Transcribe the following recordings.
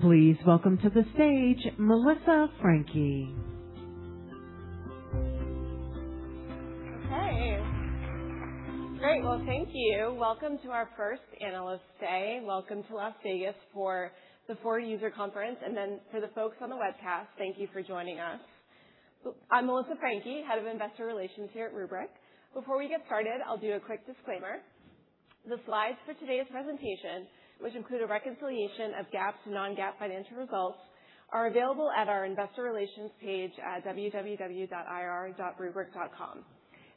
Please welcome to the stage, Melissa Franchi. Okay. Great. Well, thank you. Welcome to our first Analyst Day. Welcome to Las Vegas for the Forward user conference. For the folks on the webcast, thank you for joining us. I'm Melissa Franchi, head of Investor Relations here at Rubrik. Before we get started, I'll do a quick disclaimer. The slides for today's presentation, which include a reconciliation of GAAP to non-GAAP financial results, are available at our investor relations page at www.ir.rubrik.com.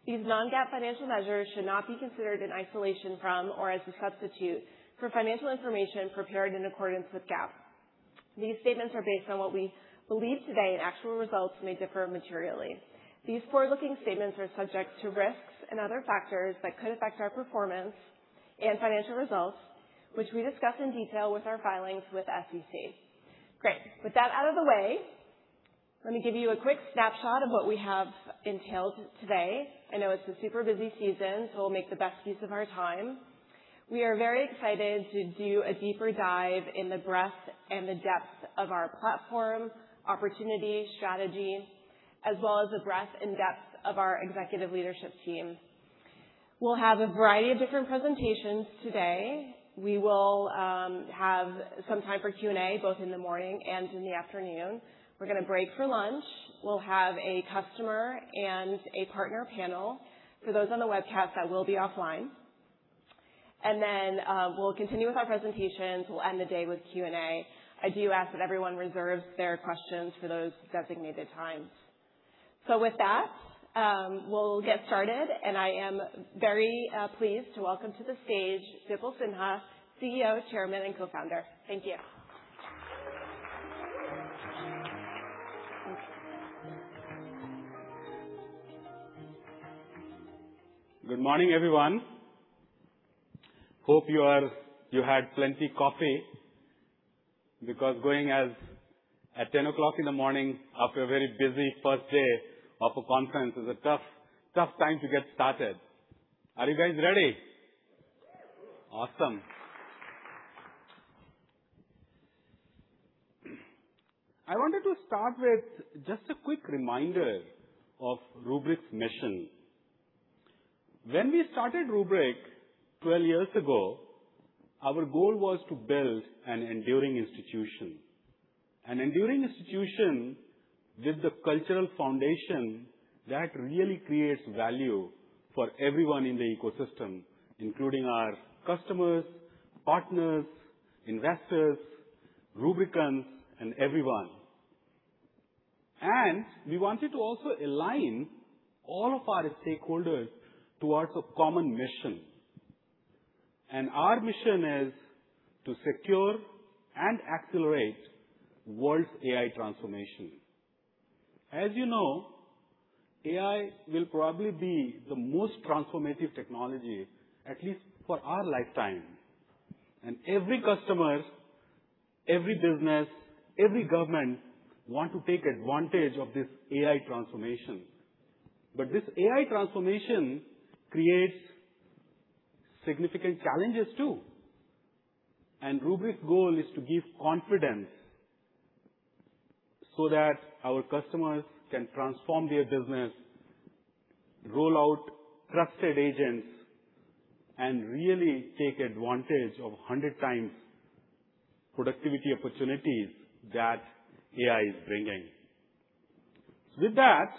These non-GAAP financial measures should not be considered in isolation from or as a substitute for financial information prepared in accordance with GAAP. These statements are based on what we believe today, and actual results may differ materially. These forward-looking statements are subject to risks and other factors that could affect our performance and financial results, which we discuss in detail with our filings with SEC. Great. With that out of the way, let me give you a quick snapshot of what we have entailed today. I know it's a super busy season, we'll make the best use of our time. We are very excited to do a deeper dive in the breadth and the depth of our platform, opportunity, strategy, as well as the breadth and depth of our executive leadership team. We'll have a variety of different presentations today. We will have some time for Q&A, both in the morning and in the afternoon. We're going to break for lunch. We'll have a customer and a partner panel. For those on the webcast, that will be offline. We'll continue with our presentations. We'll end the day with Q&A. I do ask that everyone reserves their questions for those designated times. With that, we'll get started, and I am very pleased to welcome to the stage, Bipul Sinha, CEO, Chairman, and Co-Founder. Thank you. Good morning, everyone. Hope you had plenty coffee, because going at 10 o'clock in the morning after a very busy first day of a conference is a tough time to get started. Are you guys ready? Yes. Awesome. I wanted to start with just a quick reminder of Rubrik's mission. When we started Rubrik 12 years ago, our goal was to build an enduring institution. An enduring institution with the cultural foundation that really creates value for everyone in the ecosystem, including our customers, partners, investors, Rubrikans, and everyone. We wanted to also align all of our stakeholders towards a common mission. Our mission is to secure and accelerate world's AI transformation. As you know, AI will probably be the most transformative technology, at least for our lifetime. Every customer, every business, every government, want to take advantage of this AI transformation. This AI transformation creates significant challenges, too. Rubrik's goal is to give confidence so that our customers can transform their business, roll out trusted agents, and really take advantage of 100 times productivity opportunities that AI is bringing. With that,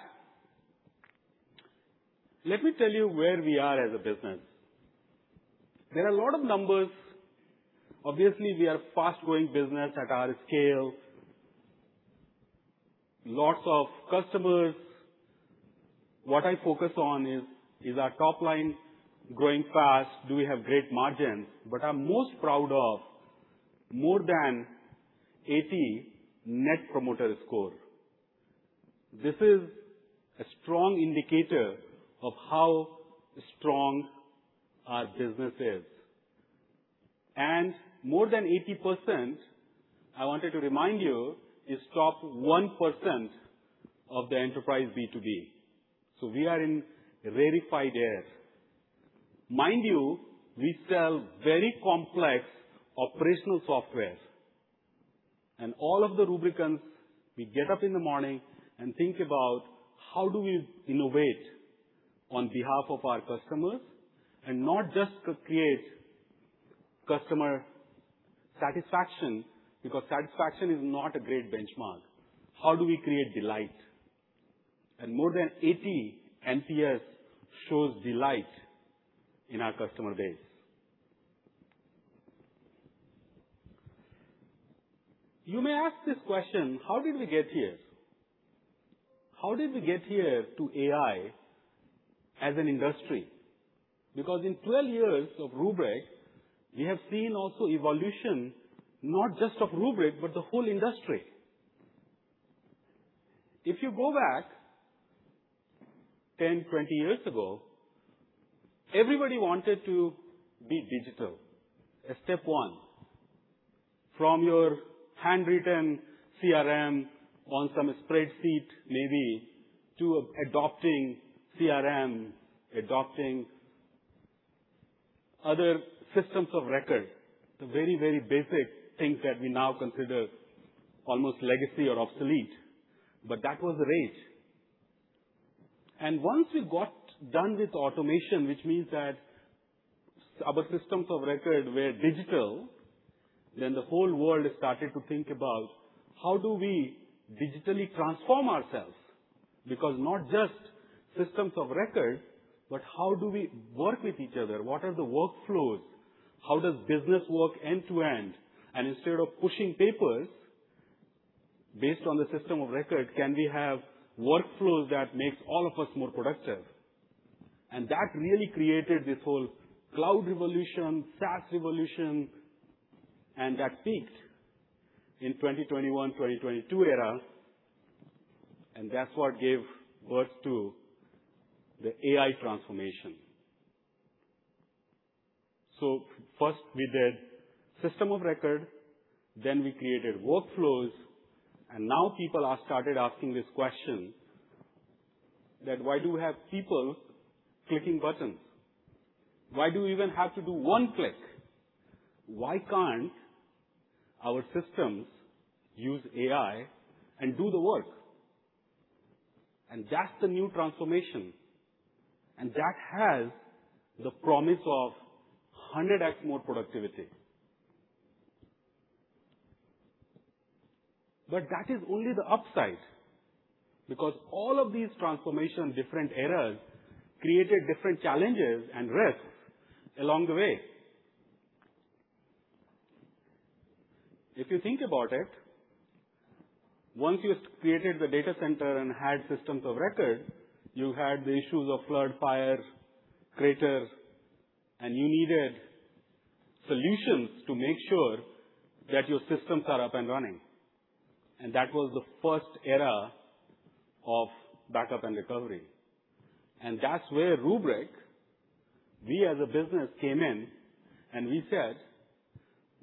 let me tell you where we are as a business. There are a lot of numbers. Obviously, we are a fast-growing business at our scale. Lots of customers. What I focus on is our top line growing fast? Do we have great margins? What I'm most proud of, more than 80 Net Promoter Score. This is a strong indicator of how strong our business is. More than 80%, I wanted to remind you, is top 1% of the enterprise B2B. We are in a rarefied air. Mind you, we sell very complex operational softwares. All of the Rubrikans, we get up in the morning and think about how do we innovate on behalf of our customers and not just create customer satisfaction, because satisfaction is not a great benchmark. How do we create delight? More than 80 NPS shows delight in our customer base. You may ask this question, how did we get here? How did we get here to AI as an industry? Because in 12 years of Rubrik, we have seen also evolution, not just of Rubrik, but the whole industry. If you go back 10, 20 years ago, everybody wanted to be digital as step one. From your handwritten CRM on some spreadsheet, maybe, to adopting CRM, adopting other systems of record, the very, very basic things that we now consider almost legacy or obsolete. That was the rage. Once we got done with automation, which means that our systems of record were digital, the whole world started to think about how do we digitally transform ourselves? Because not just systems of record, but how do we work with each other? What are the workflows? How does business work end to end? Instead of pushing papers based on the system of record, can we have workflows that make all of us more productive? That really created this whole cloud revolution, SaaS revolution, and that peaked in 2021, 2022 era, and that's what gave birth to the AI transformation. First we did system of record, then we created workflows, and now people have started asking this question, that why do we have people clicking buttons? Why do we even have to do one click? Why can't our systems use AI and do the work? That's the new transformation, and that has the promise of 100x more productivity. That is only the upside, because all of these transformations, different eras, created different challenges and risks along the way. If you think about it, once you created the data center and had systems of record, you had the issues of flood, fire, crater, and you needed solutions to make sure that your systems are up and running. That was the first era of backup and recovery. That's where Rubrik, we as a business, came in, and we said,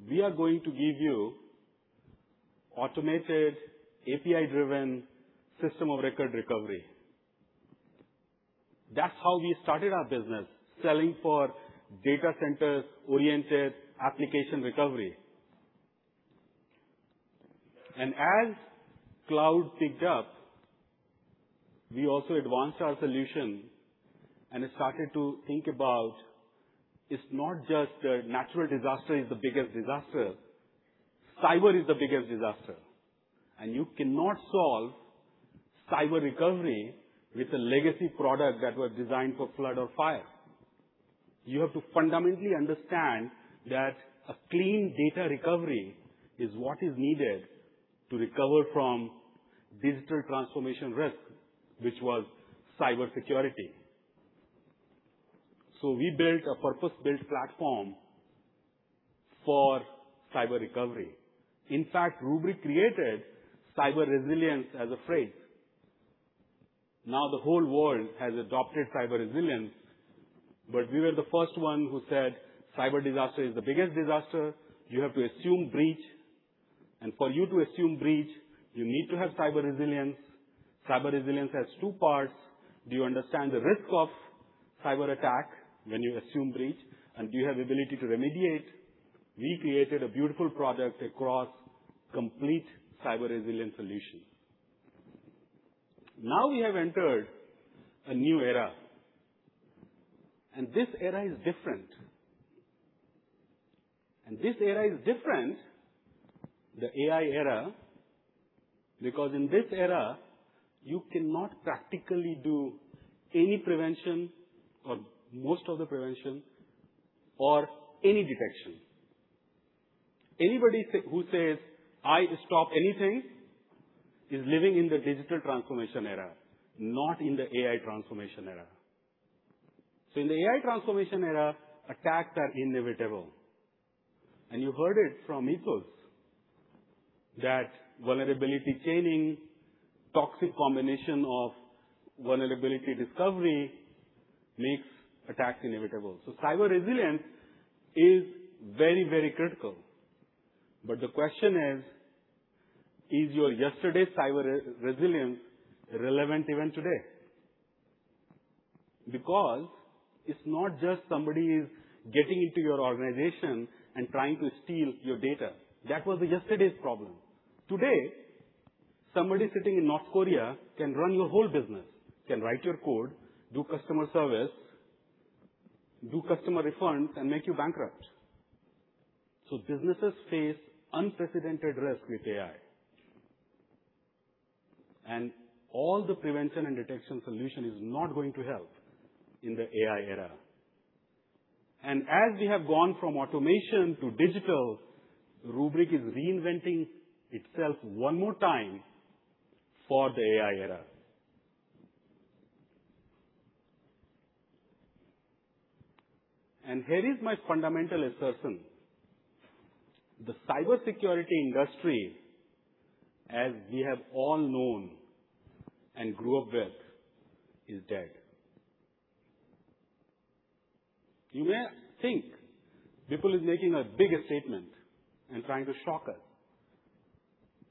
"We are going to give you automated, API-driven system of record recovery." That's how we started our business, selling for data centers-oriented application recovery. As cloud picked up, we also advanced our solution and started to think about it's not just a natural disaster is the biggest disaster. Cyber is the biggest disaster. You cannot solve cyber recovery with a legacy product that was designed for flood or fire. You have to fundamentally understand that a clean data recovery is what is needed to recover from digital transformation risk, which was cybersecurity. We built a purpose-built platform for cyber recovery. In fact, Rubrik created cyber resilience as a phrase. The whole world has adopted cyber resilience, but we were the first one who said cyber disaster is the biggest disaster. You have to assume breach, and for you to assume breach, you need to have cyber resilience. Cyber resilience has two parts. Do you understand the risk of cyberattack when you assume breach, and do you have the ability to remediate? We created a beautiful product across complete cyber resilience solution. We have entered a new era, and this era is different. This era is different, the AI era, because in this era, you cannot practically do any prevention or most of the prevention or any detection. Anybody who says, "I stop anything," is living in the digital transformation era, not in the AI transformation era. In the AI transformation era, attacks are inevitable. You heard it from Mikko, that vulnerability chaining, toxic combination of vulnerability discovery makes attacks inevitable. Cyber resilience is very, very critical. The question is: Is your yesterday's cyber resilience relevant even today? Because it's not just somebody is getting into your organization and trying to steal your data. That was yesterday's problem. Today, somebody sitting in North Korea can run your whole business, can write your code, do customer service, do customer refunds, and make you bankrupt. Businesses face unprecedented risk with AI. All the prevention and detection solution is not going to help in the AI era. As we have gone from automation to digital, Rubrik is reinventing itself one more time for the AI era. Here is my fundamental assertion. The cybersecurity industry, as we have all known and grew up with, is dead. You may think Bipul is making a bigger statement and trying to shock us.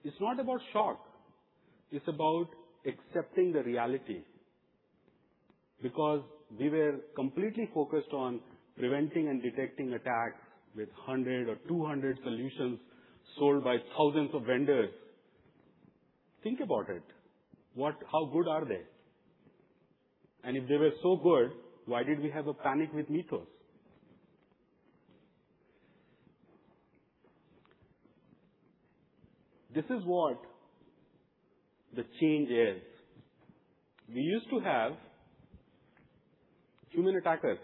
It's not about shock. It's about accepting the reality. Because we were completely focused on preventing and detecting attacks with 100 or 200 solutions sold by thousands of vendors. Think about it. How good are they? If they were so good, why did we have a panic with MITRE? This is what the change is. We used to have human attackers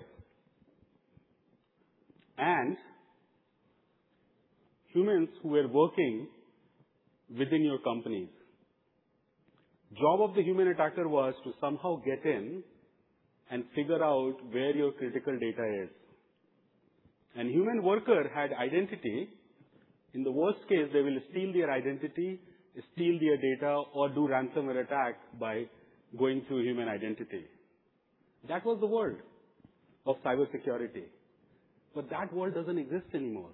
and humans who were working within your companies. Job of the human attacker was to somehow get in and figure out where your critical data is. Human worker had identity. In the worst case, they will steal their identity, steal their data, or do ransomware attack by going through human identity. That was the world of cybersecurity. That world doesn't exist anymore,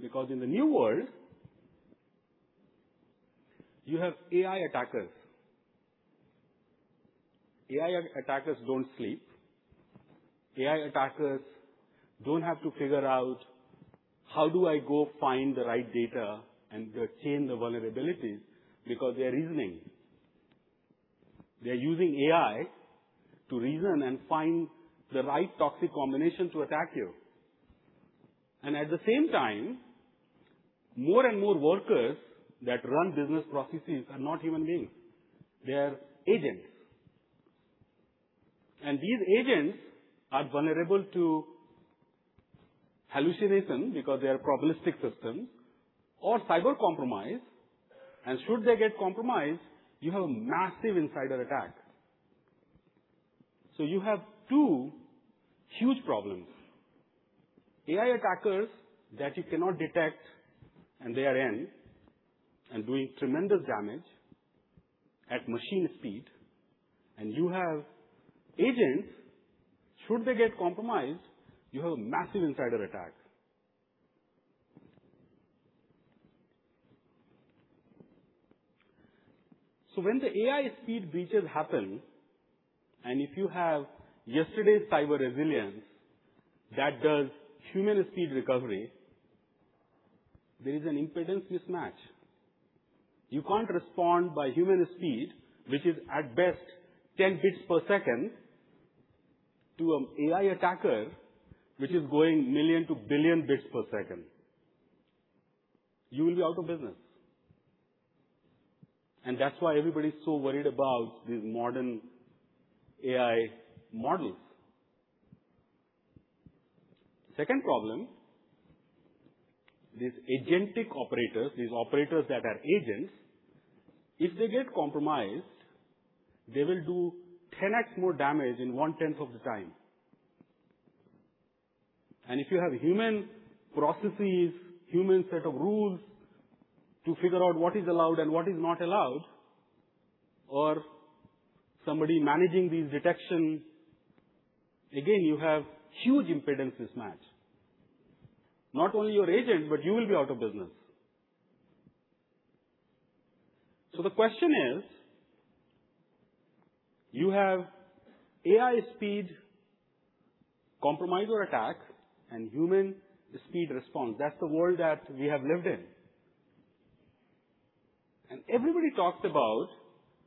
because in the new world, you have AI attackers. AI attackers don't sleep. AI attackers don't have to figure out, how do I go find the right data and chain the vulnerabilities, because they're reasoning. They're using AI to reason and find the right toxic combination to attack you. At the same time, more and more workers that run business processes are not human beings. They are agents. These agents are vulnerable to hallucination because they are probabilistic systems or cyber compromise, and should they get compromised, you have a massive insider attack. You have two huge problems. AI attackers that you cannot detect, and they are in, and doing tremendous damage at machine speed. You have agents, should they get compromised, you have a massive insider attack. When the AI speed breaches happen, and if you have yesterday's cyber resilience that does human speed recovery, there is an impedance mismatch. You can't respond by human speed, which is at best 10 bits per second, to an AI attacker, which is going million to billion bits per second. You will be out of business. That's why everybody's so worried about these modern AI models. Second problem, these agentic operators, these operators that are agents, if they get compromised, they will do 10x more damage in one tenth of the time. If you have human processes, human set of rules to figure out what is allowed and what is not allowed, or somebody managing these detections, again, you have huge impedance mismatch. Not only your agent, but you will be out of business. The question is, you have AI speed compromise or attacks and human speed response. That's the world that we have lived in. Everybody talks about,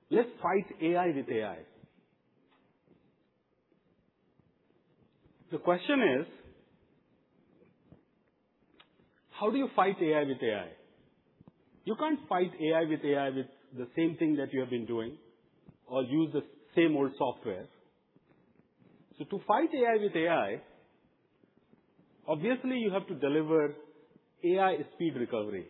"Let's fight AI with AI." The question is, how do you fight AI with AI? You can't fight AI with AI with the same thing that you have been doing or use the same old software. To fight AI with AI, obviously, you have to deliver AI-speed recovery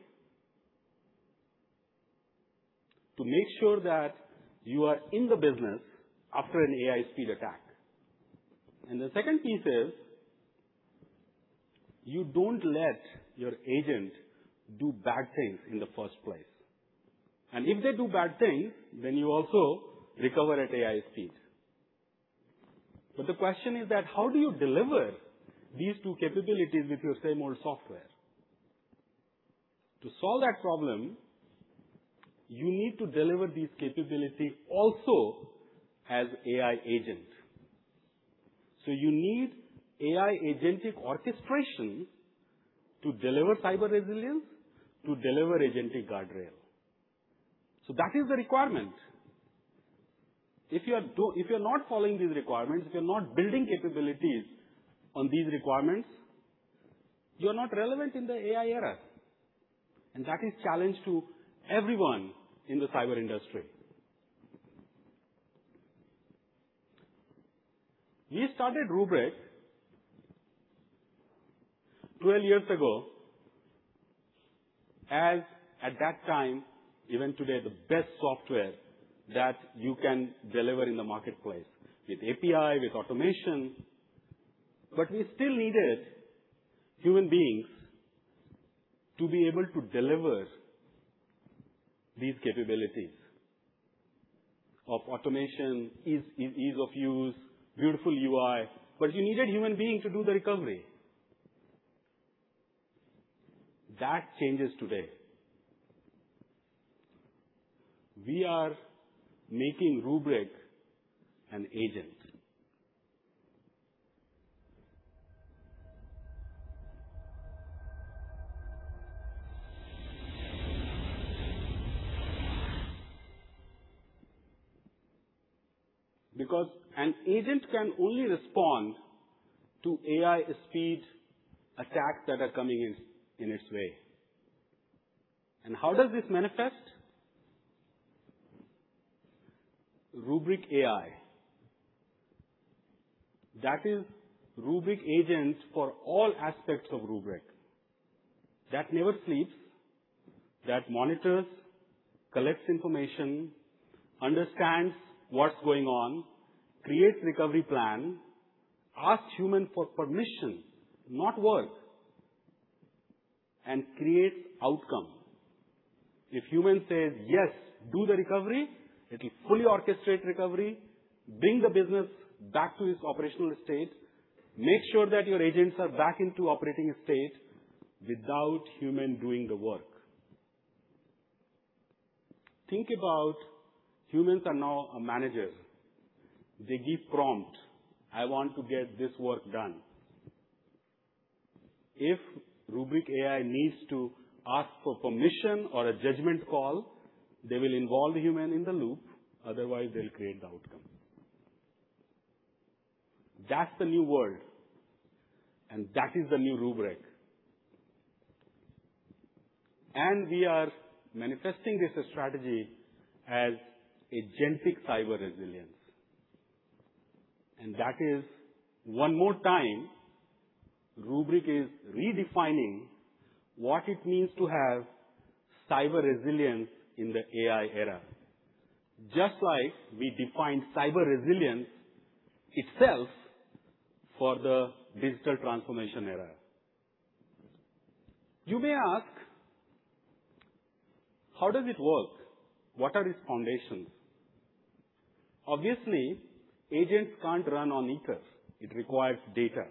to make sure that you are in the business after an AI-speed attack. The second piece is, you don't let your agent do bad things in the first place. If they do bad things, you also recover at AI-speed. The question is that, how do you deliver these two capabilities with your same old software? To solve that problem, you need to deliver these capabilities also as AI agent. You need AI agentic orchestration to deliver cyber resilience, to deliver agentic guardrail. That is the requirement. If you're not following these requirements, if you're not building capabilities on these requirements, you're not relevant in the AI era. That is challenge to everyone in the cyber industry. We started Rubrik 12 years ago as, at that time, even today, the best software that you can deliver in the marketplace with API, with automation, but we still needed human beings to be able to deliver these capabilities of automation, ease of use, beautiful UI. You needed human beings to do the recovery. That changes today. We are making Rubrik an agent. An agent can only respond to AI-speed attacks that are coming in its way. How does this manifest? Rubrik AI. That is Rubrik agents for all aspects of Rubrik, that never sleeps, that monitors, collects information, understands what's going on, creates recovery plan, asks human for permission to not work and creates outcome. If human says, "Yes, do the recovery," it will fully orchestrate recovery, bring the business back to its operational state, make sure that your agents are back into operating state without human doing the work. Think about humans are now a manager. They give prompt, "I want to get this work done." If Rubrik AI needs to ask for permission or a judgment call, they will involve the human in the loop, otherwise, they'll create the outcome. That's the new world, and that is the new Rubrik. We are manifesting this strategy as agentic cyber resilience. That is one more time, Rubrik is redefining what it means to have cyber resilience in the AI era, just like we defined cyber resilience itself for the digital transformation era. You may ask, "How does it work? What are its foundations?" Obviously, agents can't run on ethers. It requires data.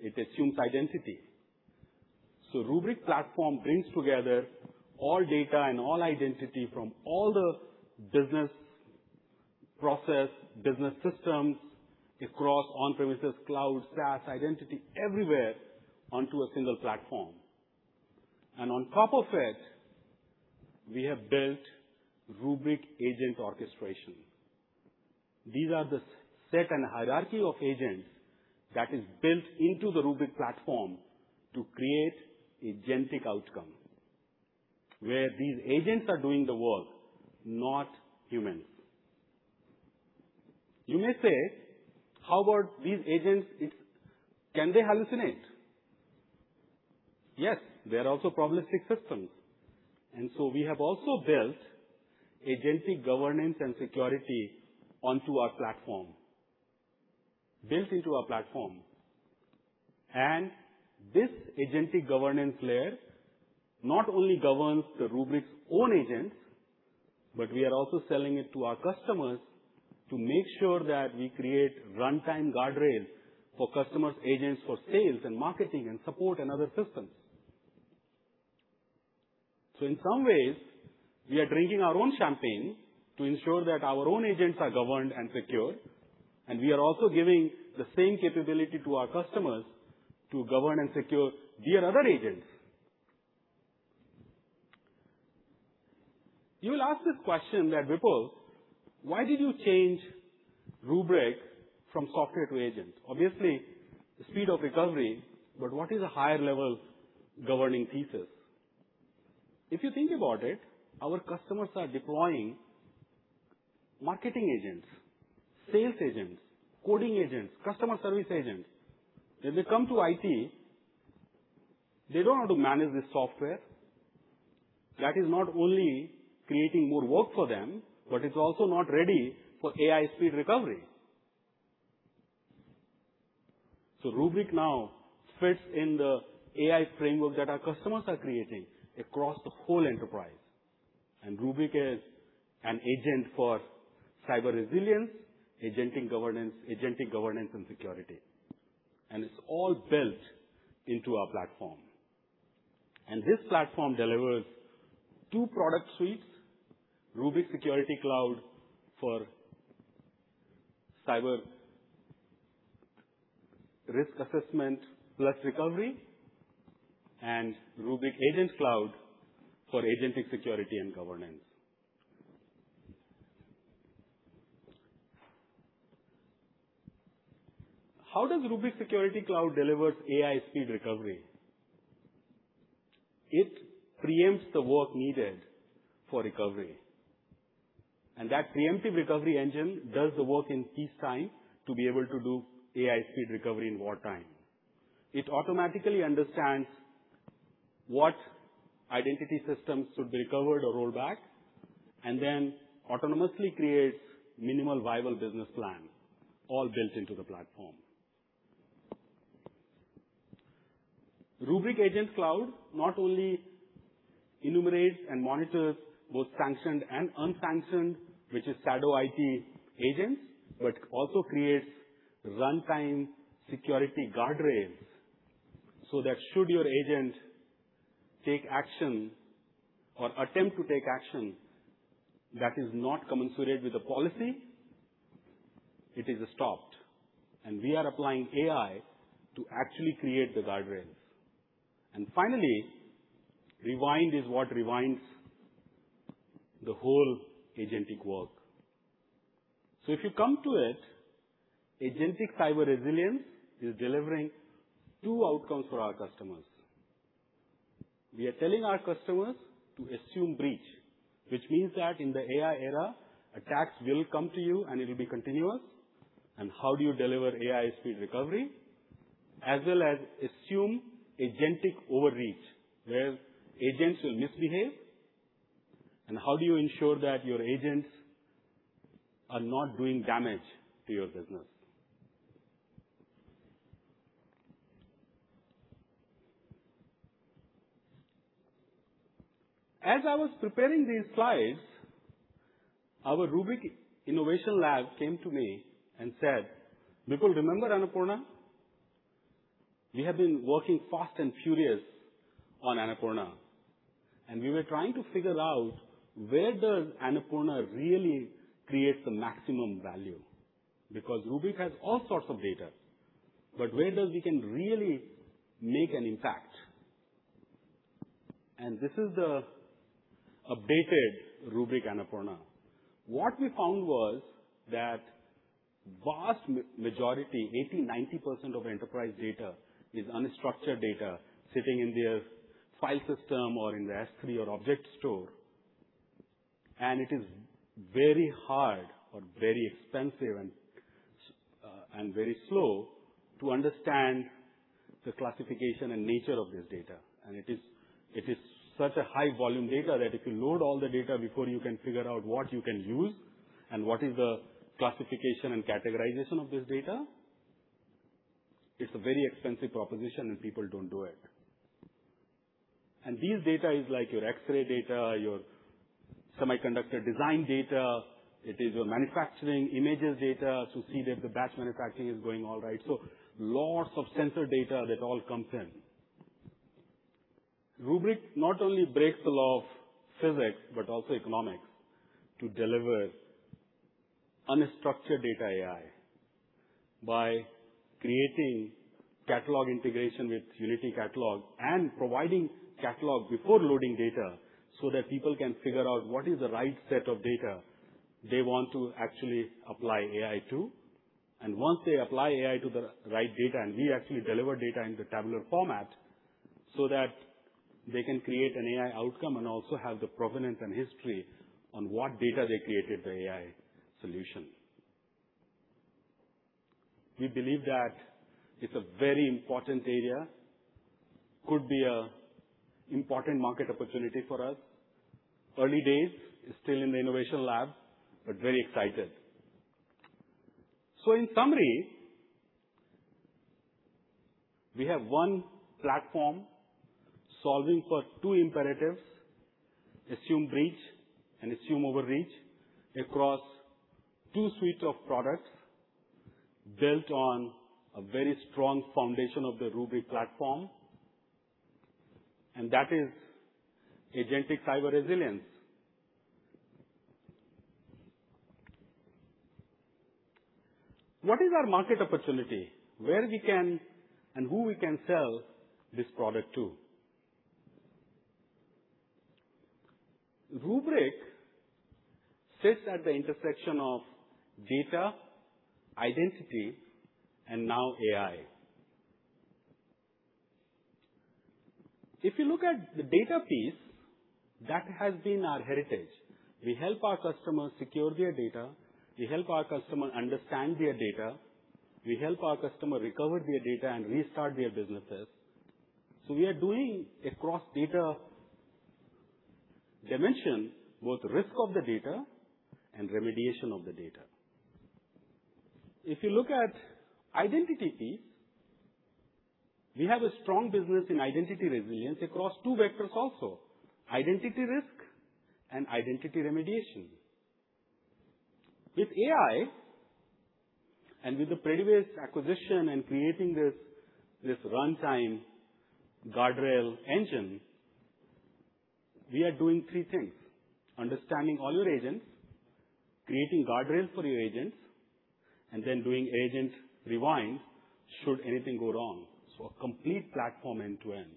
It assumes identity. Rubrik platform brings together all data and all identity from all the business process, business systems across on-premises, cloud, SaaS, identity everywhere onto a single platform. On top of it, we have built Rubrik agent orchestration. These are the set and hierarchy of agents that is built into the Rubrik platform to create agentic outcome, where these agents are doing the work, not humans. You may say, "How about these agents? Can they hallucinate?" Yes, they are also probabilistic systems. We have also built agentic governance and security onto our platform, built into our platform. This agentic governance layer not only governs the Rubrik's own agents, but we are also selling it to our customers to make sure that we create runtime guardrails for customers' agents for sales, marketing, support, and other systems. In some ways, we are drinking our own champagne to ensure that our own agents are governed and secure, and we are also giving the same capability to our customers to govern and secure their other agents. You will ask this question that, "Bipul, why did you change Rubrik from software to agent? Obviously, the speed of recovery, but what is a higher level governing thesis?" If you think about it, our customers are deploying marketing agents, sales agents, coding agents, customer service agents. When they come to IT, they don't want to manage the software. That is not only creating more work for them, but it's also not ready for AI-speed recovery. Rubrik now fits in the AI framework that our customers are creating across the whole enterprise. Rubrik is an agent for cyber resilience, agentic governance and security. It's all built into our platform. This platform delivers two product suites, Rubrik Security Cloud for cyber risk assessment plus recovery, and Rubrik Agent Cloud for agentic security and governance. How does Rubrik Security Cloud deliver AI-speed recovery? It preempts the work needed for recovery, and that preemptive recovery engine does the work in peacetime to be able to do AI-speed recovery in wartime. It automatically understands what identity systems should be recovered or rolled back, and then autonomously creates minimum viable business plan all built into the platform. Rubrik Agent Cloud not only enumerates and monitors both sanctioned and unsanctioned, which is shadow IT agents, but also creates runtime security guardrails, so that should your agent take action or attempt to take action that is not commensurate with the policy, it is stopped. We are applying AI to actually create the guardrails. Finally, rewind is what rewinds the whole agentic work. If you come to it, agentic cyber resilience is delivering two outcomes for our customers. We are telling our customers to assume breach, which means that in the AI era, attacks will come to you, and it'll be continuous. How do you deliver AI-speed recovery, as well as assume agentic overreach where agents will misbehave, and how do you ensure that your agents are not doing damage to your business? As I was preparing these slides, our Rubrik Innovation Lab came to me and said, "Bipul, remember Rubrik Annapurna? We have been working fast and furious on Rubrik Annapurna, and we were trying to figure out where does Rubrik Annapurna really create the maximum value. Because Rubrik has all sorts of data, but where does we can really make an impact?" This is the updated Rubrik Annapurna. What we found was that vast majority, 80%-90% of enterprise data is unstructured data sitting in their file system or in their S3 or object store. It is very hard or very expensive and very slow to understand the classification and nature of this data. It is such a high volume data that if you load all the data before you can figure out what you can use and what is the classification and categorization of this data, it's a very expensive proposition, and people don't do it. These data is like your X-ray data, your semiconductor design data, it is your manufacturing images data to see that the batch manufacturing is going all right. Lots of sensor data that all comes in. Rubrik not only breaks the law of physics but also economics to deliver unstructured data AI by creating catalog integration with Unity Catalog and providing catalog before loading data, so that people can figure out what is the right set of data they want to actually apply AI to. Once they apply AI to the right data, and we actually deliver data in the tabular format so that they can create an AI outcome and also have the provenance and history on what data they created the AI solution. We believe that it's a very important area. Could be an important market opportunity for us. Early days. It's still in the innovation lab, but very excited. In summary, we have one platform solving for two imperatives, assume breach and assume overreach, across two suites of products built on a very strong foundation of the Rubrik platform, and that is agentic cyber resilience. What is our market opportunity? Where we can and who we can sell this product to? Rubrik sits at the intersection of data, identity, and now AI. You look at the data piece, that has been our heritage. We help our customers secure their data, we help our customer understand their data, we help our customer recover their data and restart their businesses. We are doing across data dimension, both risk of the data and remediation of the data. You look at identity piece, we have a strong business in identity resilience across two vectors also, identity risk and identity remediation. With AI and with the Predibase acquisition in creating this runtime guardrail engine, we are doing three things, understanding all your agents, creating guardrails for your agents, and then doing agent rewind should anything go wrong. A complete platform end-to-end.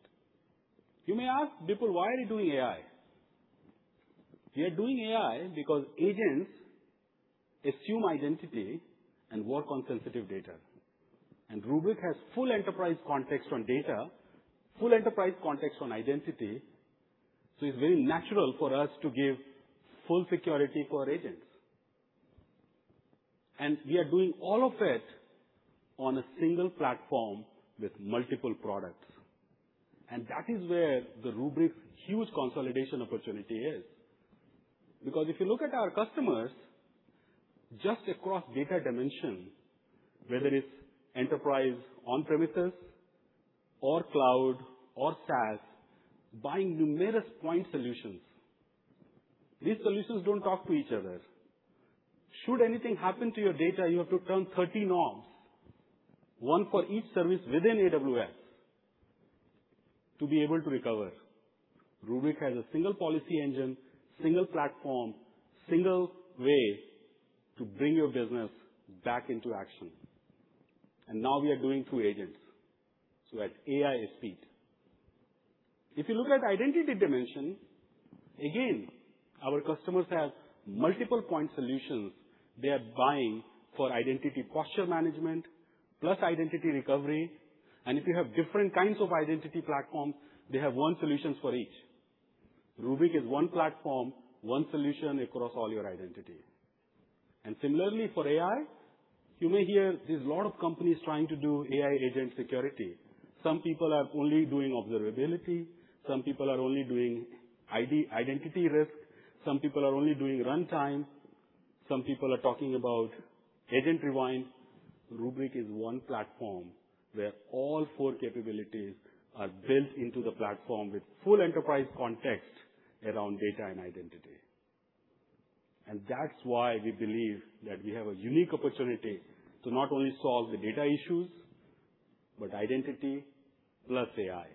You may ask, "Bipul, why are you doing AI?" We are doing AI because agents assume identity and work on sensitive data. Rubrik has full enterprise context on data, full enterprise context on identity, so it's very natural for us to give full security for agents. We are doing all of it on a single platform with multiple products. That is where the Rubrik's huge consolidation opportunity is. You look at our customers. Just across data dimension, whether it's enterprise on-premises or cloud or SaaS, buying numerous point solutions, these solutions don't talk to each other. Should anything happen to your data, you have to turn 30 knobs, one for each service within AWS, to be able to recover. Rubrik has a single policy engine, single platform, single way to bring your business back into action. Now we are doing two agents, so at AI speed. You look at identity dimension, again, our customers have multiple point solutions they are buying for identity posture management, plus identity recovery, and if you have different kinds of identity platforms, they have one solution for each. Rubrik is one platform, one solution across all your identity. Similarly for AI, you may hear there's a lot of companies trying to do AI agent security. Some people are only doing observability. Some people are only doing identity risk. Some people are only doing runtime. Some people are talking about agent rewind. Rubrik is one platform where all four capabilities are built into the platform with full enterprise context around data and identity. That's why we believe that we have a unique opportunity to not only solve the data issues, but identity, plus AI.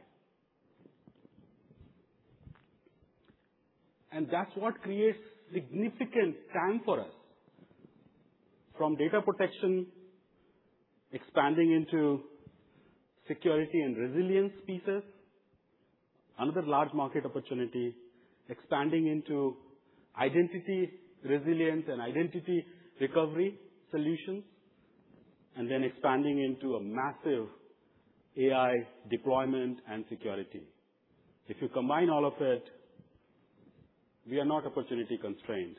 That's what creates significant TAM for us. From data protection, expanding into security and resilience pieces, another large market opportunity, expanding into identity resilience and identity recovery solutions, and then expanding into a massive AI deployment and security. If you combine all of it, we are not opportunity constrained.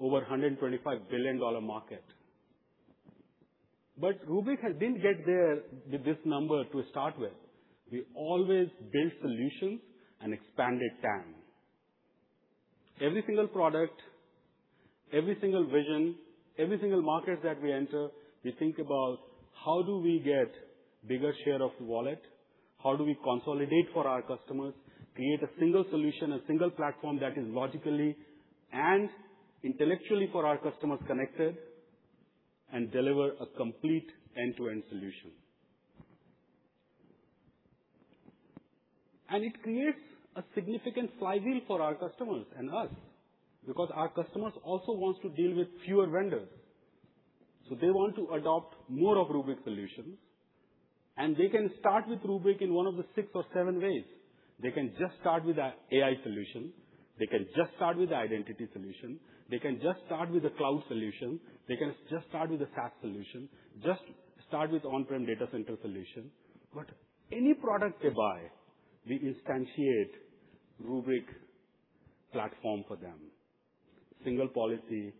Over $125 billion market. Rubrik didn't get there with this number to start with. We always build solutions and expand their TAM. Every single product, every single vision, every single market that we enter, we think about how do we get bigger share of the wallet, how do we consolidate for our customers, create a single solution, a single platform that is logically and intellectually, for our customers, connected, and deliver a complete end-to-end solution. It creates a significant flywheel for our customers and us, because our customers also want to deal with fewer vendors. They want to adopt more of Rubrik solutions, they can start with Rubrik in one of the six or seven ways. They can just start with the AI solution. They can just start with the identity solution. They can just start with the cloud solution. They can just start with the SaaS solution. Just start with on-prem data center solution. Any product they buy, we instantiate Rubrik platform for them. Single policy,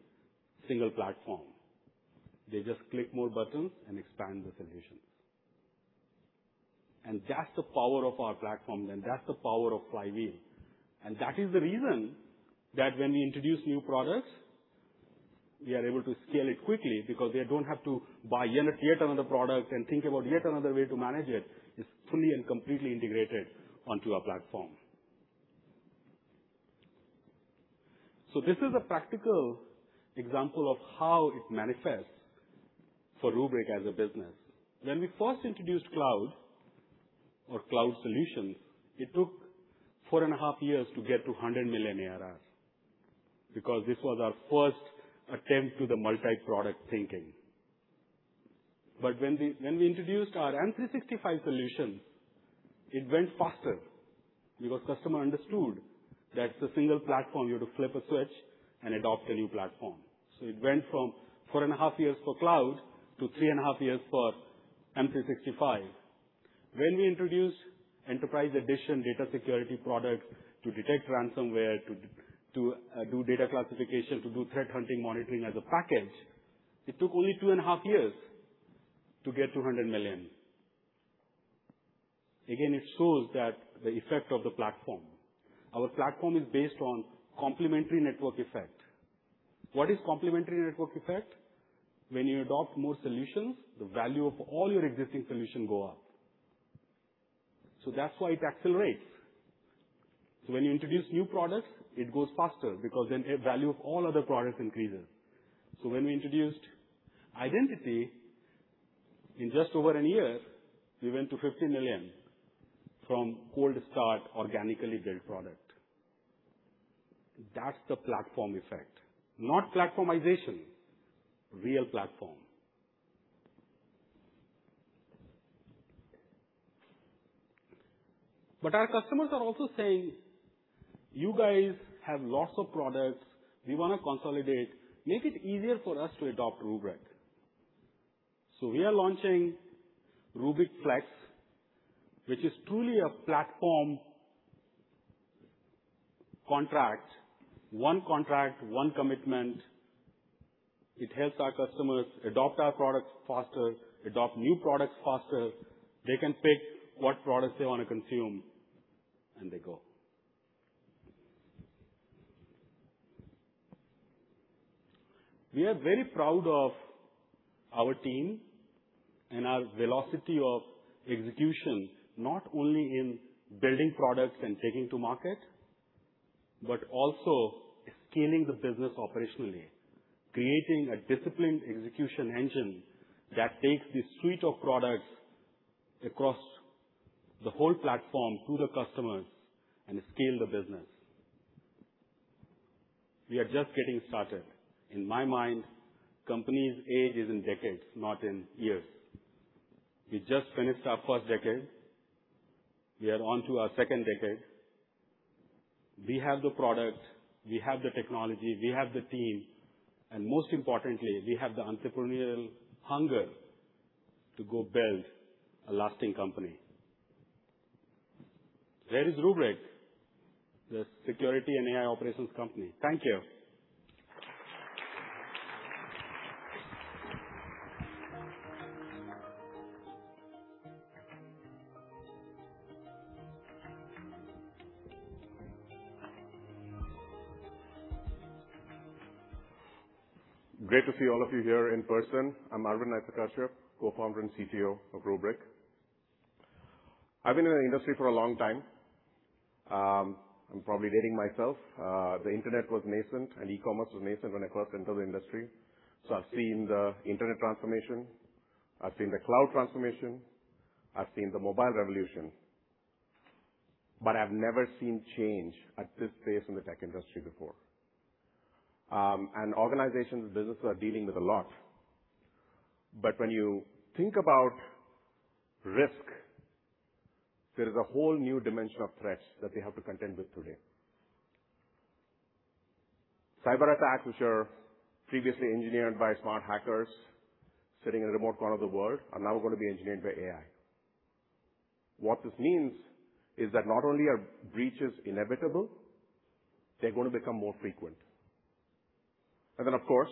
single platform. They just click more buttons and expand the solutions. That's the power of our platform, and that's the power of flywheel. That is the reason that when we introduce new products, we are able to scale it quickly because they don't have to buy yet another product and think about yet another way to manage it. It's fully and completely integrated onto our platform. This is a practical example of how it manifests for Rubrik as a business. When we first introduced cloud or cloud solutions, it took four and a half years to get to $100 million ARR, because this was our first attempt to the multi-product thinking. When we introduced our M365 solution, it went faster because customer understood that it's a single platform. You have to flip a switch and adopt a new platform. It went from four and a half years for cloud to three and a half years for M365. When we introduced Enterprise Edition data security products to detect ransomware, to do data classification, to do threat hunting monitoring as a package, it took only two and a half years to get to $100 million. Again, it shows that the effect of the platform. Our platform is based on complementary network effect. What is complementary network effect? When you adopt more solutions, the value of all your existing solution go up. That's why it accelerates. When you introduce new products, it goes faster because then value of all other products increases. When we introduced Identity, in just over a year, we went to $50 million from cold start, organically built product. That's the platform effect, not platformization, real platform. Our customers are also saying, "You guys have lots of products. We want to consolidate. Make it easier for us to adopt Rubrik." We are launching Rubrik Flex, which is truly a platform contract, one contract, one commitment. It helps our customers adopt our products faster, adopt new products faster. They can pick what products they want to consume, and they go. We are very proud of our team and our velocity of execution, not only in building products and taking to market, but also scaling the business operationally, creating a disciplined execution engine that takes this suite of products across the whole platform to the customers and scale the business. We are just getting started. In my mind, company's age is in decades, not in years. We just finished our first decade. We are on to our second decade. We have the product, we have the technology, we have the team, and most importantly, we have the entrepreneurial hunger to go build a lasting company. There is Rubrik, the security and AI operations company. Thank you. Great to see all of you here in person. I'm Arvind Nithrakashyap, Co-Founder and CTO of Rubrik. I've been in the industry for a long time. I'm probably dating myself. The internet was nascent and e-commerce was nascent when I first entered the industry. I've seen the internet transformation, I've seen the cloud transformation, I've seen the mobile revolution, but I've never seen change at this pace in the tech industry before. Organizations and businesses are dealing with a lot. When you think about risk, there is a whole new dimension of threats that they have to contend with today. Cyberattacks which were previously engineered by smart hackers sitting in a remote corner of the world are now going to be engineered by AI. What this means is that not only are breaches inevitable, they're going to become more frequent. Of course,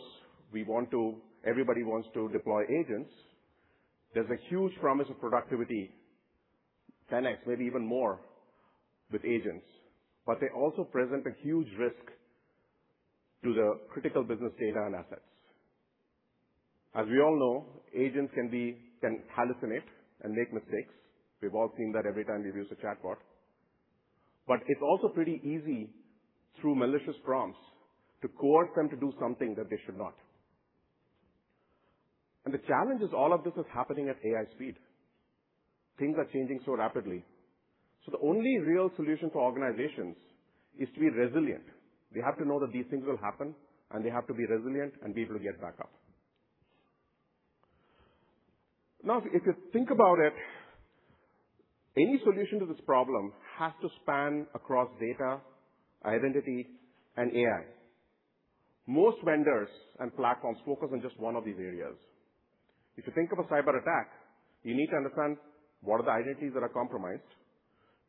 everybody wants to deploy agents. There's a huge promise of productivity, 10x, maybe even more with agents. They also present a huge risk to the critical business data and assets. As we all know, agents can hallucinate and make mistakes. We've all seen that every time we've used a chatbot. It's also pretty easy through malicious prompts to coerce them to do something that they should not. The challenge is all of this is happening at AI speed. Things are changing so rapidly. The only real solution for organizations is to be resilient. They have to know that these things will happen, and they have to be resilient and be able to get back up. If you think about it, any solution to this problem has to span across data, identity, and AI. Most vendors and platforms focus on just one of these areas. If you think of a cyberattack, you need to understand what are the identities that are compromised.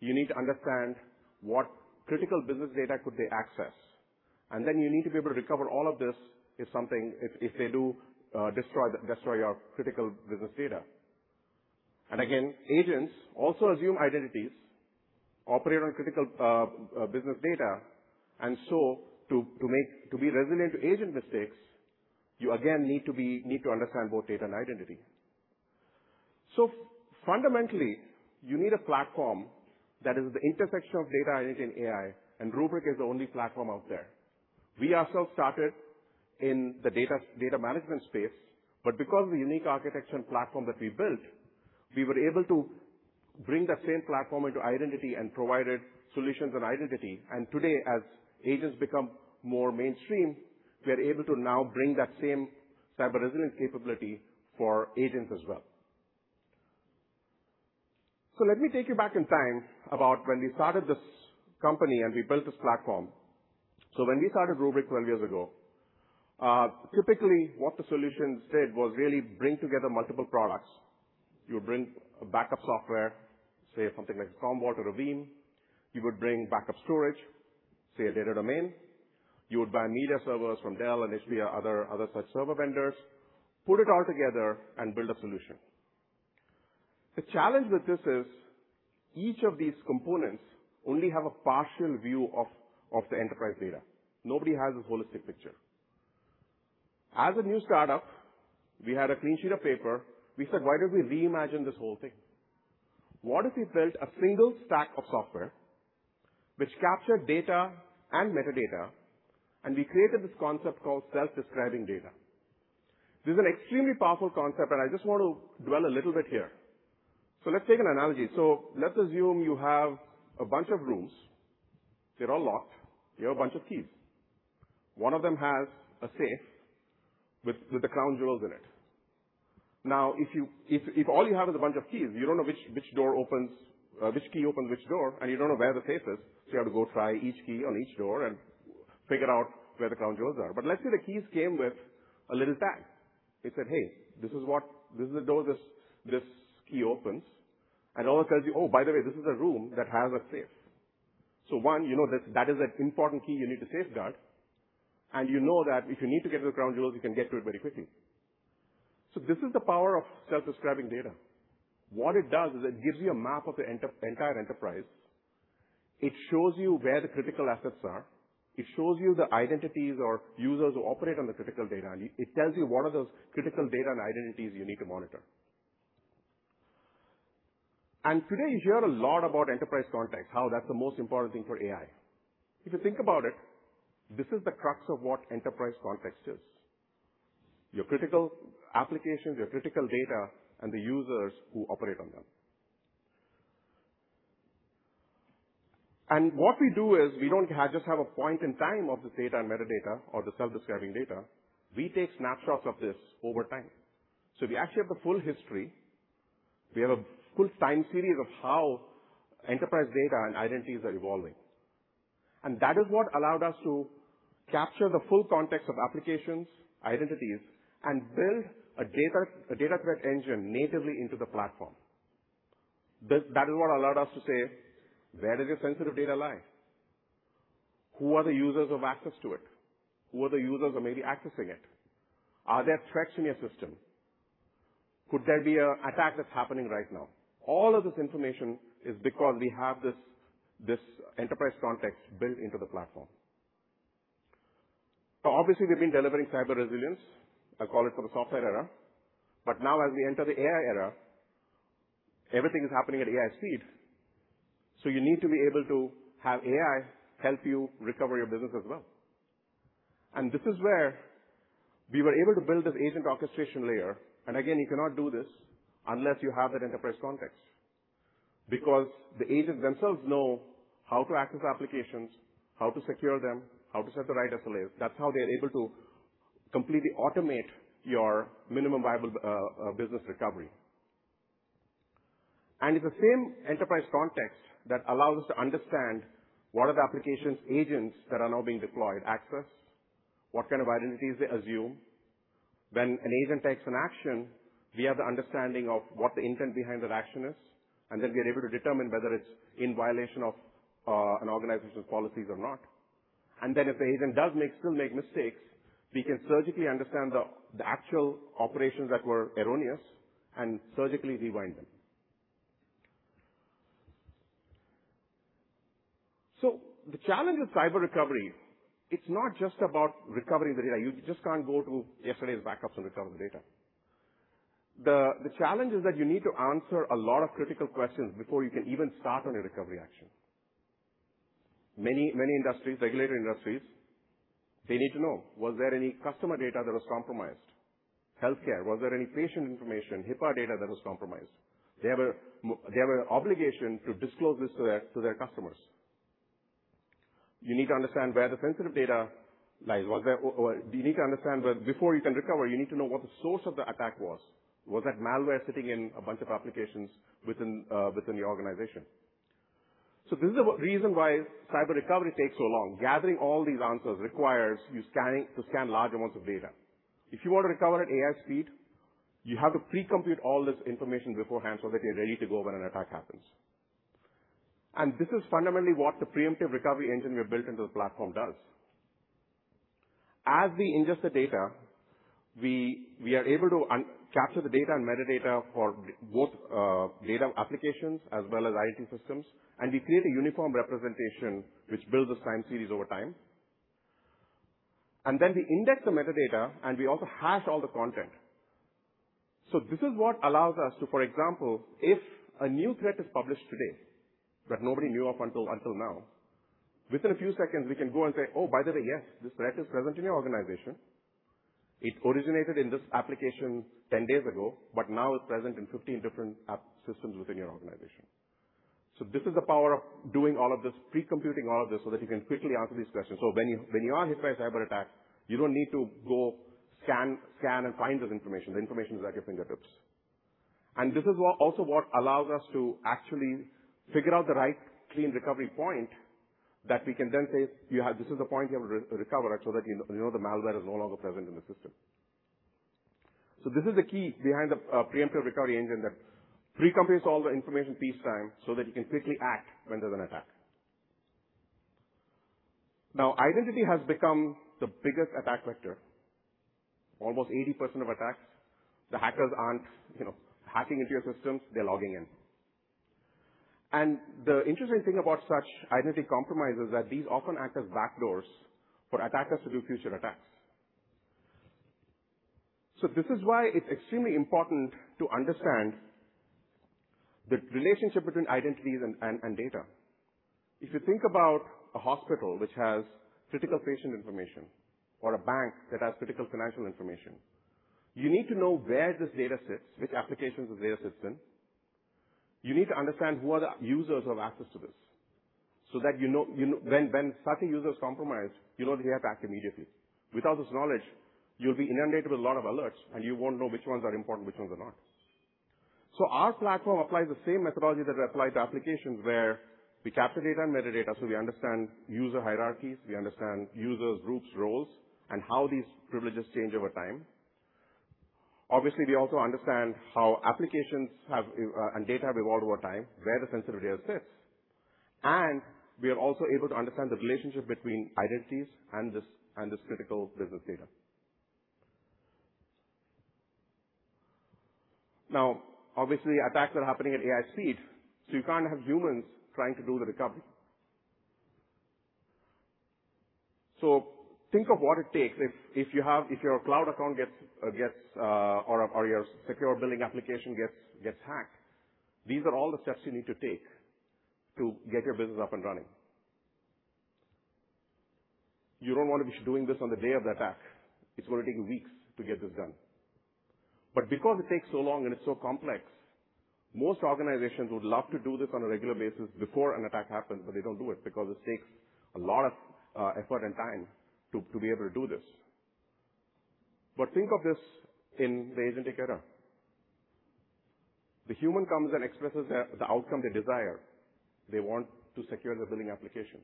You need to understand what critical business data could they access. Then you need to be able to recover all of this if they do destroy your critical business data. Again, agents also assume identities, operate on critical business data. To be resilient to agent mistakes, you again need to understand both data and identity. Fundamentally, you need a platform that is the intersection of data, identity, and AI, and Rubrik is the only platform out there. We ourselves started in the data management space, but because of the unique architecture and platform that we built, we were able to bring that same platform into identity and provided solutions on identity. Today, as agents become more mainstream, we are able to now bring that same cyber resilience capability for agents as well. Let me take you back in time about when we started this company and we built this platform. When we started Rubrik 12 years ago, typically what the solution said was really bring together multiple products. You would bring a backup software, say something like Commvault or Veeam. You would bring backup storage, say a Data Domain. You would buy media servers from Dell and HP or other such server vendors, put it all together and build a solution. The challenge with this is each of these components only have a partial view of the enterprise data. Nobody has a holistic picture. As a new startup, we had a clean sheet of paper. We said, "Why don't we reimagine this whole thing? What if we built a single stack of software which captured data and metadata, and we created this concept called self-describing data?" This is an extremely powerful concept, and I just want to dwell a little bit here. Let's take an analogy. Let's assume you have a bunch of rooms. They're all locked. You have a bunch of keys. One of them has a safe with the crown jewels in it. If all you have is a bunch of keys, you don't know which key opens which door, and you don't know where the safe is. You have to go try each key on each door and figure out where the crown jewels are. Let's say the keys came with a little tag. It said, "Hey, this is the door this key opens." It also tells you, "Oh, by the way, this is a room that has a safe." One, you know that is an important key you need to safeguard, and you know that if you need to get to the crown jewels, you can get to it very quickly. This is the power of self-describing data. What it does is it gives you a map of the entire enterprise. It shows you where the critical assets are. It shows you the identities or users who operate on the critical data, and it tells you what are those critical data and identities you need to monitor. Today you hear a lot about enterprise context, how that's the most important thing for AI. If you think about it, this is the crux of what enterprise context is. Your critical applications, your critical data, and the users who operate on them. What we do is, we don't just have a point in time of the data and metadata or the self-describing data. We take snapshots of this over time. We actually have the full history. We have a full time series of how enterprise data and identities are evolving. That is what allowed us to capture the full context of applications, identities, and build a data threat engine natively into the platform. That is what allowed us to say, "Where does your sensitive data lie? Who are the users who have access to it? Who are the users who may be accessing it? Are there threats in your system? Could there be an attack that's happening right now?" All of this information is because we have this enterprise context built into the platform. Obviously, we've been delivering cyber resilience, I call it for the software era. Now as we enter the AI era, everything is happening at AI speed. You need to be able to have AI help you recover your business as well. This is where we were able to build this agent orchestration layer. Again, you cannot do this unless you have that enterprise context. Because the agents themselves know how to access applications, how to secure them, how to set the right SLAs. That's how they're able to completely automate your Minimum Viable Business recovery. It's the same enterprise context that allows us to understand what are the applications agents that are now being deployed access, what kind of identities they assume. When an agent takes an action, we have the understanding of what the intent behind that action is, then we are able to determine whether it's in violation of an organization's policies or not. Then if the agent does still make mistakes, we can surgically understand the actual operations that were erroneous and surgically rewind them. The challenge with cyber recovery, it's not just about recovering the data. You just can't go to yesterday's backups and recover the data. The challenge is that you need to answer a lot of critical questions before you can even start on a recovery action. Many industries, regulated industries, they need to know, was there any customer data that was compromised? Healthcare, was there any patient information, HIPAA data that was compromised? They have an obligation to disclose this to their customers. You need to understand where the sensitive data lies. You need to understand before you can recover, you need to know what the source of the attack was. Was that malware sitting in a bunch of applications within the organization? This is the reason why cyber recovery takes so long. Gathering all these answers requires you to scan large amounts of data. If you want to recover at AI speed, you have to pre-compute all this information beforehand so that you're ready to go when an attack happens. This is fundamentally what the preemptive recovery engine we have built into the platform does. As we ingest the data, we are able to capture the data and metadata for both data applications as well as IT systems. We create a uniform representation, which builds a time series over time. Then we index the metadata, and we also hash all the content. This is what allows us to, for example, if a new threat is published today that nobody knew of until now, within a few seconds we can go and say, "Oh, by the way, yes, this threat is present in your organization. It originated in this application 10 days ago, but now it's present in 15 different app systems within your organization." This is the power of doing all of this pre-computing all of this, so that you can quickly answer these questions. When you are hit by a cyberattack, you don't need to go scan and find this information. The information is at your fingertips. This is also what allows us to actually figure out the right clean recovery point that we can then say, "This is the point you have to recover at so that you know the malware is no longer present in the system." This is the key behind the preemptive recovery engine that pre-computes all the information peacetime so that you can quickly act when there's an attack. Identity has become the biggest attack vector. Almost 80% of attacks, the hackers aren't hacking into your systems, they're logging in. The interesting thing about such identity compromise is that these often act as backdoors for attackers to do future attacks. This is why it's extremely important to understand the relationship between identities and data. If you think about a hospital which has critical patient information, or a bank that has critical financial information, you need to know where this data sits, which applications this data sits in. You need to understand who are the users who have access to this, so that you know when certain users compromise, you know to react immediately. Without this knowledge, you'll be inundated with a lot of alerts, and you won't know which ones are important, which ones are not. Our platform applies the same methodology that we apply to applications where we capture data and metadata so we understand user hierarchies, we understand users, groups, roles, and how these privileges change over time. Obviously, we also understand how applications and data have evolved over time, where the sensitive data sits. And we are also able to understand the relationship between identities and this critical business data. Obviously attacks are happening at AI speed, so you can't have humans trying to do the recovery. Think of what it takes if your cloud account or your secure billing application gets hacked. These are all the steps you need to take to get your business up and running. You don't want to be doing this on the day of the attack. It's going to take weeks to get this done. Because it takes so long and it's so complex, most organizations would love to do this on a regular basis before an attack happens, but they don't do it because it takes a lot of effort and time to be able to do this. Think of this in the agent era. The human comes and expresses the outcome they desire. They want to secure the billing application.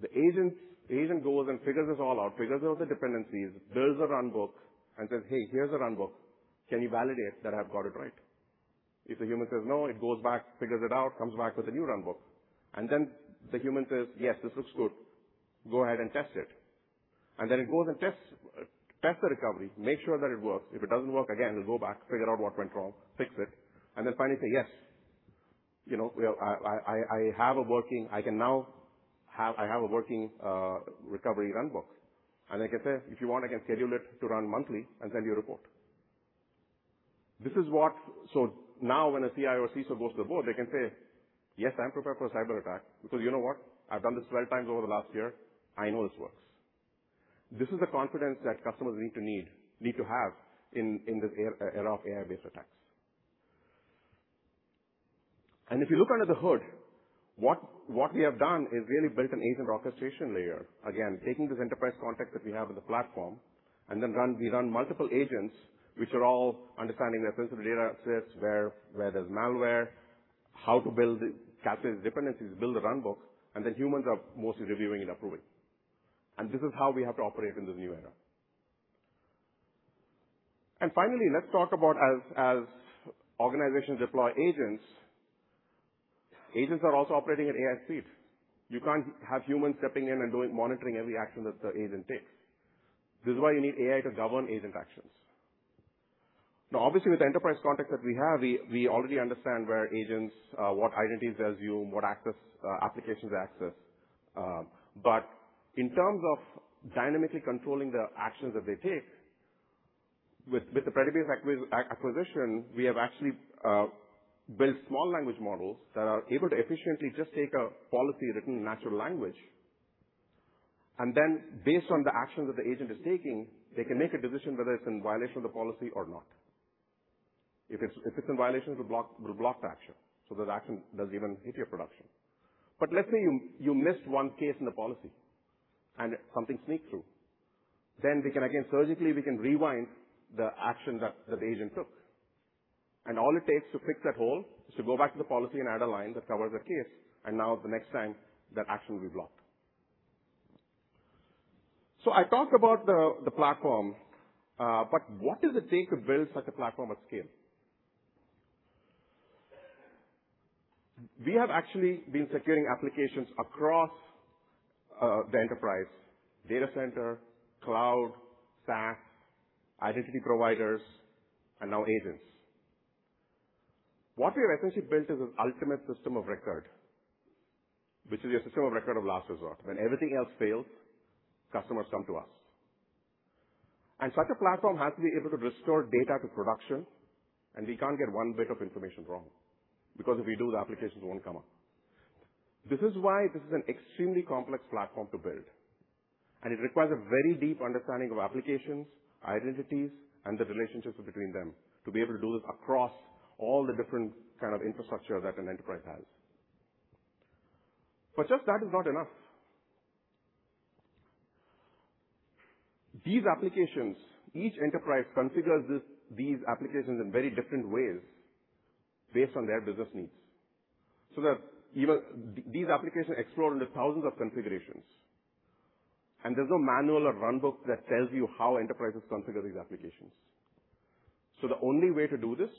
The agent goes and figures this all out, figures out the dependencies, builds a runbook, it says, "Hey, here's a runbook. Can you validate that I've got it right?" If a human says no, it goes back, figures it out, comes back with a new runbook. The human says, "Yes, this looks good. Go ahead and test it." It goes and tests the recovery to make sure that it works. If it doesn't work again, it'll go back, figure out what went wrong, fix it, finally say, "Yes. I have a working recovery runbook." They can say, "If you want, I can schedule it to run monthly and send you a report." Now when a CIO or CISO goes to the board, they can say, "Yes, I am prepared for a cyber attack because you know what? I've done this 12 times over the last year. I know this works." This is the confidence that customers need to have in this era of AI-based attacks. If you look under the hood, what we have done is really built an agent orchestration layer. Again, taking this enterprise context that we have in the platform, we run multiple agents, which are all understanding their sensitive data sets, where there's malware, how to calculate dependencies, build a runbook, humans are mostly reviewing and approving. This is how we have to operate in this new era. Finally, let's talk about as organizations deploy agents are also operating at AI speed. You can't have humans stepping in and monitoring every action that the agent takes. This is why you need AI to govern agent actions. Obviously, with the enterprise context that we have, we already understand where agents, what identities they assume, what applications they access. In terms of dynamically controlling the actions that they take, with the Predibase acquisition, we have actually built small language models that are able to efficiently just take a policy written in natural language, based on the actions that the agent is taking, they can make a decision whether it's in violation of the policy or not. If it's in violation, it will block the action, so that action doesn't even hit your production. Let's say you missed one case in the policy and something sneaks through. We can, again, surgically we can rewind the action that the agent took. All it takes to fix that hole is to go back to the policy, add a line that covers that case, now the next time, that action will be blocked. I talked about the platform, what does it take to build such a platform at scale? We have actually been securing applications across the enterprise: data center, cloud, SaaS, identity providers, now agents. What we have essentially built is an ultimate system of record, which is a system of record of last resort. When everything else fails, customers come to us. Such a platform has to be able to restore data to production, we can't get one bit of information wrong, because if we do, the applications won't come up. This is why this is an extremely complex platform to build, and it requires a very deep understanding of applications, identities, and the relationships between them to be able to do this across all the different kind of infrastructure that an enterprise has. Just that is not enough. These applications, each enterprise configures these applications in very different ways based on their business needs. These applications explore in the thousands of configurations. There is no manual or runbook that tells you how enterprises configure these applications. The only way to do this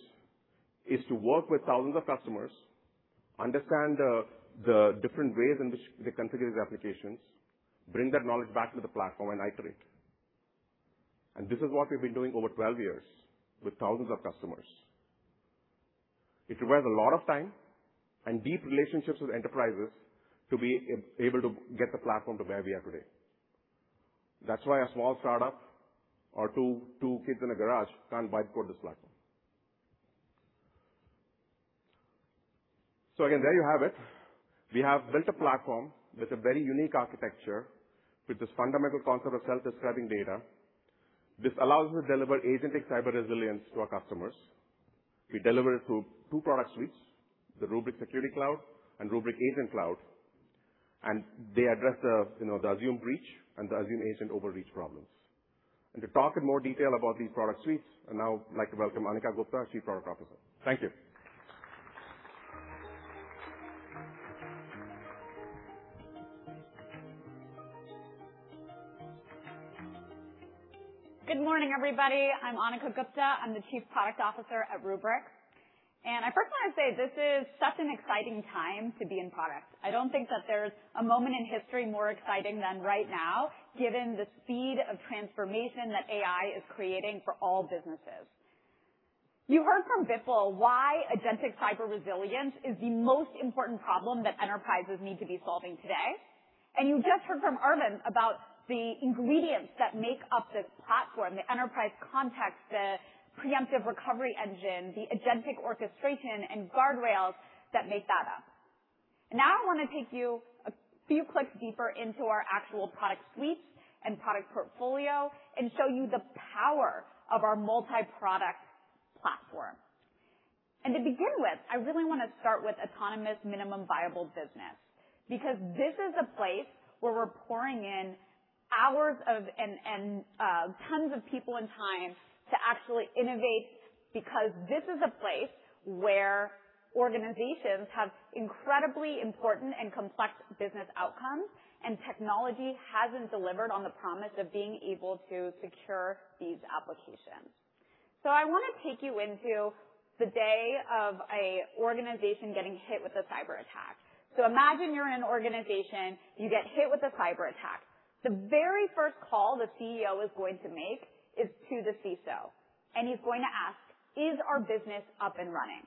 is to work with thousands of customers, understand the different ways in which they configure these applications, bring that knowledge back to the platform, and iterate. This is what we have been doing over 12 years with thousands of customers. It requires a lot of time and deep relationships with enterprises to be able to get the platform to where we are today. That is why a small startup or two kids in a garage cannot whiteboard this platform. Again, there you have it. We have built a platform with a very unique architecture, with this fundamental concept of self-describing data. This allows us to deliver agentic cyber resilience to our customers. We deliver it through two product suites, the Rubrik Security Cloud and Rubrik Agent Cloud. They address the assume breach and the assume agent overreach problems. To talk in more detail about these product suites, I would now like to welcome Anneka Gupta, Chief Product Officer. Thank you. Good morning, everybody. I am Anneka Gupta. I am the Chief Product Officer at Rubrik. I first want to say this is such an exciting time to be in product. I do not think that there is a moment in history more exciting than right now, given the speed of transformation that AI is creating for all businesses. You heard from Bipul why agentic cyber resilience is the most important problem that enterprises need to be solving today. You just heard from Arvind about the ingredients that make up this platform, the enterprise context, the preemptive recovery engine, the agentic orchestration, and guardrails that make that up. Now I want to take you a few clicks deeper into our actual product suites and product portfolio and show you the power of our multi-product platform. To begin with, I really want to start with autonomous Minimum Viable Business, because this is a place where we are pouring in hours and tons of people and time to actually innovate because this is a place where organizations have incredibly important and complex business outcomes, and technology has not delivered on the promise of being able to secure these applications. I want to take you into the day of an organization getting hit with a cyberattack. Imagine you are an organization, you get hit with a cyberattack. The very first call the CEO is going to make is to the CISO, and he is going to ask, "Is our business up and running?"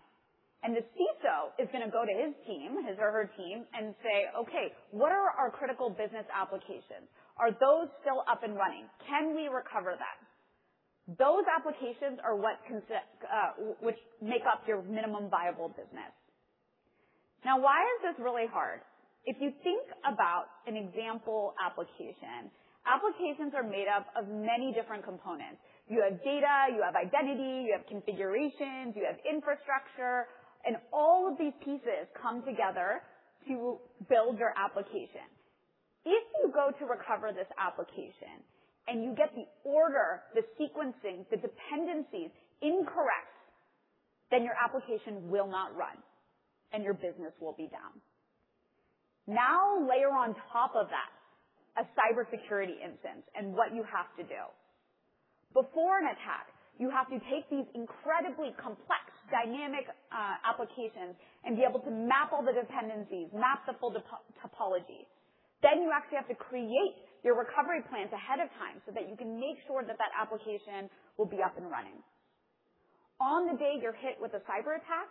The CISO is going to go to his team, his or her team, and say, "Okay, what are our critical business applications? Are those still up and running? Can we recover them?" Those applications are what make up your Minimum Viable Business. Why is this really hard? If you think about an example application, applications are made up of many different components. You have data, you have identity, you have configurations, you have infrastructure. All of these pieces come together to build your application. If you go to recover this application and you get the order, the sequencing, the dependencies incorrect, then your application will not run, and your business will be down. Layer on top of that a cybersecurity incident and what you have to do. Before an attack, you have to take these incredibly complex, dynamic applications and be able to map all the dependencies, map the full topology. You actually have to create your recovery plans ahead of time so that you can make sure that that application will be up and running. On the day you're hit with a cyber attack,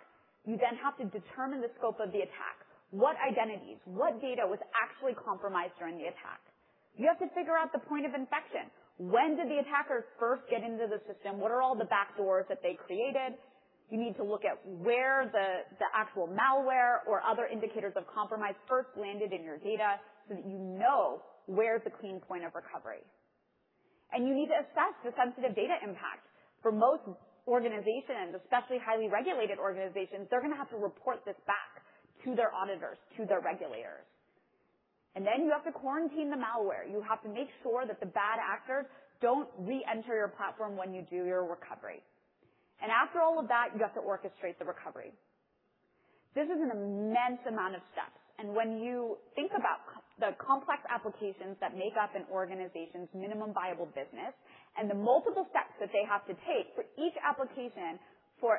you then have to determine the scope of the attack. What identities, what data was actually compromised during the attack? You have to figure out the point of infection. When did the attackers first get into the system? What are all the backdoors that they created? You need to look at where the actual malware or other indicators of compromise first landed in your data so that you know where the clean point of recovery is. You need to assess the sensitive data impact. For most organizations, especially highly regulated organizations, they're going to have to report this back to their auditors, to their regulators. Then you have to quarantine the malware. You have to make sure that the bad actors don't re-enter your platform when you do your recovery. After all of that, you have to orchestrate the recovery. This is an immense amount of steps, and when you think about the complex applications that make up an organization's Minimum Viable Business and the multiple steps that they have to take for each application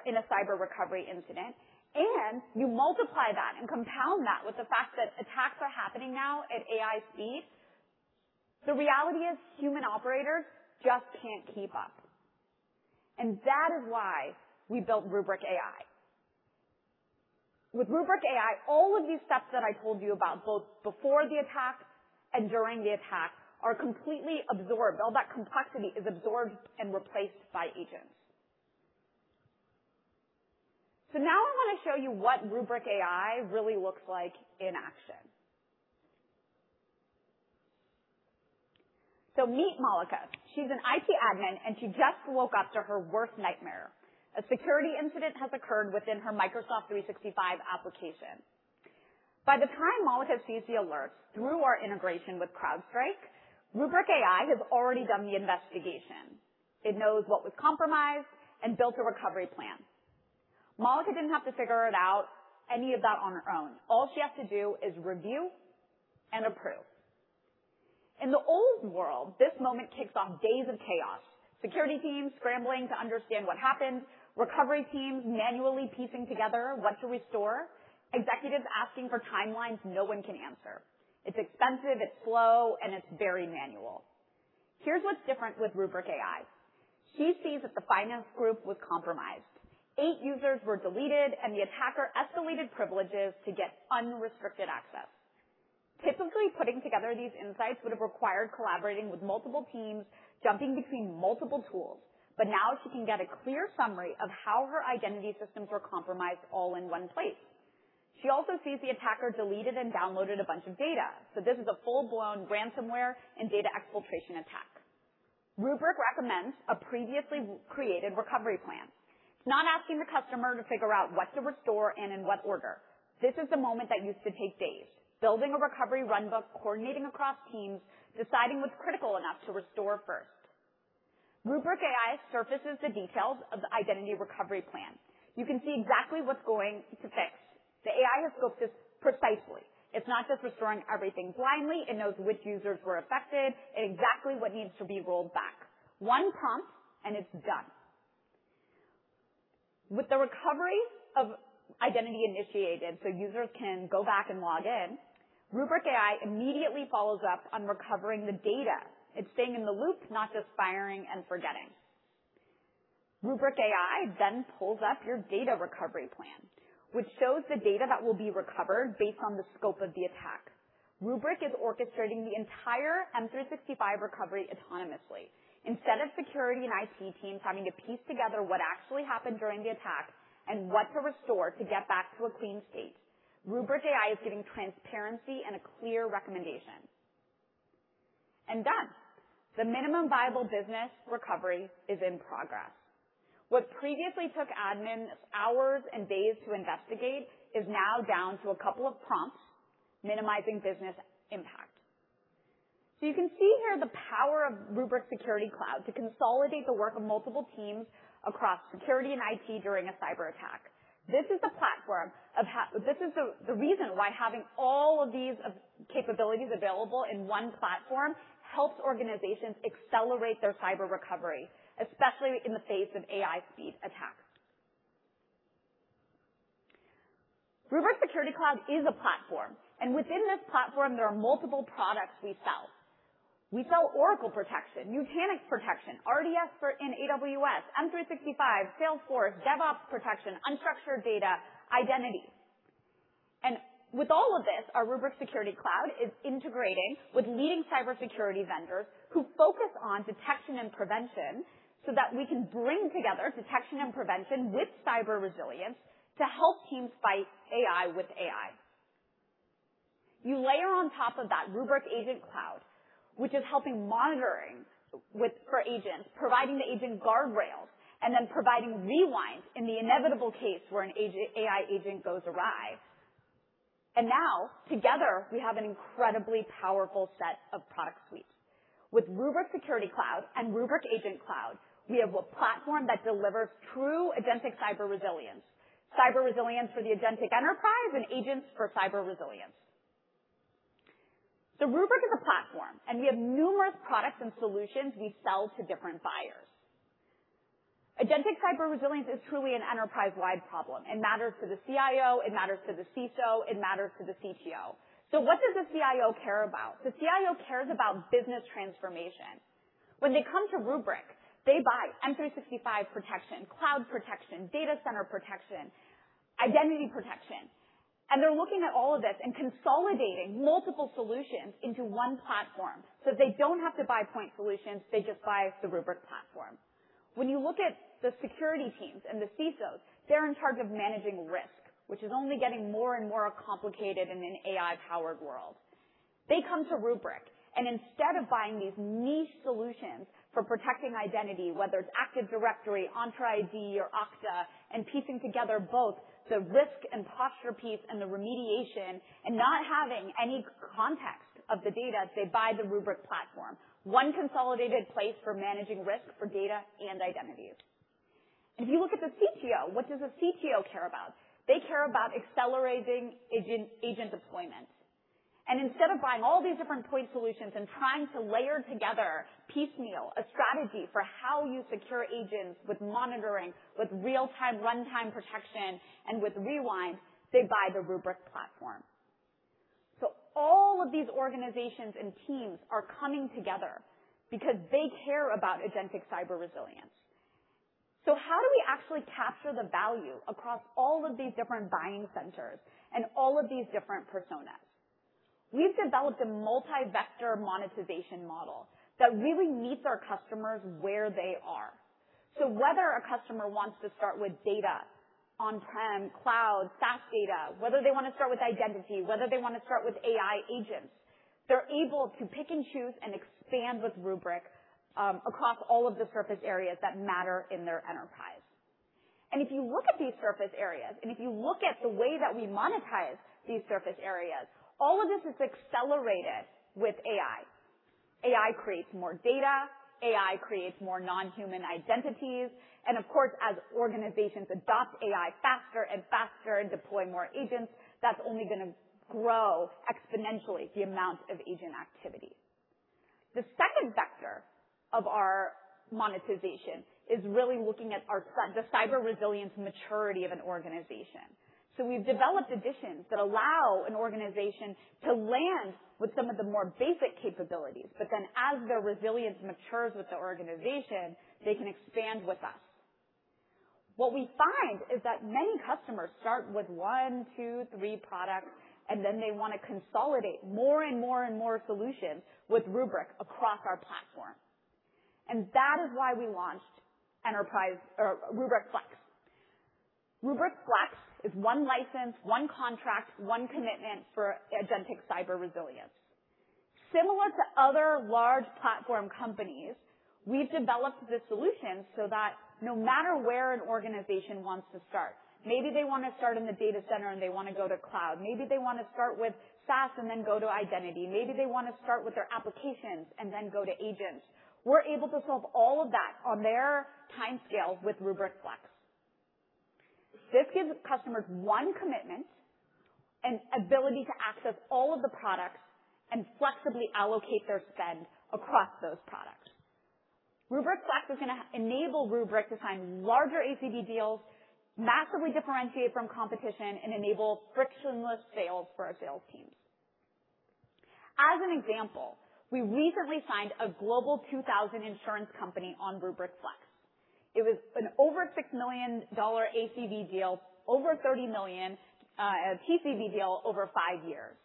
in a cyber recovery incident, and you multiply that and compound that with the fact that attacks are happening now at AI speed. The reality is human operators just can't keep up. That is why we built Rubrik AI. With Rubrik AI, all of these steps that I told you about, both before the attack and during the attack, are completely absorbed. All that complexity is absorbed and replaced by agents. Now I want to show you what Rubrik AI really looks like in action. Meet Malika. She's an IT admin, and she just woke up to her worst nightmare. A security incident has occurred within her Microsoft 365 application. By the time Malika sees the alerts through our integration with CrowdStrike, Rubrik AI has already done the investigation. It knows what was compromised and built a recovery plan. Malika didn't have to figure it out, any of that on her own. All she has to do is review and approve. In the old world, this moment kicks off days of chaos. Security teams scrambling to understand what happened, recovery teams manually piecing together what to restore, executives asking for timelines no one can answer. It's expensive, it's slow, and it's very manual. Here's what's different with Rubrik AI. She sees that the finance group was compromised. Eight users were deleted, the attacker escalated privileges to get unrestricted access. Typically, putting together these insights would have required collaborating with multiple teams, jumping between multiple tools. Now she can get a clear summary of how her identity systems were compromised all in one place. She also sees the attacker deleted and downloaded a bunch of data. This is a full-blown ransomware and data exfiltration attack. Rubrik recommends a previously created recovery plan. It's not asking the customer to figure out what to restore and in what order. This is the moment that used to take days. Building a recovery runbook, coordinating across teams, deciding what's critical enough to restore first. Rubrik AI surfaces the details of the identity recovery plan. You can see exactly what's going to fix. The AI has scoped this precisely. It's not just restoring everything blindly. It knows which users were affected and exactly what needs to be rolled back. One prompt and it's done. With the recovery of identity initiated so users can go back and log in, Rubrik AI immediately follows up on recovering the data. It's staying in the loop, not just firing and forgetting. Rubrik AI pulls up your data recovery plan, which shows the data that will be recovered based on the scope of the attack. Rubrik is orchestrating the entire M365 recovery autonomously. Instead of security and IT teams having to piece together what actually happened during the attack and what to restore to get back to a clean state, Rubrik AI is giving transparency and a clear recommendation. Done. The minimum viable business recovery is in progress. What previously took admins hours and days to investigate is now down to a couple of prompts, minimizing business impact. You can see here the power of Rubrik Security Cloud to consolidate the work of multiple teams across security and IT during a cyber attack. This is the reason why having all of these capabilities available in one platform helps organizations accelerate their cyber recovery, especially in the face of AI-speed attacks. Rubrik Security Cloud is a platform, within this platform, there are multiple products we sell. We sell Oracle protection, Nutanix protection, RDS in AWS, M365, Salesforce, DevOps protection, unstructured data, identity. With all of this, our Rubrik Security Cloud is integrating with leading cybersecurity vendors who focus on detection and prevention so that we can bring together detection and prevention with cyber resilience to help teams fight AI with AI. You layer on top of that Rubrik Agent Cloud, which is helping monitoring for agents, providing the agent guardrails, providing rewinds in the inevitable case where an AI agent goes awry. Now together, we have an incredibly powerful set of product suites. With Rubrik Security Cloud and Rubrik Agent Cloud, we have a platform that delivers true agentic cyber resilience, cyber resilience for the agentic enterprise and agents for cyber resilience. Rubrik is a platform, we have numerous products and solutions we sell to different buyers. Agentic cyber resilience is truly an enterprise-wide problem. It matters to the CIO, it matters to the CISO, it matters to the CTO. What does the CIO care about? The CIO cares about business transformation. When they come to Rubrik, they buy Microsoft 365 protection, cloud protection, data center protection, identity protection, and they're looking at all of this and consolidating multiple solutions into one platform. They don't have to buy point solutions, they just buy the Rubrik platform. When you look at the security teams and the CISOs, they're in charge of managing risk, which is only getting more and more complicated in an AI-powered world. They come to Rubrik, and instead of buying these niche solutions for protecting identity, whether it's Active Directory, Microsoft Entra ID, or Okta, and piecing together both the risk and posture piece and the remediation and not having any context of the data, they buy the Rubrik platform. One consolidated place for managing risk for data and identity. If you look at the CTO, what does a CTO care about? They care about accelerating agent deployment. Instead of buying all these different point solutions and trying to layer together piecemeal a strategy for how you secure agents with monitoring, with real-time runtime protection, and with rewind, they buy the Rubrik platform. All of these organizations and teams are coming together because they care about agentic cyber resilience. How do we actually capture the value across all of these different buying centers and all of these different personas? We've developed a multi-vector monetization model that really meets our customers where they are. Whether a customer wants to start with data on-prem, cloud, SaaS data, whether they want to start with identity, whether they want to start with AI agents, they're able to pick and choose and expand with Rubrik, across all of the surface areas that matter in their enterprise. If you look at these surface areas and if you look at the way that we monetize these surface areas, all of this is accelerated with AI. AI creates more data, AI creates more non-human identities, and of course, as organizations adopt AI faster and faster and deploy more agents, that's only going to grow exponentially the amount of agent activity. The second vector of our monetization is really looking at the cyber resilience maturity of an organization. We've developed editions that allow an organization to land with some of the more basic capabilities, but then as their resilience matures with the organization, they can expand with us. What we find is that many customers start with one, two, three products, and then they want to consolidate more and more and more solutions with Rubrik across our platform. That is why we launched Rubrik Flex. Rubrik Flex is one license, one contract, one commitment for agentic cyber resilience. Similar to other large platform companies, we've developed the solution so that no matter where an organization wants to start, maybe they want to start in the data center and they want to go to cloud. Maybe they want to start with SaaS and then go to identity. Maybe they want to start with their applications and then go to agents. We're able to solve all of that on their timescale with Rubrik Flex. This gives customers one commitment and ability to access all of the products and flexibly allocate their spend across those products. Rubrik Flex is going to enable Rubrik to sign larger ACV deals, massively differentiate from competition, and enable frictionless sales for our sales teams. As an example, we recently signed a Global 2000 insurance company on Rubrik Flex. It was an over $6 million ACV deal, over $30 million TCV deal over five years.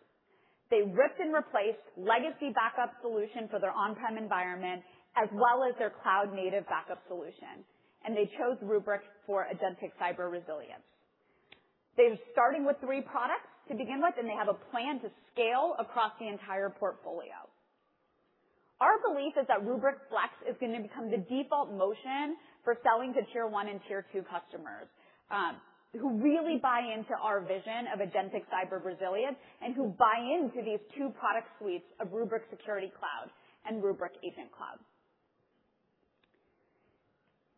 They ripped and replaced legacy backup solution for their on-prem environment as well as their cloud-native backup solution. They chose Rubrik for agentic cyber resilience. They're starting with three products to begin with, and they have a plan to scale across the entire portfolio. Our belief is that Rubrik Flex is going to become the default motion for selling to tier 1 and tier 2 customers, who really buy into our vision of agentic cyber resilience and who buy into these two product suites of Rubrik Security Cloud and Rubrik Agent Cloud.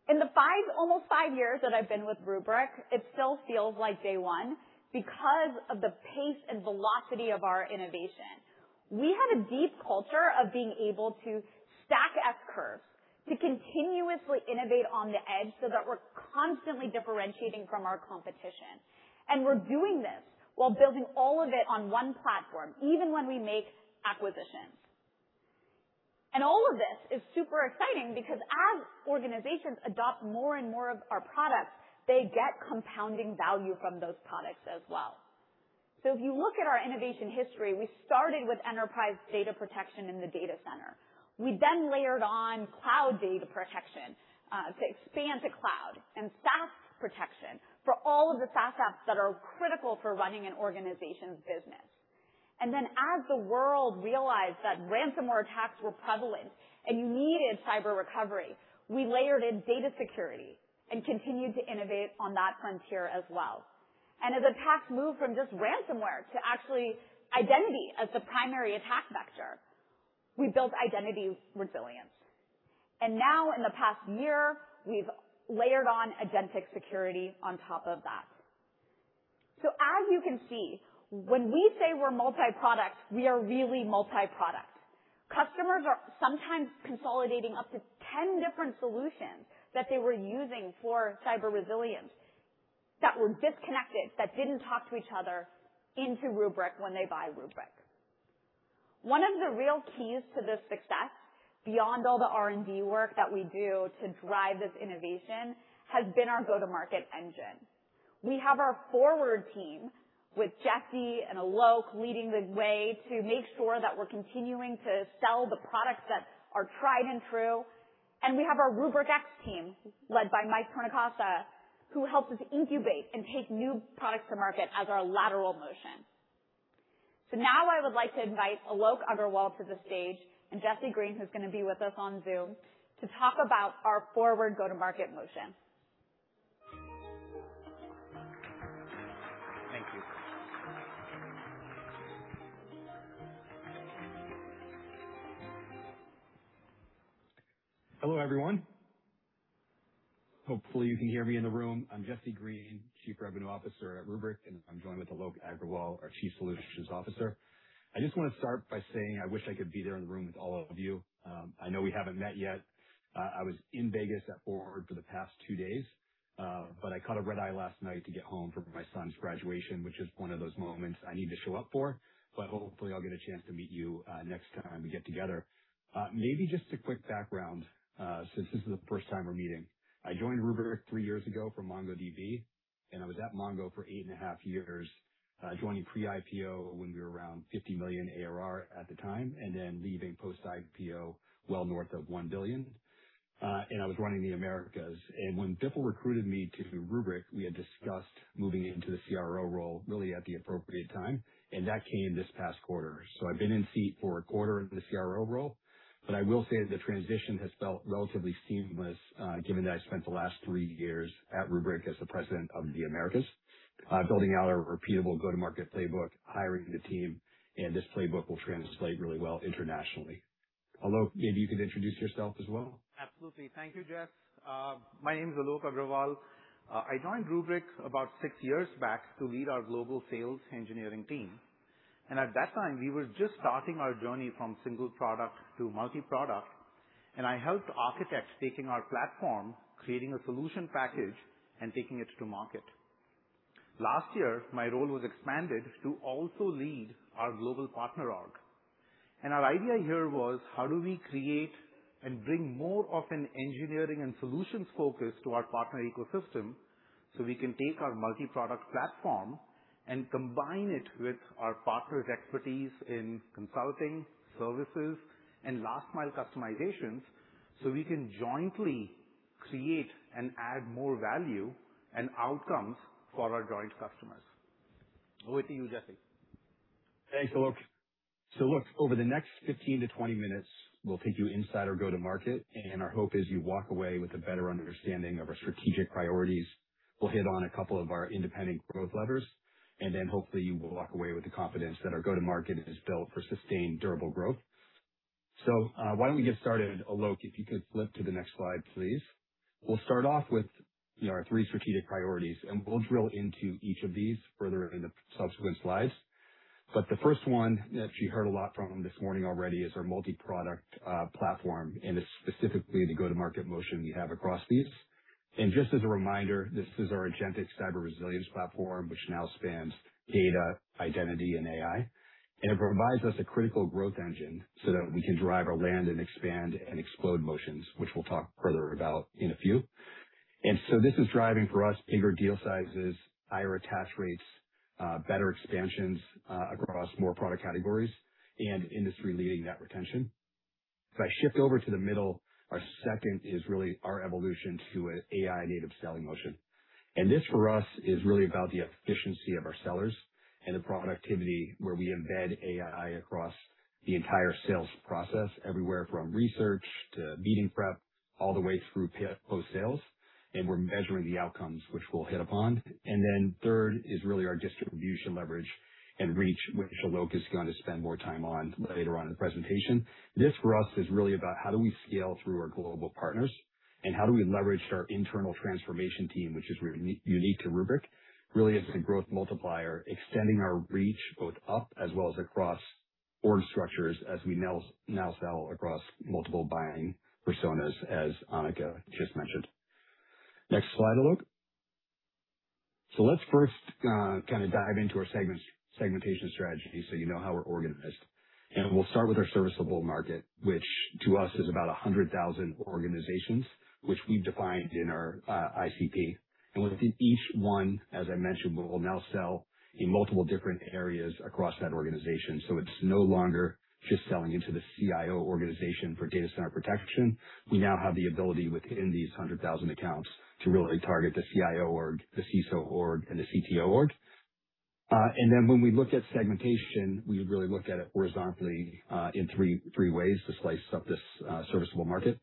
In the almost five years that I've been with Rubrik, it still feels like day one because of the pace and velocity of our innovation. We have a deep culture of being able to stack S-curves, to continuously innovate on the edge so that we're constantly differentiating from our competition. We're doing this while building all of it on one platform, even when we make acquisitions. All of this is super exciting because as organizations adopt more and more of our products, they get compounding value from those products as well. If you look at our innovation history, we started with enterprise data protection in the data center. We then layered on cloud data protection to expand to cloud and SaaS protection for all of the SaaS apps that are critical for running an organization's business. Then as the world realized that ransomware attacks were prevalent and you needed cyber recovery, we layered in data security and continued to innovate on that frontier as well. As attacks moved from just ransomware to actually identity as the primary attack vector, we built identity resilience. Now, in the past year, we've layered on agentic security on top of that. As you can see, when we say we're multi-product, we are really multi-product. Customers are sometimes consolidating up to 10 different solutions that they were using for cyber resilience that were disconnected, that didn't talk to each other into Rubrik when they buy Rubrik. One of the real keys to this success, beyond all the R&D work that we do to drive this innovation, has been our go-to-market engine. We have our forward team with Jesse and Alok leading the way to make sure that we're continuing to sell the products that are tried and true, and we have our Rubrik X team, led by Mike Tornincasa, who helps us incubate and take new products to market as our lateral motion. Now I would like to invite Alok Agrawal to the stage, and Jesse Green, who's going to be with us on Zoom, to talk about our forward go-to-market motion. Thank you. Hello, everyone. Hopefully you can hear me in the room. I'm Jesse Green, Chief Revenue Officer at Rubrik, and I'm joined with Alok Agrawal, our Chief Solutions Officer. I just want to start by saying I wish I could be there in the room with all of you. I know we haven't met yet. I was in Vegas at Rubrik Forward for the past 2 days, but I caught a red-eye last night to get home for my son's graduation, which is one of those moments I need to show up for. Hopefully, I'll get a chance to meet you next time we get together. Maybe just a quick background, since this is the first time we're meeting. I joined Rubrik 3 years ago from MongoDB, and I was at Mongo for 8.5 years, joining pre-IPO when we were around $50 million ARR at the time, and then leaving post-IPO well north of $1 billion. I was running the Americas. When Bipul recruited me to Rubrik, we had discussed moving into the CRO role really at the appropriate time, and that came this past quarter. I've been in seat for a quarter in the CRO role, but I will say the transition has felt relatively seamless, given that I spent the last 3 years at Rubrik as the president of the Americas, building out a repeatable go-to-market playbook, hiring the team, and this playbook will translate really well internationally. Alok, maybe you could introduce yourself as well. Absolutely. Thank you, Jess. My name is Alok Agrawal. I joined Rubrik about 6 years back to lead our global sales engineering team. At that time, we were just starting our journey from single product to multi-product, and I helped architect taking our platform, creating a solution package, and taking it to market. Last year, my role was expanded to also lead our global partner org. Our idea here was, how do we create and bring more of an engineering and solutions focus to our partner ecosystem so we can take our multi-product platform and combine it with our partners' expertise in consulting, services, and last-mile customizations, so we can jointly create and add more value and outcomes for our joint customers. Over to you, Jesse. Thanks, Alok. Look, over the next 15-20 minutes, we'll take you inside our go-to-market, and our hope is you walk away with a better understanding of our strategic priorities. We'll hit on a couple of our independent growth levers, and then hopefully you will walk away with the confidence that our go-to-market is built for sustained, durable growth. Why don't we get started? Alok, if you could flip to the next slide, please. We'll start off with our 3 strategic priorities, and we'll drill into each of these further in the subsequent slides. The first one that you heard a lot from this morning already is our multi-product platform, and it's specifically the go-to-market motion we have across these. Just as a reminder, this is our agentic cyber resilience platform, which now spans data, identity, and AI. It provides us a critical growth engine so that we'll drive our land and expand and explode motions, which we'll talk further about in a few. This is driving for us bigger deal sizes, higher attach rates, better expansions across more product categories, and industry-leading net retention. If I shift over to the middle, our second is really our evolution to an AI-native selling motion. This, for us, is really about the efficiency of our sellers and the productivity where we embed AI across the entire sales process, everywhere from research to meeting prep, all the way through post-sales. We're measuring the outcomes, which we'll hit upon. Then third is really our distribution leverage and reach, which Alok is going to spend more time on later on in the presentation. This, for us, is really about how do we scale through our global partners, and how do we leverage our internal transformation team, which is really unique to Rubrik, really as a growth multiplier, extending our reach both up as well as across org structures as we now sell across multiple buying personas, as Anneka just mentioned. Next slide, Alok. Let's first dive into our segmentation strategy so you know how we're organized. We'll start with our serviceable market, which to us is about 100,000 organizations, which we've defined in our ICP. Within each one, as I mentioned, we will now sell in multiple different areas across that organization. It's no longer just selling into the CIO organization for data center protection. We now have the ability within these 100,000 accounts to really target the CIO org, the CISO org, and the CTO org. Then when we looked at segmentation, we really looked at it horizontally, in 3 ways to slice up this serviceable market.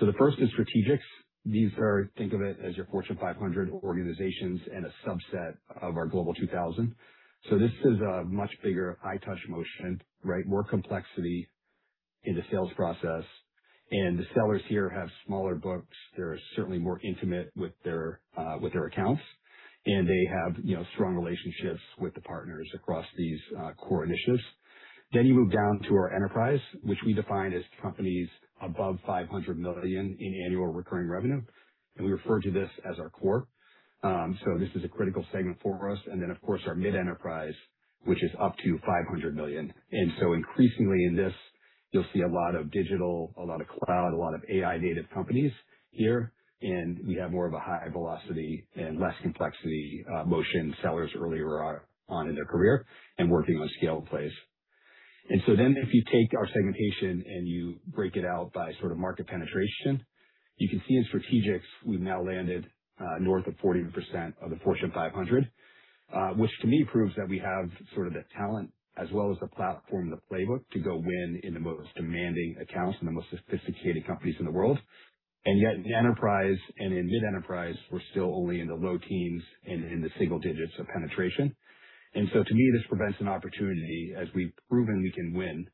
The first is strategics. These are, think of it as your Fortune 500 organizations and a subset of our Global 2000. This is a much bigger high-touch motion, right? More complexity in the sales process. The sellers here have smaller books. They're certainly more intimate with their accounts, and they have strong relationships with the partners across these core initiatives. Then you move down to our enterprise, which we define as companies above $500 million in annual recurring revenue, and we refer to this as our core. This is a critical segment for us. Then, of course, our mid-enterprise, which is up to $500 million. Increasingly in this, you'll see a lot of digital, a lot of cloud, a lot of AI-native companies here, and you have more of a high velocity and less complexity motion sellers earlier on in their career and working on scale plays. Then if you take our segmentation and you break it out by sort of market penetration, you can see in strategics we've now landed north of 40% of the Fortune 500, which to me proves that we have sort of the talent as well as the platform, the playbook to go win in the most demanding accounts and the most sophisticated companies in the world. Yet in enterprise and in mid-enterprise, we're still only in the low teens and in the single digits of penetration. To me, this presents an opportunity as we've proven we can win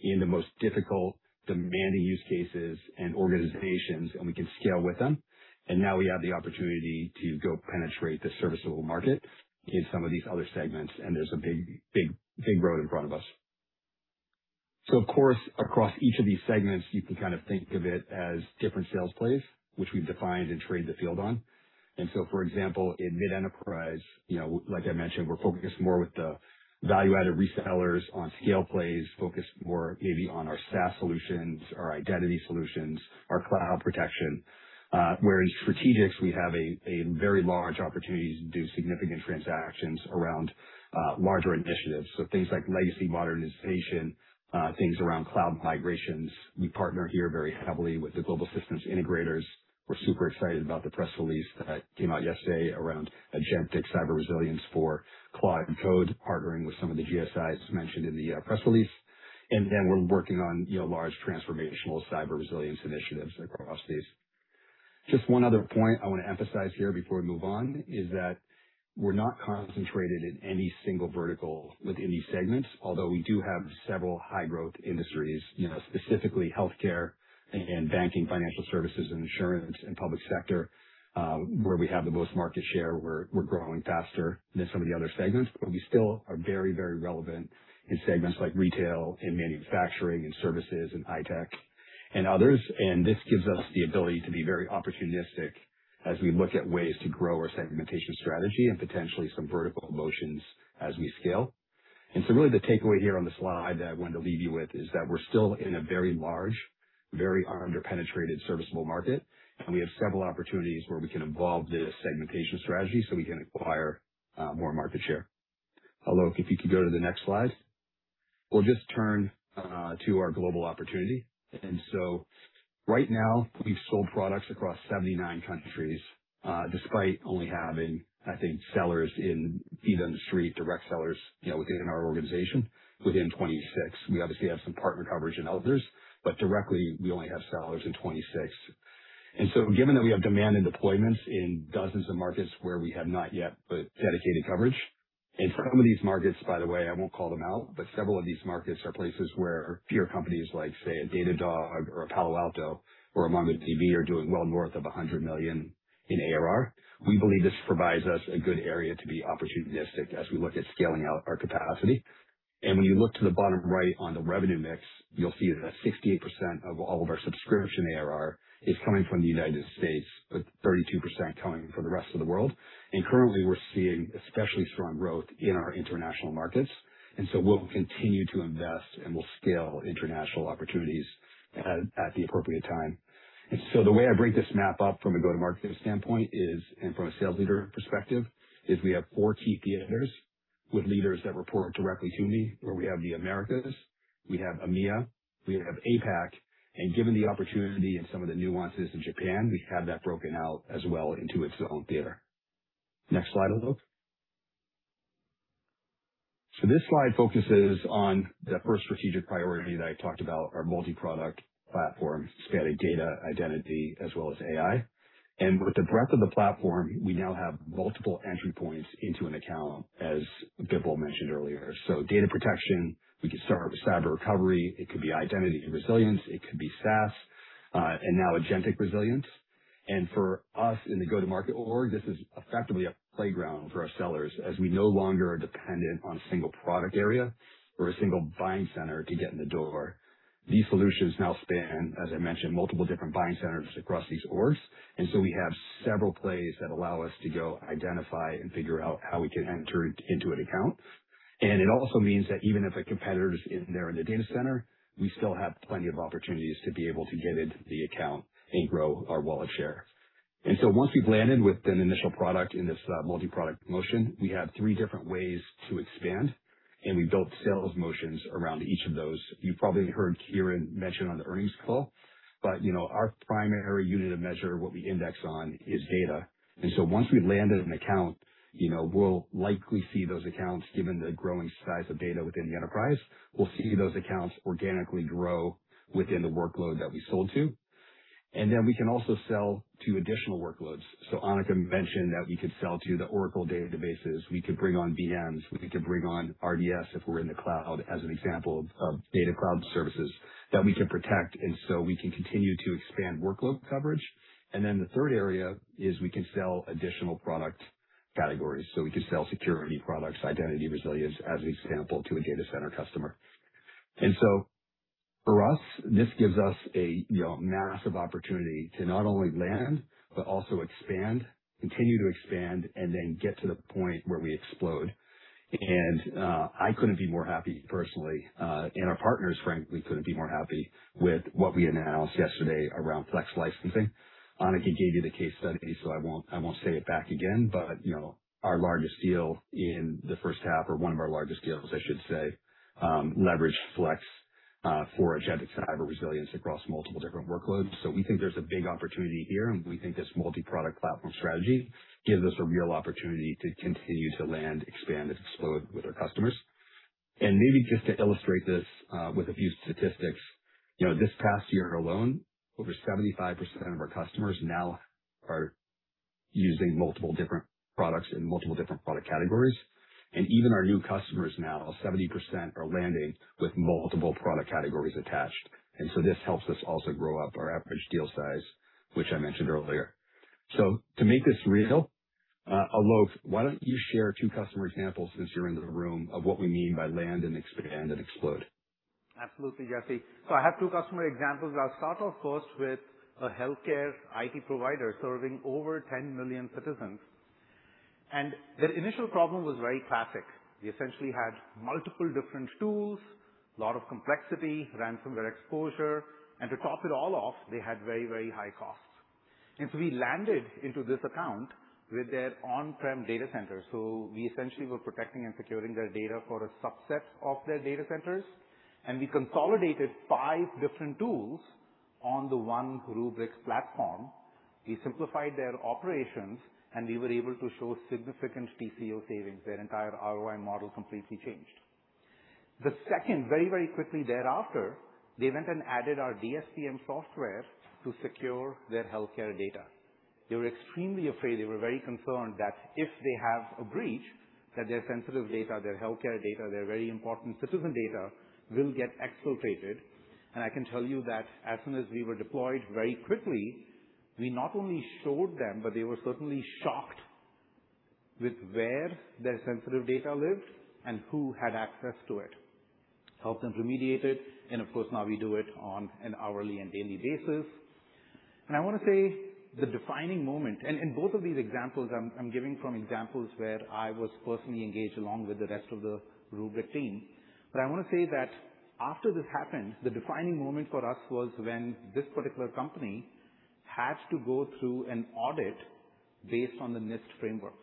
in the most difficult, demanding use cases and organizations, and we can scale with them. Now we have the opportunity to go penetrate the serviceable market in some of these other segments, and there's a big road in front of us. Of course, across each of these segments, you can kind of think of it as different sales plays, which we've defined and trained the field on. For example, in mid-enterprise, like I mentioned, we're focused more with the value-added resellers on scale plays, focused more maybe on our SaaS solutions, our identity solutions, our cloud protection. Where in strategics, we have a very large opportunity to do significant transactions around larger initiatives. Things like legacy modernization, things around cloud migrations. We partner here very heavily with the global systems integrators. We're super excited about the press release that came out yesterday around agentic cyber resilience for cloud and code, partnering with some of the GSIs mentioned in the press release. We're working on large transformational cyber resilience initiatives across these. Just one other point I want to emphasize here before we move on is that we're not concentrated in any single vertical within these segments, although we do have several high-growth industries, specifically healthcare and banking, financial services and insurance, and public sector, where we have the most market share, we're growing faster than some of the other segments. We still are very relevant in segments like retail and manufacturing and services and high tech and others. This gives us the ability to be very opportunistic as we look at ways to grow our segmentation strategy and potentially some vertical motions as we scale. Really the takeaway here on the slide that I wanted to leave you with is that we're still in a very large, very under-penetrated serviceable market, and we have several opportunities where we can evolve this segmentation strategy so we can acquire more market share. Alok, if you could go to the next slide. We'll just turn to our global opportunity. Right now we've sold products across 79 countries, despite only having, I think, sellers in feet on the street, direct sellers within our organization within 26. We obviously have some partner coverage in others, but directly we only have sellers in 26. Given that we have demand and deployments in dozens of markets where we have not yet put dedicated coverage, and for some of these markets, by the way, I won't call them out, but several of these markets are places where peer companies like, say, a Datadog or a Palo Alto or a MongoDB are doing well north of $100 million in ARR. We believe this provides us a good area to be opportunistic as we look at scaling out our capacity. When you look to the bottom right on the revenue mix, you'll see that 68% of all of our subscription ARR is coming from the United States, with 32% coming from the rest of the world. Currently, we're seeing especially strong growth in our international markets, we'll continue to invest, we'll scale international opportunities at the appropriate time. The way I break this map up from a go-to-market standpoint is, from a sales leader perspective, we have four key theaters with leaders that report directly to me, we have the Americas, we have EMEA, we have APAC, given the opportunity and some of the nuances in Japan, we have that broken out as well into its own theater. Next slide, Alok. Data protection, we could start with cyber recovery, it could be identity resilience, it could be SaaS, now agentic resilience. For us in the go-to-market org, this is effectively a playground for our sellers as we no longer are dependent on a single product area or a single buying center to get in the door. These solutions now span, as I mentioned, multiple different buying centers across these orgs, we have several plays that allow us to go identify and figure out how we can enter into an account. It also means that even if a competitor's in there in the data center, we still have plenty of opportunities to be able to get into the account and grow our wallet share. Once we've landed with an initial product in this multi-product motion, we built sales motions around each of those. You probably heard Kiran mention on the earnings call, our primary unit of measure, what we index on, is data. Once we land in an account, we'll likely see those accounts, given the growing size of data within the enterprise, we'll see those accounts organically grow within the workload that we sold to. Then we can also sell to additional workloads. Anneka mentioned that we could sell to the Oracle databases, we could bring on VMs, we could bring on RDS if we're in the cloud, as an example of data cloud services that we can protect, we can continue to expand workload coverage. Then the third area is we can sell additional product categories. We could sell security products, identity resilience, as an example, to a data center customer. For us, this gives us a massive opportunity to not only land but also expand, continue to expand, then get to the point where we explode. I couldn't be more happy personally, our partners frankly couldn't be more happy with what we announced yesterday around flex licensing. Anneka gave you the case study, so I won't say it back again, our largest deal in the first half, or one of our largest deals, I should say, leveraged flex for agentic cyber resilience across multiple different workloads. We think there's a big opportunity here, we think this multi-product platform strategy gives us a real opportunity to continue to land, expand, and explode with our customers. Maybe just to illustrate this with a few statistics. This past year alone, over 75% of our customers now are using multiple different products in multiple different product categories. Even our new customers now, 70% are landing with multiple product categories attached. This helps us also grow up our average deal size, which I mentioned earlier. To make this real, Alok, why don't you share two customer examples, since you're in the room, of what we mean by land and expand and explode? Absolutely, Jesse. I have two customer examples. I'll start, of course, with a healthcare IT provider serving over 10 million citizens. Their initial problem was very classic. They essentially had multiple different tools, lot of complexity, ransomware exposure, and to top it all off, they had very high costs. We landed into this account with their on-prem data center. We essentially were protecting and securing their data for a subset of their data centers. We consolidated five different tools on the one Rubrik platform. We simplified their operations, and we were able to show significant TCO savings. Their entire ROI model completely changed. The second, very quickly thereafter, they went and added our DSPM software to secure their healthcare data. They were extremely afraid, they were very concerned that if they have a breach, that their sensitive data, their healthcare data, their very important citizen data will get exfiltrated. I can tell you that as soon as we were deployed very quickly, we not only showed them, but they were certainly shocked with where their sensitive data lived and who had access to it, helped them remediate it, and of course, now we do it on an hourly and daily basis. I want to say the defining moment, and both of these examples I'm giving from examples where I was personally engaged along with the rest of the Rubrik team. I want to say that after this happened, the defining moment for us was when this particular company had to go through an audit based on the NIST framework.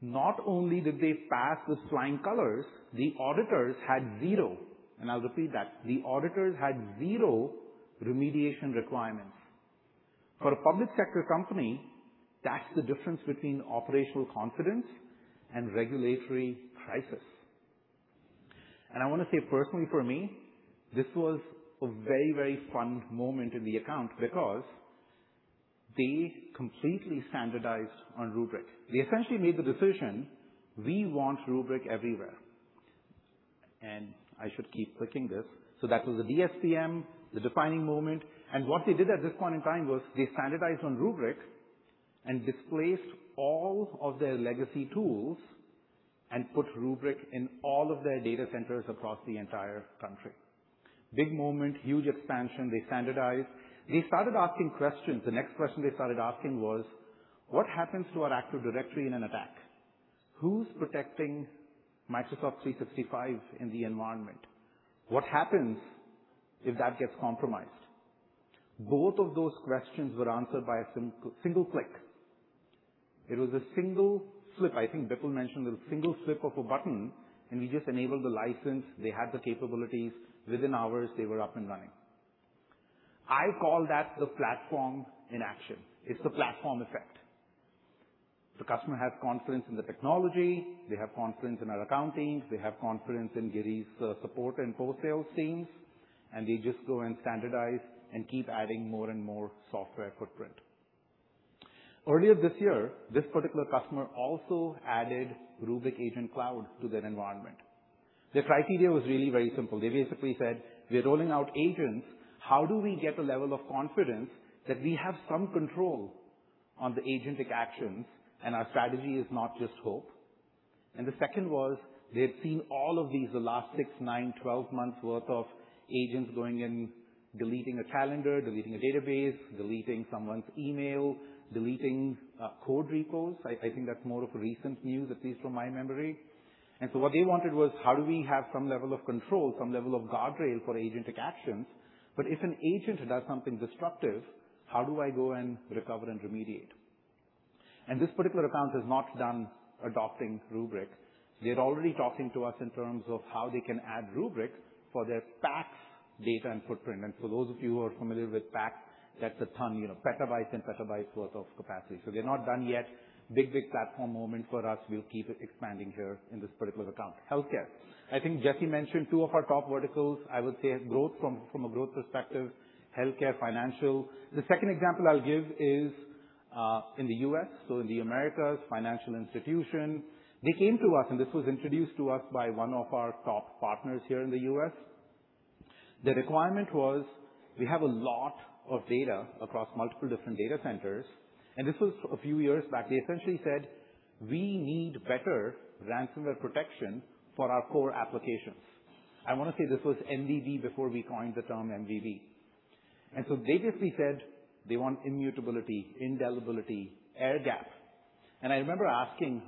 Not only did they pass with flying colors, the auditors had zero, and I'll repeat that, the auditors had zero remediation requirements. For a public sector company, that's the difference between operational confidence and regulatory crisis. And I want to say personally for me, this was a very fun moment in the account because they completely standardized on Rubrik. They essentially made the decision, we want Rubrik everywhere. I should keep clicking this. That was the DSPM, the defining moment. What they did at this point in time was they standardized on Rubrik and displaced all of their legacy tools and put Rubrik in all of their data centers across the entire country. Big moment, huge expansion. They standardized. They started asking questions. The next question they started asking was, "What happens to our Active Directory in an attack? Who's protecting Microsoft 365 in the environment? What happens if that gets compromised?" Both of those questions were answered by a single click. It was a single flip. I think Bipul mentioned it, a single flip of a button, and we just enabled the license. They had the capabilities. Within hours, they were up and running. I call that the platform in action. It's the platform effect. The customer has confidence in the technology, they have confidence in our account teams, they have confidence in Giri's support and post-sales teams, and they just go and standardize and keep adding more and more software footprint. Earlier this year, this particular customer also added Rubrik Agent Cloud to their environment. Their criteria was really very simple. They basically said, "We are rolling out agents. How do we get a level of confidence that we have some control on the agentic actions and our strategy is not just hope?" The second was, they had seen all of these, the last six, nine, 12 months worth of agents going in, deleting a calendar, deleting a database, deleting someone's email, deleting code repos. I think that's more of recent news, at least from my memory. What they wanted was, how do we have some level of control, some level of guardrail for agentic actions? But if an agent does something destructive, how do I go and recover and remediate? This particular account has not done adopting Rubrik. They're already talking to us in terms of how they can add Rubrik for their PACS data and footprint. For those of you who are familiar with PACS, that's a ton, petabytes and petabytes worth of capacity. They're not done yet. Big platform moment for us. We'll keep expanding here in this particular account. Healthcare. I think Jesse mentioned 2 of our top verticals. I would say growth from a growth perspective, healthcare, financial. The second example I'll give is, in the U.S., so in the Americas, financial institution, they came to us, and this was introduced to us by one of our top partners here in the U.S. The requirement was, we have a lot of data across multiple different data centers. This was a few years back. They essentially said, "We need better ransomware protection for our core applications." I want to say this was MVB before we coined the term MVB. They basically said they want immutability, indelibility, air gap. I remember asking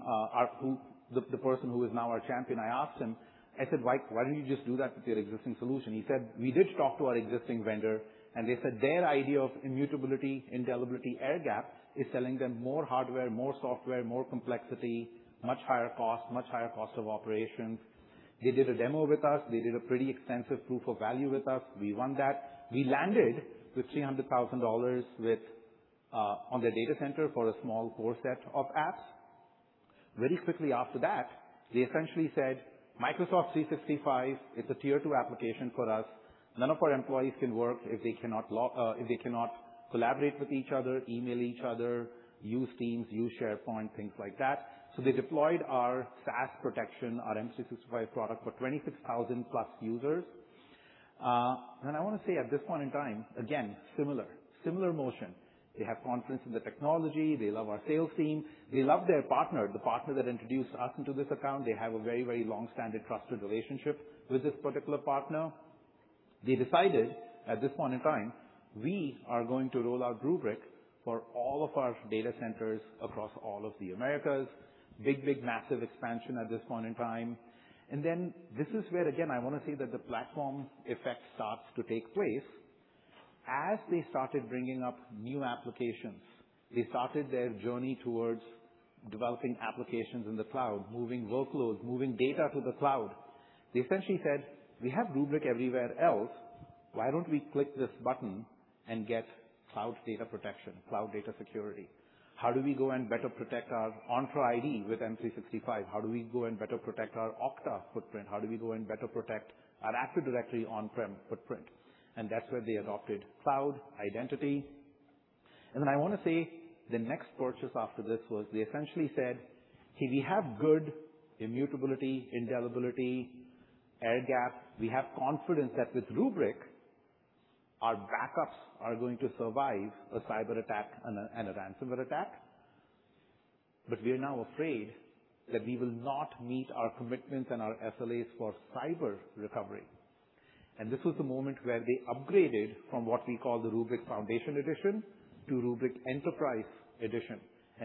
the person who is now our champion, I asked him, I said, "Why don't you just do that with your existing solution?" He said, "We did talk to our existing vendor, and they said their idea of immutability, indelibility, air gap is selling them more hardware, more software, more complexity, much higher cost, much higher cost of operation." They did a demo with us. They did a pretty extensive proof of value with us. We won that. We landed with $300,000 on their data center for a small core set of apps. Very quickly after that, they essentially said, "Microsoft 365 is a tier 2 application for us. None of our employees can work if they cannot collaborate with each other, email each other, use Teams, use SharePoint, things like that." They deployed our SaaS protection, our M365 product for 26,000 plus users. I want to say at this point in time, again, similar motion. They have confidence in the technology. They love our sales team. They love their partner, the partner that introduced us into this account. They have a very, very long-standing trusted relationship with this particular partner. They decided at this point in time, we are going to roll out Rubrik for all of our data centers across all of the Americas. Big, massive expansion at this point in time. This is where, again, I want to say that the platform effect starts to take place. As they started bringing up new applications, they started their journey towards developing applications in the cloud, moving workloads, moving data to the cloud. They essentially said, "We have Rubrik everywhere else. Why don't we click this button and get cloud data protection, cloud data security? How do we go and better protect our Entra ID with M365? How do we go and better protect our Okta footprint? How do we go and better protect our Active Directory on-prem footprint?" That's where they adopted cloud identity. I want to say the next purchase after this was they essentially said, "Hey, we have good immutability, indelibility, air gap. We have confidence that with Rubrik, our backups are going to survive a cyberattack and a ransomware attack. We are now afraid that we will not meet our commitments and our SLAs for cyber recovery." This was the moment where they upgraded from what we call the Rubrik Foundation Edition to Rubrik Enterprise Edition.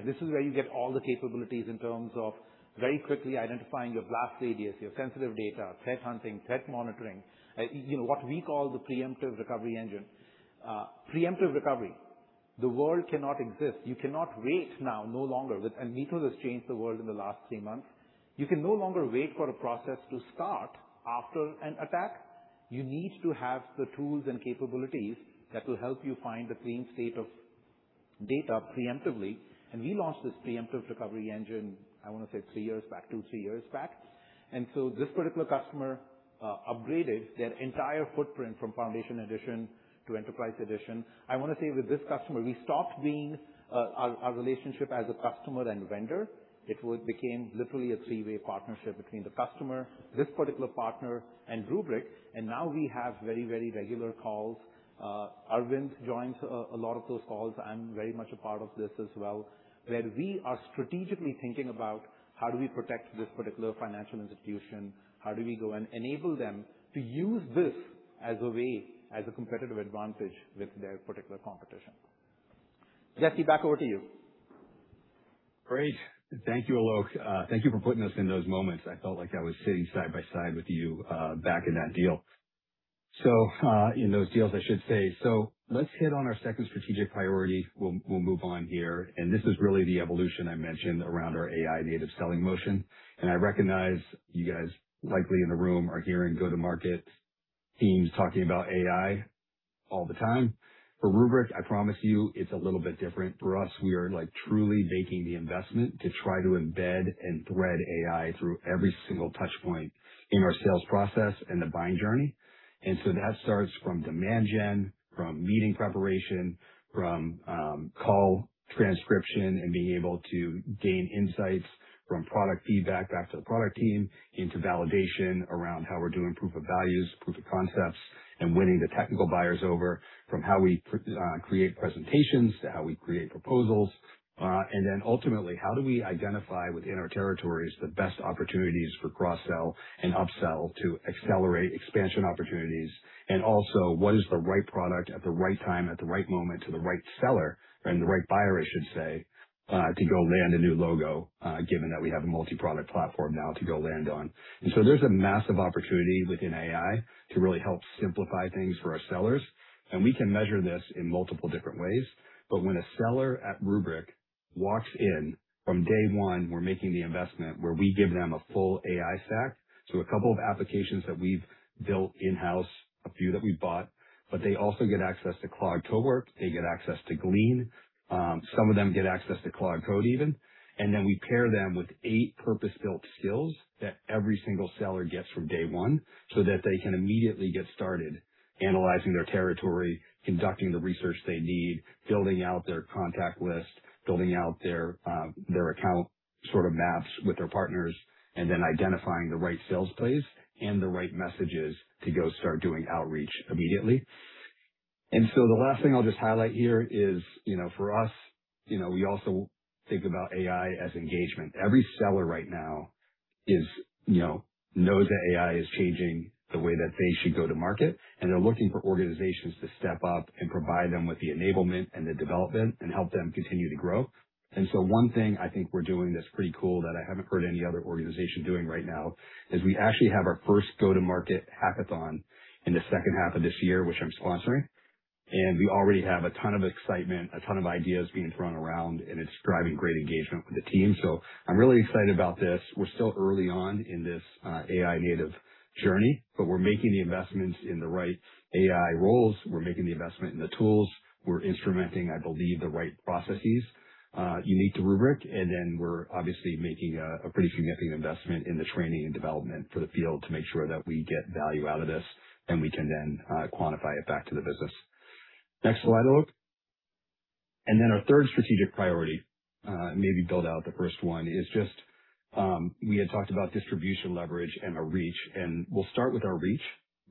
This is where you get all the capabilities in terms of very quickly identifying your blast radius, your sensitive data, threat hunting, threat monitoring, what we call the preemptive recovery engine. Preemptive recovery, the world cannot exist. You cannot wait now, no longer. MITRE has changed the world in the last three months. You can no longer wait for a process to start after an attack. You need to have the tools and capabilities that will help you find a clean state of data preemptively, and we launched this preemptive recovery engine, I want to say three years back, two, three years back. This particular customer upgraded their entire footprint from Foundation Edition to Enterprise Edition. I want to say with this customer, we stopped being our relationship as a customer and vendor. It became literally a three-way partnership between the customer, this particular partner, and Rubrik. Now we have very regular calls. Arvind joins a lot of those calls. I'm very much a part of this as well, where we are strategically thinking about how do we protect this particular financial institution? How do we go and enable them to use this as a way, as a competitive advantage with their particular competition. Jesse, back over to you. Great. Thank you, Alok. Thank you for putting us in those moments. I felt like I was sitting side by side with you back in that deal. In those deals, I should say. Let's hit on our second strategic priority. We'll move on here. This is really the evolution I mentioned around our AI-native selling motion. I recognize you guys likely in the room are hearing go-to-market teams talking about AI all the time. For Rubrik, I promise you, it's a little bit different for us. We are truly making the investment to try to embed and thread AI through every single touch point in our sales process and the buying journey. That starts from demand gen, from meeting preparation, from call transcription and being able to gain insights from product feedback back to the product team into validation around how we're doing proof of values, proof of concepts, and winning the technical buyers over from how we create presentations to how we create proposals. Ultimately, how do we identify within our territories the best opportunities for cross-sell and up-sell to accelerate expansion opportunities? What is the right product at the right time, at the right moment to the right seller and the right buyer, I should say, to go land a new logo, given that we have a multi-product platform now to go land on. There's a massive opportunity within AI to really help simplify things for our sellers. We can measure this in multiple different ways. When a seller at Rubrik walks in, from day one, we're making the investment where we give them a full AI stack. A couple of applications that we've built in-house, a few that we bought, but they also get access to Claude Cowork, they get access to Glean, some of them get access to Claude Code even. We pair them with eight purpose-built skills that every single seller gets from day one so that they can immediately get started analyzing their territory, conducting the research they need, building out their contact list, building out their account, sort of maps with their partners, identifying the right sales plays and the right messages to go start doing outreach immediately. The last thing I'll just highlight here is, for us, we also think about AI as engagement. Every seller right now knows that AI is changing the way that they should go to market, and they're looking for organizations to step up and provide them with the enablement and the development and help them continue to grow. One thing I think we're doing that's pretty cool that I haven't heard any other organization doing right now is we actually have our first go-to-market hackathon in the second half of this year, which I'm sponsoring. We already have a ton of excitement, a ton of ideas being thrown around, and it's driving great engagement with the team. I'm really excited about this. We're still early on in this AI-native journey, we're making the investments in the right AI roles. We're making the investment in the tools. We're instrumenting, I believe, the right processes unique to Rubrik. We're obviously making a pretty significant investment in the training and development for the field to make sure that we get value out of this, and we can then quantify it back to the business. Next slide, Alok. Our third strategic priority, maybe build out the first one, is, we had talked about distribution leverage and our reach. We'll start with our reach,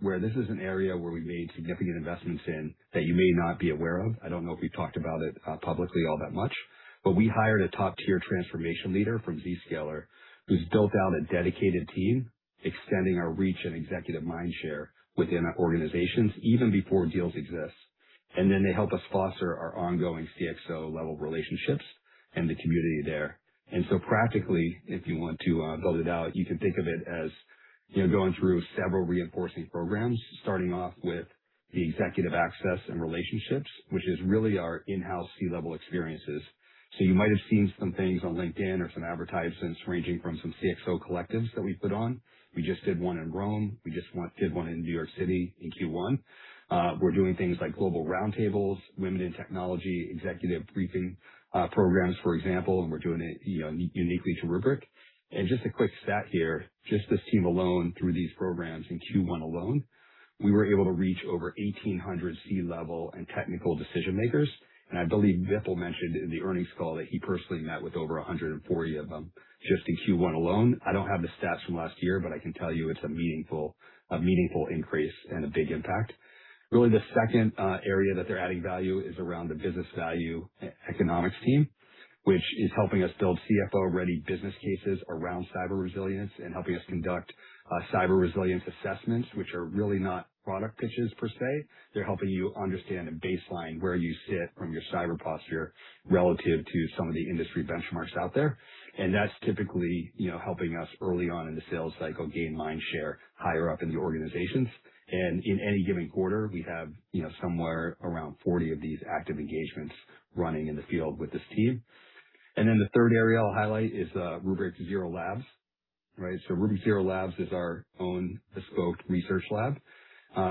where this is an area where we've made significant investments in that you may not be aware of. I don't know if we've talked about it publicly all that much, but we hired a top-tier transformation leader from Zscaler who's built out a dedicated team extending our reach and executive mindshare within our organizations even before deals exist. They help us foster our ongoing CXO-level relationships and the community there. Practically, if you want to build it out, you can think of it as going through several reinforcing programs, starting off with the executive access and relationships, which is really our in-house C-level experiences. You might have seen some things on LinkedIn or some advertisements ranging from some CXO collectives that we've put on. We just did one in Rome. We just did one in New York City in Q1. We're doing things like global roundtables, women in technology, executive briefing programs, for example, and we're doing it uniquely to Rubrik. Just a quick stat here, this team alone, through these programs in Q1 alone, we were able to reach over 1,800 C-level and technical decision-makers. I believe Bipul mentioned in the earnings call that he personally met with over 140 of them just in Q1 alone. I don't have the stats from last year, I can tell you it's a meaningful increase and a big impact. The second area that they're adding value is around the business value economics team, which is helping us build CFO-ready business cases around cyber resilience and helping us conduct cyber resilience assessments, which are really not product pitches per se. They're helping you understand and baseline where you sit from your cyber posture relative to some of the industry benchmarks out there. That's typically helping us early on in the sales cycle gain mind share higher up in the organizations. In any given quarter, we have somewhere around 40 of these active engagements running in the field with this team. The third area I'll highlight is Rubrik Zero Labs. Rubrik Zero Labs is our own bespoke research lab,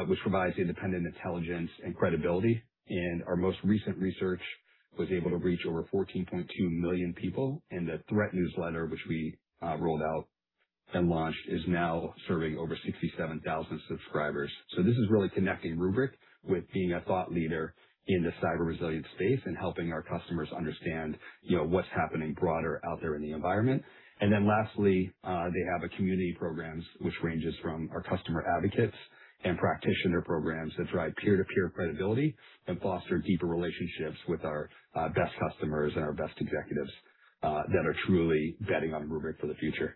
which provides independent intelligence and credibility. Our most recent research was able to reach over 14.2 million people, and the threat newsletter, which we rolled out and launched, is now serving over 67,000 subscribers. This is really connecting Rubrik with being a thought leader in the cyber resilience space and helping our customers understand what's happening broader out there in the environment. Lastly, they have a community programs which ranges from our customer advocates and practitioner programs that drive peer-to-peer credibility and foster deeper relationships with our best customers and our best executives that are truly betting on Rubrik for the future.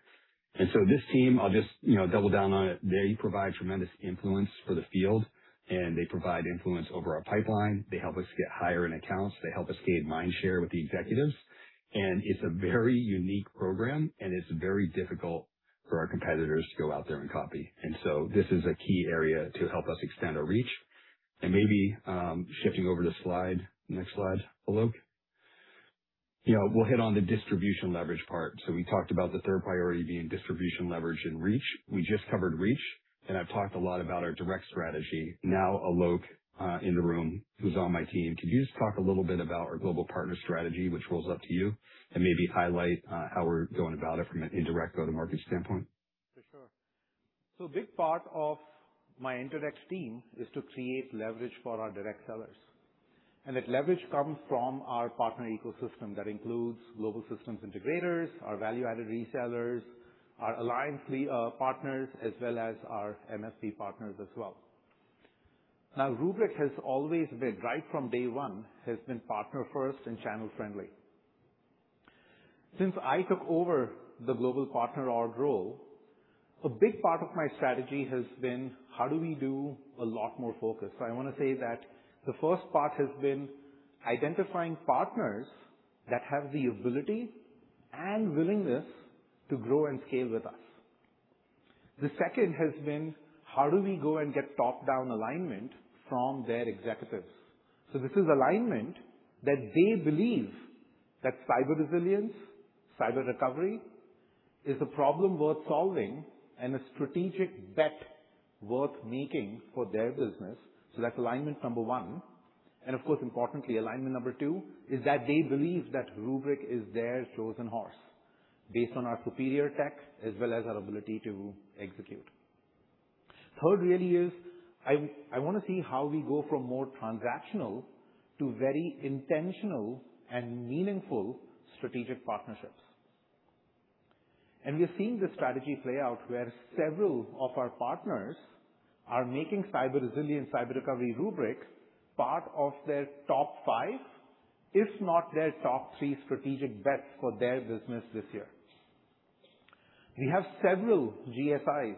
This team, I'll double down on it. They provide tremendous influence for the field, and they provide influence over our pipeline. They help us get higher end accounts. They help us gain mind share with the executives. It's a very unique program, and it's very difficult for our competitors to go out there and copy. This is a key area to help us extend our reach. Maybe shifting over to slide, next slide, Alok. We'll hit on the distribution leverage part. We talked about the third priority being distribution leverage and reach. We just covered reach, and I've talked a lot about our direct strategy. Now, Alok, in the room, who's on my team, could you just talk a little bit about our global partner strategy, which rolls up to you, and maybe highlight how we're going about it from an indirect go-to-market standpoint? For sure. A big part of my indirect team is to create leverage for our direct sellers. That leverage comes from our partner ecosystem. That includes global systems integrators, our value-added resellers, our alliance partners, as well as our MSP partners as well. Now, Rubrik has always been, right from day one, has been partner first and channel friendly. Since I took over the global partner org role, a big part of my strategy has been how do we do a lot more focus? I want to say that the first part has been identifying partners that have the ability and willingness to grow and scale with us. The second has been how do we go and get top-down alignment from their executives? This is alignment that they believe that cyber resilience, cyber recovery is a problem worth solving and a strategic bet worth making for their business. That's alignment number 1. Of course, importantly, alignment number 2 is that they believe that Rubrik is their chosen horse based on our superior tech as well as our ability to execute. Third really is, I want to see how we go from more transactional to very intentional and meaningful strategic partnerships. We are seeing this strategy play out where several of our partners are making cyber resilience, cyber recovery Rubrik part of their top 5, if not their top 3 strategic bets for their business this year. We have several GSIs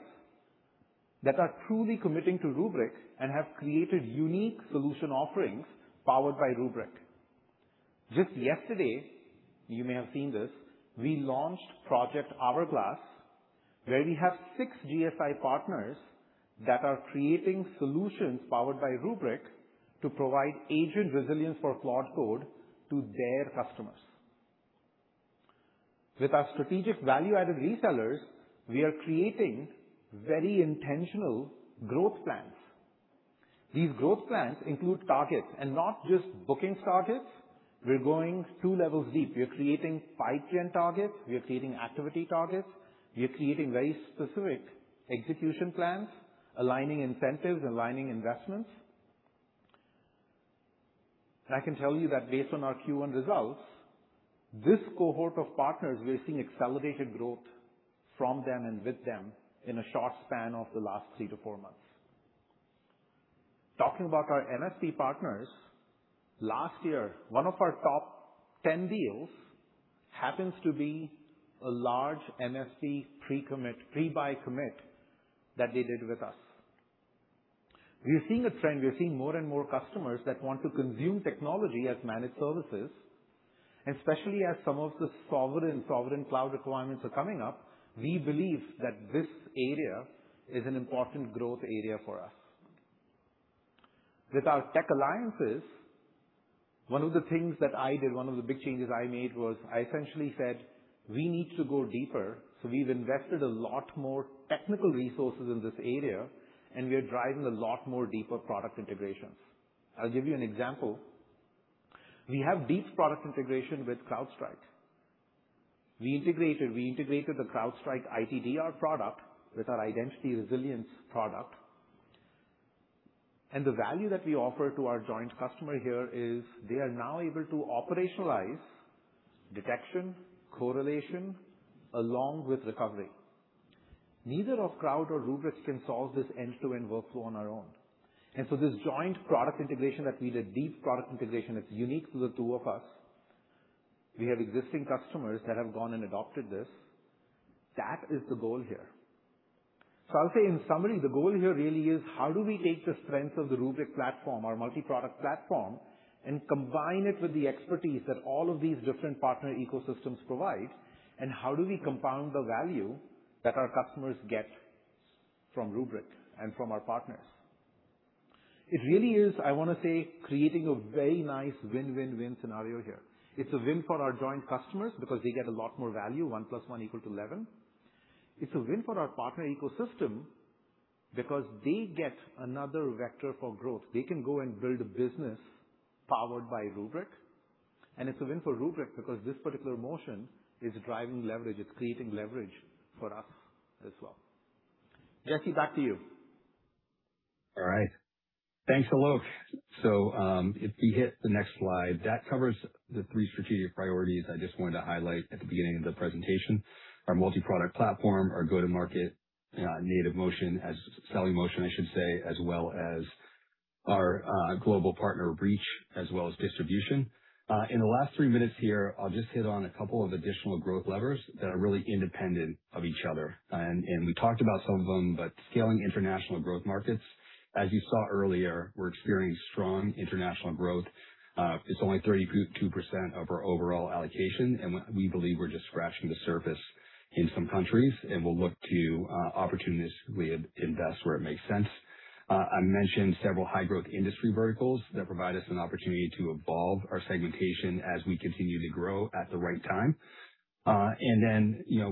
that are truly committing to Rubrik and have created unique solution offerings powered by Rubrik. Just yesterday, you may have seen this, we launched Project Hourglass, where we have 6 GSI partners that are creating solutions powered by Rubrik to provide agent resilience for Claude Code to their customers. With our strategic value-added resellers, we are creating very intentional growth plans. These growth plans include targets and not just booking targets. We're going 2 levels deep. We are creating pipe gen targets. We are creating activity targets. We are creating very specific execution plans, aligning incentives, aligning investments. I can tell you that based on our Q1 results, this cohort of partners, we are seeing accelerated growth from them and with them in a short span of the last 3 to 4 months. Talking about our MSP partners, last year, 1 of our top 10 deals happens to be a large MSP pre-buy commit that they did with us. We are seeing a trend. We are seeing more and more customers that want to consume technology as managed services. Especially as some of the sovereign cloud requirements are coming up, we believe that this area is an important growth area for us. With our tech alliances, one of the things that I did, one of the big changes I made was I essentially said, "We need to go deeper." We've invested a lot more technical resources in this area, and we are driving a lot more deeper product integrations. I'll give you an example. We have deep product integration with CrowdStrike. We integrated the CrowdStrike ITDR product with our identity resilience product. The value that we offer to our joint customer here is they are now able to operationalize detection, correlation, along with recovery. Neither of Crowd or Rubrik can solve this end-to-end workflow on our own. This joint product integration that we did, deep product integration that's unique to the two of us, we have existing customers that have gone and adopted this. That is the goal here. I'll say in summary, the goal here really is how do we take the strengths of the Rubrik platform, our multi-product platform, and combine it with the expertise that all of these different partner ecosystems provide, and how do we compound the value that our customers get from Rubrik and from our partners? It really is, I want to say, creating a very nice win-win-win scenario here. It's a win for our joint customers because they get a lot more value, one plus one equal to 11. It's a win for our partner ecosystem because they get another vector for growth. They can go and build a business powered by Rubrik. It's a win for Rubrik because this particular motion is driving leverage. It's creating leverage for us as well. Jesse, back to you. All right. Thanks, Alok. If we hit the next slide, that covers the three strategic priorities I just wanted to highlight at the beginning of the presentation. Our multi-product platform, our go-to-market native motion as-- selling motion, I should say, as well as our global partner reach, as well as distribution. In the last three minutes here, I'll just hit on a couple of additional growth levers that are really independent of each other. We talked about some of them, but scaling international growth markets, as you saw earlier, we're experiencing strong international growth. It's only 32% of our overall allocation, and we believe we're just scratching the surface in some countries, and we'll look to opportunistically invest where it makes sense. I mentioned several high-growth industry verticals that provide us an opportunity to evolve our segmentation as we continue to grow at the right time.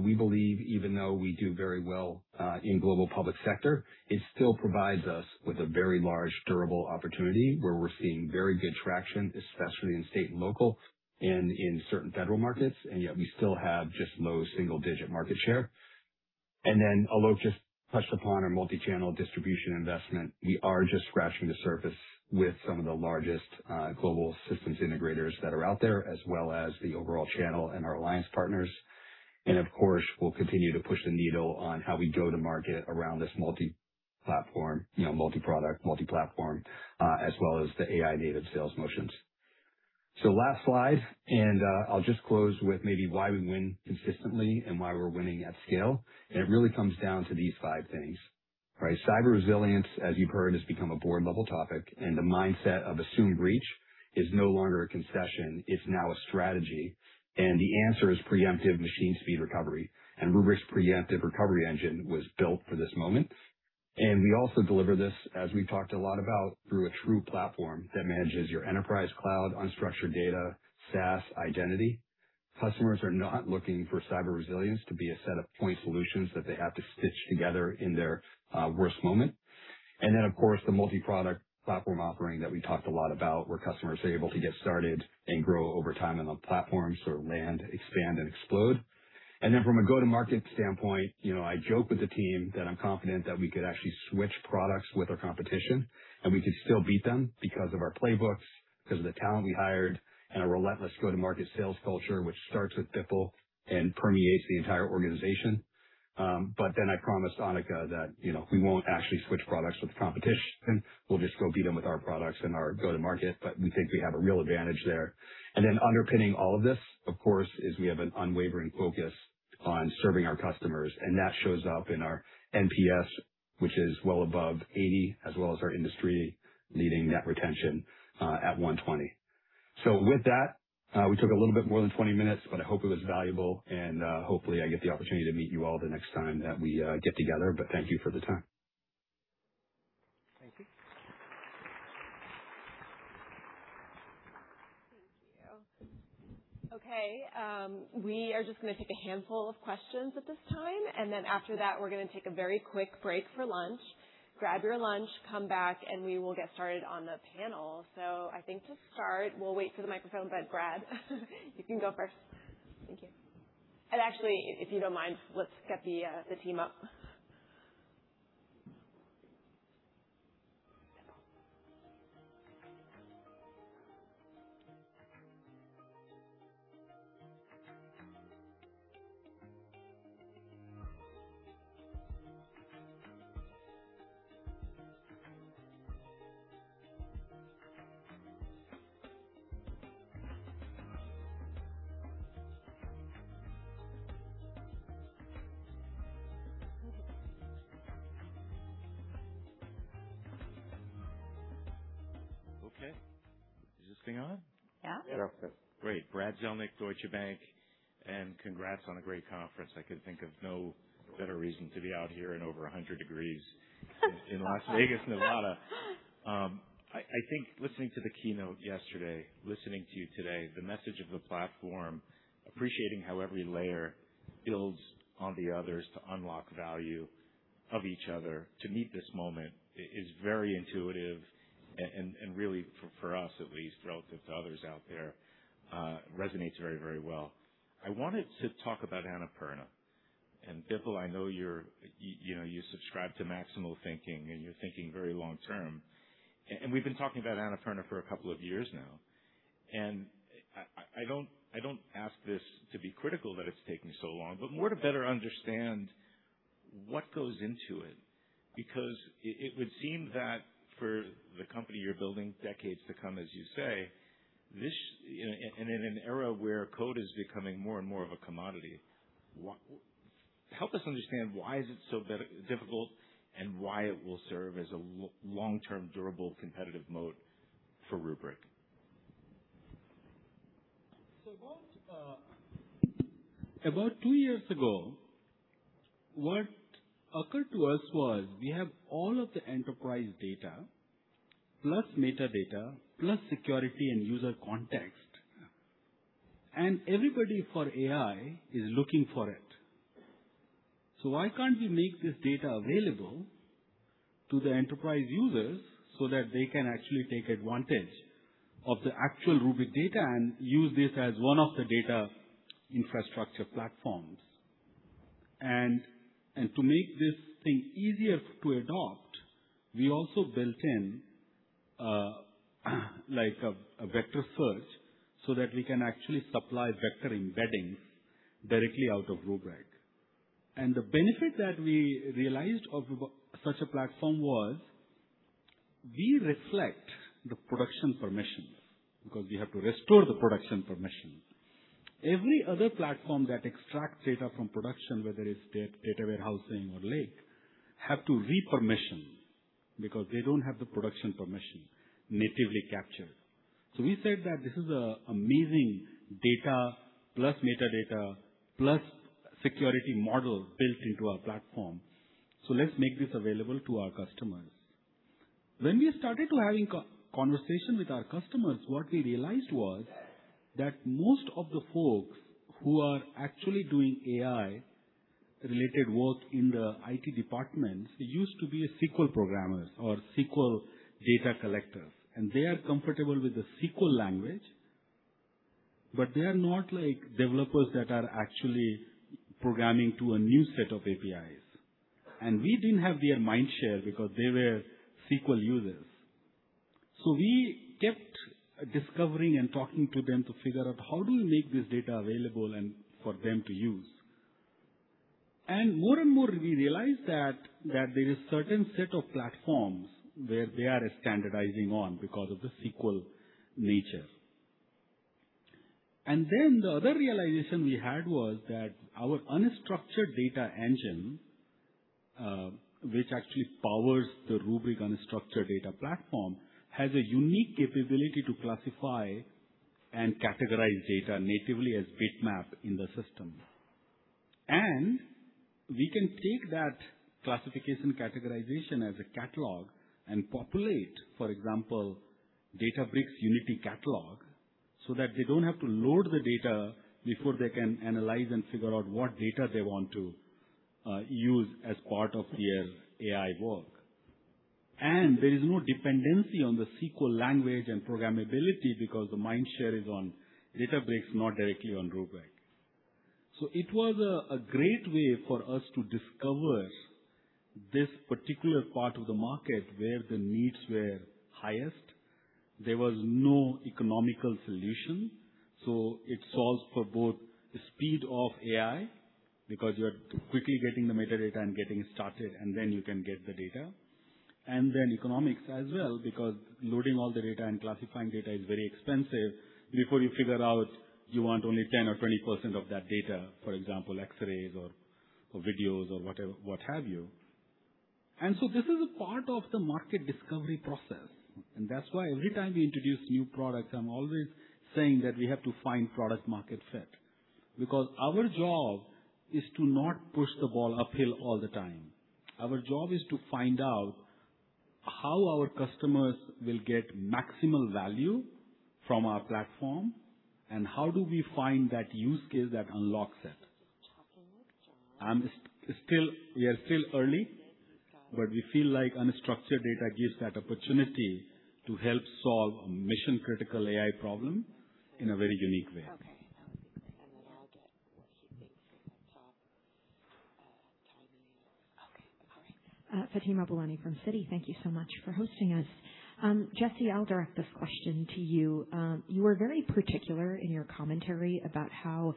We believe even though we do very well in global public sector, it still provides us with a very large, durable opportunity where we're seeing very good traction, especially in state and local and in certain federal markets, yet we still have just low single-digit market share. Alok just touched upon our multi-channel distribution investment. We are just scratching the surface with some of the largest Global Systems Integrators that are out there, as well as the overall channel and our alliance partners. We'll continue to push the needle on how we go to market around this multi-platform, multi-product, multi-platform, as well as the AI-native sales motions. Last slide, and I'll just close with maybe why we win consistently and why we're winning at scale. It really comes down to these five things, right? Cyber resilience, as you've heard, has become a board-level topic, and the mindset of assumed breach is no longer a concession. It's now a strategy. The answer is preemptive machine speed recovery. Rubrik's preemptive recovery engine was built for this moment. We also deliver this, as we've talked a lot about, through a true platform that manages your enterprise cloud, unstructured data, SaaS identity. Customers are not looking for cyber resilience to be a set of point solutions that they have to stitch together in their worst moment. The multi-product platform offering that we talked a lot about, where customers are able to get started and grow over time on the platform. Land, expand, and explode. From a go-to-market standpoint, I joke with the team that I'm confident that we could actually switch products with our competition, and we could still beat them because of our playbooks, because of the talent we hired, and a relentless go-to-market sales culture, which starts with Bipul and permeates the entire organization. I promised Anneka that we won't actually switch products with the competition. We'll just go beat them with our products and our go-to-market, but we think we have a real advantage there. Underpinning all of this, of course, is we have an unwavering focus on serving our customers, and that shows up in our NPS, which is well above 80, as well as our industry-leading net retention, at 120. With that, we took a little bit more than 20 minutes, but I hope it was valuable, and hopefully I get the opportunity to meet you all the next time that we get together. Thank you for the time. Thank you. Thank you. Okay. We are just going to take a handful of questions at this time. After that, we're going to take a very quick break for lunch. Grab your lunch, come back, and we will get started on the panel. I think to start, we'll wait for the microphones to get grabbed. You can go first. Thank you. Actually, if you don't mind, let's get the team up. Okay. Is this thing on? Yeah. Yeah. Great. Brad Zelnick, Deutsche Bank. Congrats on a great conference. I can think of no better reason to be out here in over 100 degrees in Las Vegas, Nevada. I think listening to the keynote yesterday, listening to you today, the message of the platform, appreciating how every layer builds on the others to unlock value of each other to meet this moment is very intuitive and really, for us at least, relative to others out there, resonates very well. I wanted to talk about Rubrik Annapurna. Bipul, I know you subscribe to maximal thinking and you're thinking very long term. We've been talking about Rubrik Annapurna for a couple of years now. I don't ask this to be critical that it's taking so long, but more to better understand what goes into it. It would seem that for the company you're building decades to come, as you say, and in an era where code is becoming more and more of a commodity, help us understand why is it so difficult and why it will serve as a long-term, durable, competitive moat for Rubrik. About two years ago, what occurred to us was we have all of the enterprise data, plus metadata, plus security and user context, and everybody for AI is looking for it. Why can't we make this data available to the enterprise users so that they can actually take advantage of the actual Rubrik data and use this as one of the data infrastructure platforms? To make this thing easier to adopt, we also built in a vector search so that we can actually supply vector embeddings directly out of Rubrik. The benefit that we realized of such a platform was we reflect the production permission because we have to restore the production permission. Every other platform that extracts data from production, whether it's data warehousing or lake, have to re-permission because they don't have the production permission natively captured. We said that this is an amazing data, plus metadata, plus security model built into our platform. Let's make this available to our customers. When we started to have conversations with our customers, what we realized was that most of the folks who are actually doing AI-related work in the IT departments used to be SQL programmers or SQL data collectors, and they are comfortable with the SQL language, but they are not developers that are actually programming to a new set of APIs. We didn't have their mind share because they were SQL users. We kept discovering and talking to them to figure out how do we make this data available and for them to use. More and more, we realized that there is a certain set of platforms where they are standardizing on because of the SQL nature. The other realization we had was that our unstructured data engine, which actually powers the Rubrik unstructured data platform, has a unique capability to classify and categorize data natively as bitmap in the system. We can take that classification categorization as a catalog and populate, for example, Databricks Unity Catalog, so that they don't have to load the data before they can analyze and figure out what data they want to use as part of their AI work. There is no dependency on the SQL language and programmability because the mind share is on Databricks, not directly on Rubrik. It was a great way for us to discover this particular part of the market where the needs were highest. There was no economical solution. It solves for both the speed of AI because you are quickly getting the metadata and getting started, you can get the data. Economics as well because loading all the data and classifying data is very expensive before you figure out you want only 10% or 20% of that data, for example, X-rays or videos or what have you. This is a part of the market discovery process, and that's why every time we introduce new products, I'm always saying that we have to find product-market fit because our job is to not push the ball uphill all the time. Our job is to find out how our customers will get maximal value from our platform and how do we find that use case that unlocks it. We are still early, but we feel like unstructured data gives that opportunity to help solve a mission-critical AI problem in a very unique way. Okay. I'll get what he thinks of that talk timing. Okay. All right. Fatima Boolani from Citi. Thank you so much for hosting us. Jesse, I'll direct this question to you. You were very particular in your commentary about how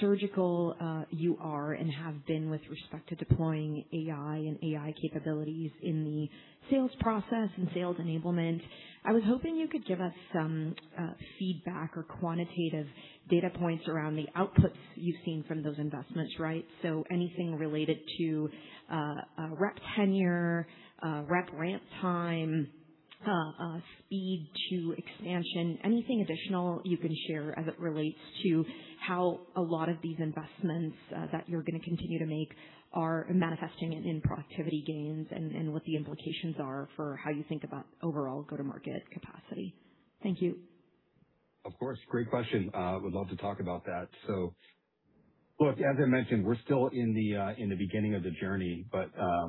surgical you are and have been with respect to deploying AI and AI capabilities in the sales process and sales enablement. I was hoping you could give us some feedback or quantitative data points around the outputs you've seen from those investments, right? Anything related to rep tenure, rep ramp time, speed to expansion, anything additional you can share as it relates to how a lot of these investments that you're going to continue to make are manifesting in productivity gains and what the implications are for how you think about overall go-to-market capacity. Thank you. Of course. Great question. Would love to talk about that. Look, as I mentioned, we're still in the beginning of the journey.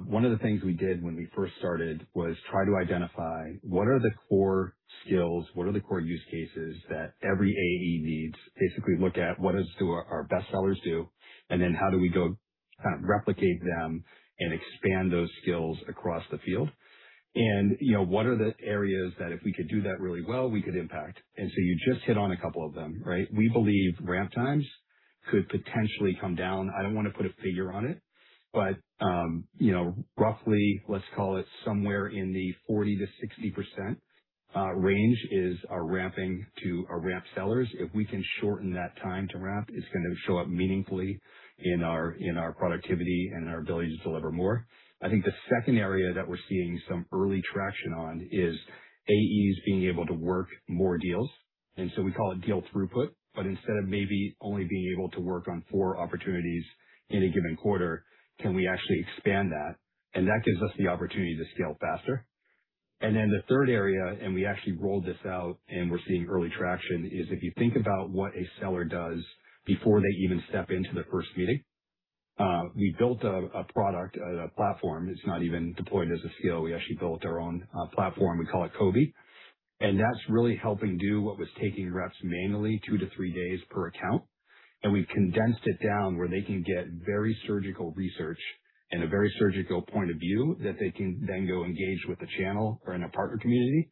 One of the things we did when we first started was try to identify what are the core skills, what are the core use cases that every AE needs. Basically look at what does our best sellers do, and then how do we go replicate them and expand those skills across the field. What are the areas that if we could do that really well, we could impact. You just hit on a couple of them, right? We believe ramp times could potentially come down. I don't want to put a figure on it, but roughly let's call it somewhere in the 40%-60% range is our ramping to our ramp sellers. If we can shorten that time to ramp, it's going to show up meaningfully in our productivity and our ability to deliver more. I think the second area that we're seeing some early traction on is AEs being able to work more deals. We call it deal throughput, but instead of maybe only being able to work on four opportunities in a given quarter, can we actually expand that? That gives us the opportunity to scale faster. The third area, and we actually rolled this out, and we're seeing early traction, is if you think about what a seller does before they even step into the first meeting. We built a product, a platform. It's not even deployed as a scale. We actually built our own platform. We call it COBI. That's really helping do what was taking reps manually two to three days per account. We've condensed it down where they can get very surgical research and a very surgical point of view that they can then go engage with the channel or in a partner community,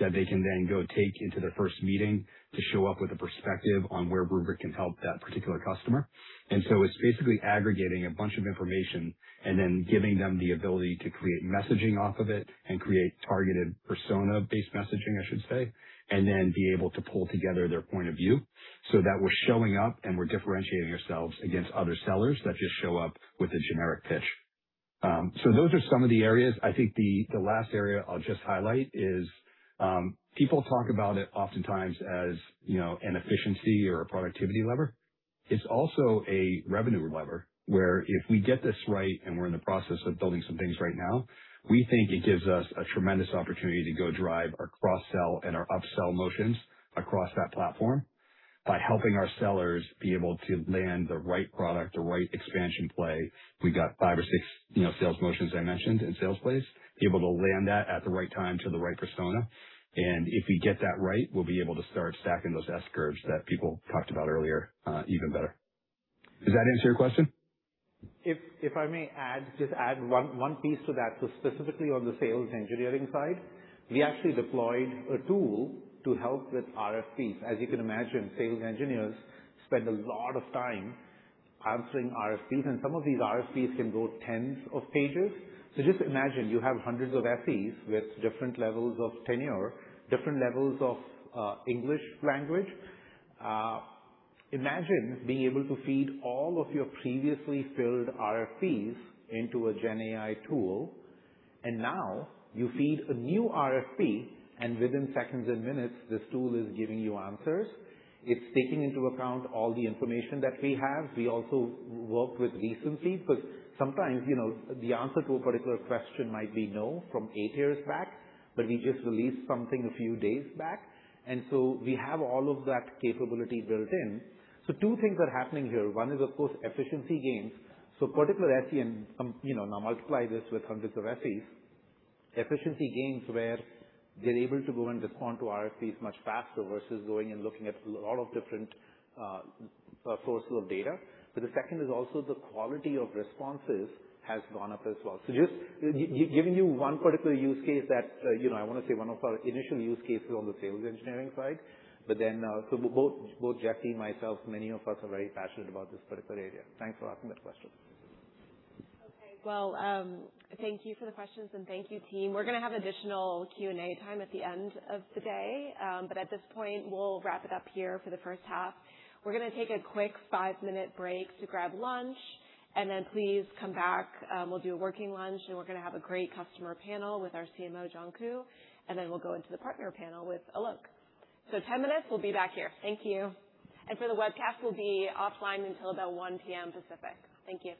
that they can then go take into their first meeting to show up with a perspective on where Rubrik can help that particular customer. It's basically aggregating a bunch of information and then giving them the ability to create messaging off of it and create targeted persona-based messaging, I should say, and then be able to pull together their point of view so that we're showing up and we're differentiating ourselves against other sellers that just show up with a generic pitch. Those are some of the areas. I think the last area I'll just highlight is, people talk about it oftentimes as an efficiency or a productivity lever. It's also a revenue lever, where if we get this right, and we're in the process of building some things right now, we think it gives us a tremendous opportunity to go drive our cross-sell and our upsell motions across that platform by helping our sellers be able to land the right product, the right expansion play. We've got five or six sales motions I mentioned in sales plays, be able to land that at the right time to the right persona. If we get that right, we'll be able to start stacking those S-curves that people talked about earlier, even better. Does that answer your question? If I may just add one piece to that. Specifically on the sales engineering side, we actually deployed a tool to help with RFPs. As you can imagine, sales engineers spend a lot of time answering RFPs, and some of these RFPs can go tens of pages. Just imagine you have hundreds of SEs with different levels of tenure, different levels of English language. Imagine being able to feed all of your previously filled RFPs into a GenAI tool, and now you feed a new RFP, and within seconds and minutes, this tool is giving you answers. It's taking into account all the information that we have. We also work with recency, because sometimes, the answer to a particular question might be no from eight years back, but we just released something a few days back. We have all of that capability built in. Two things are happening here. One is, of course, efficiency gains. A particular SE, and now multiply this with hundreds of SEs, efficiency gains where they're able to go and respond to RFPs much faster versus going and looking at a lot of different sources of data. The second is also the quality of responses has gone up as well. Just giving you one particular use case that, I want to say one of our initial use cases on the sales engineering side, both Jesse and myself, many of us are very passionate about this particular area. Thanks for asking that question. Okay. Well, thank you for the questions, and thank you, team. We're going to have additional Q&A time at the end of the day. At this point, we'll wrap it up here for the first half. We're going to take a quick five-minute break to grab lunch. Please come back. We'll do a working lunch, and we're going to have a great customer panel with our CMO, John Koo. We'll go into the partner panel with Alok. 10 minutes, we'll be back here. Thank you. For the webcast, we'll be offline until about 1:00 P.M. Pacific. Thank you.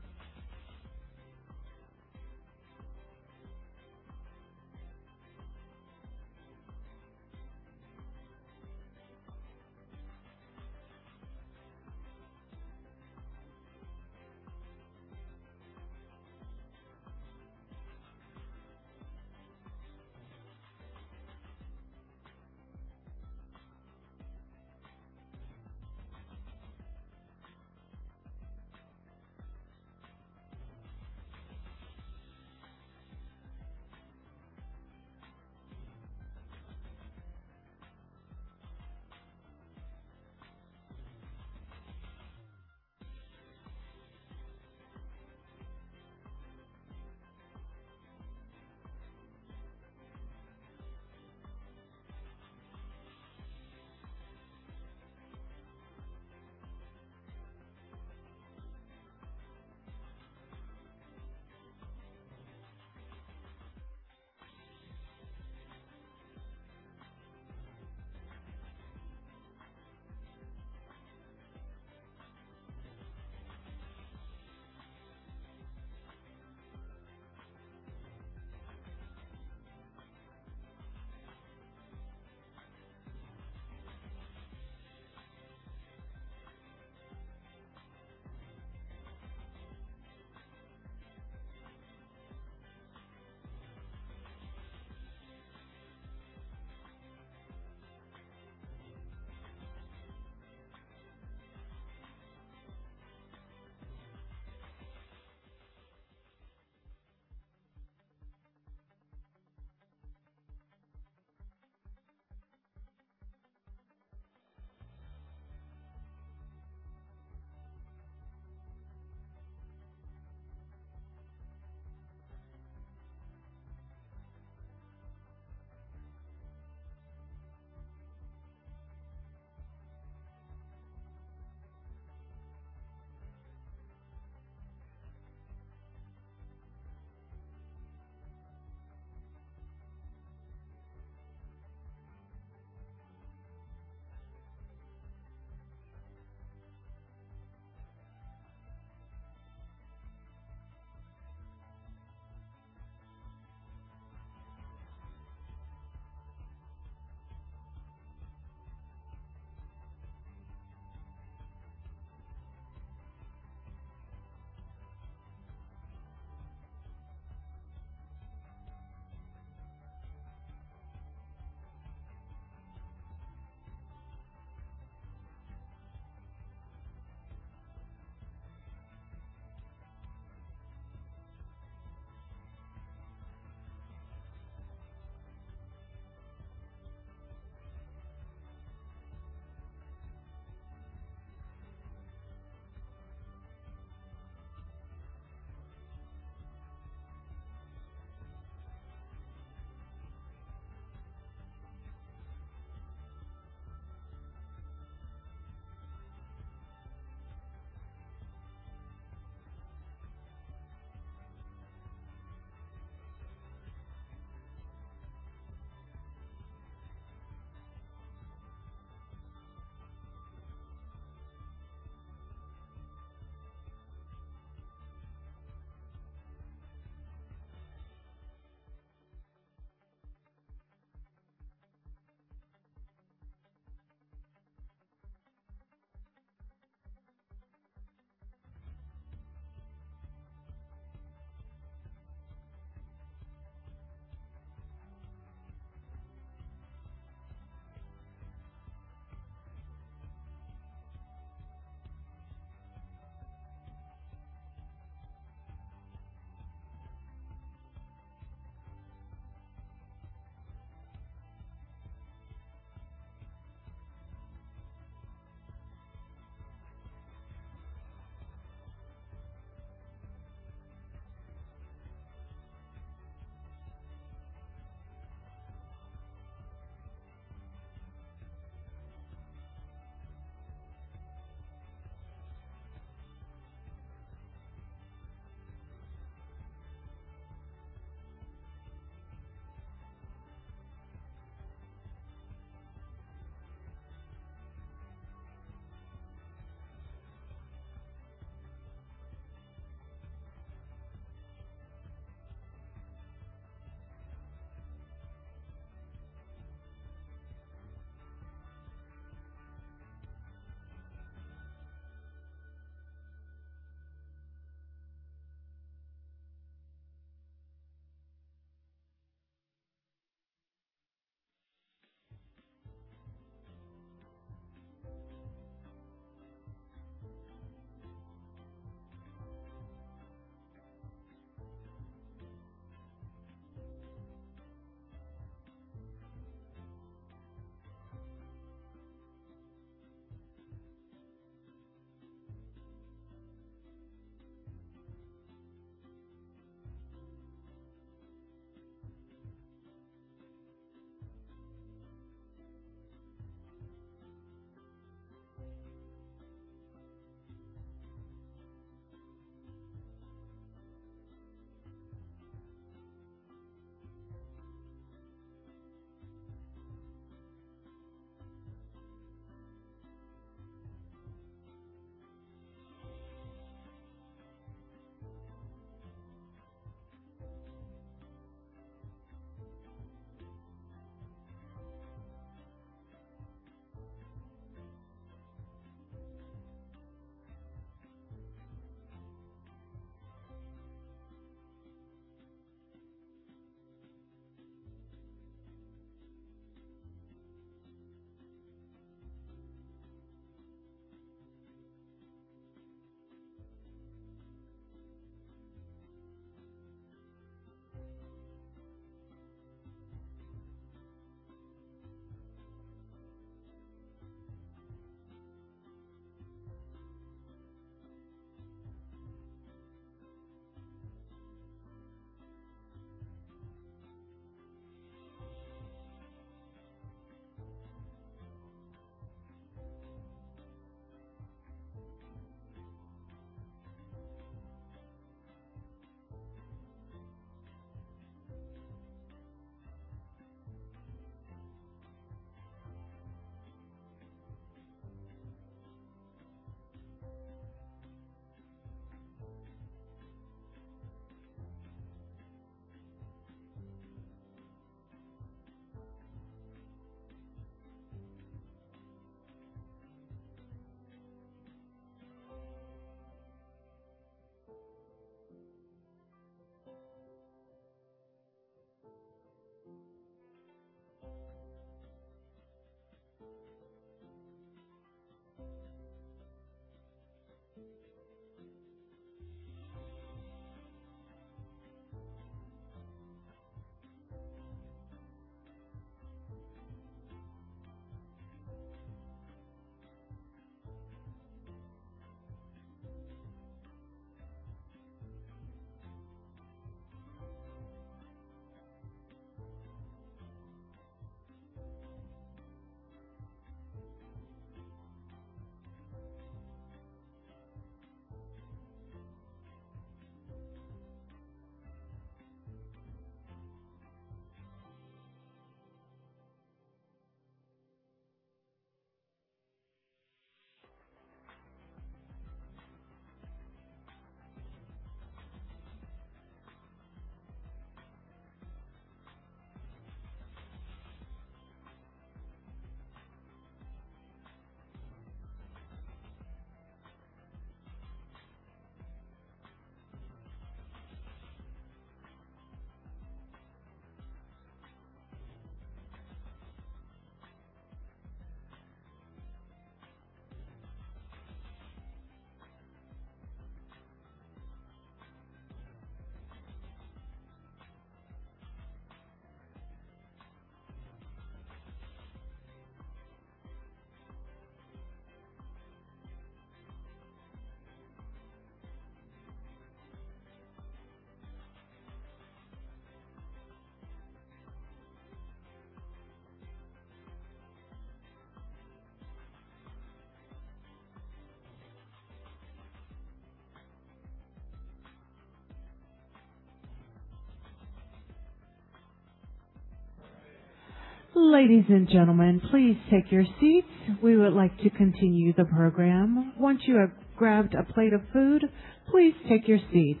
Ladies and gentlemen, please take your seats. We would like to continue the program. Once you have grabbed a plate of food, please take your seats.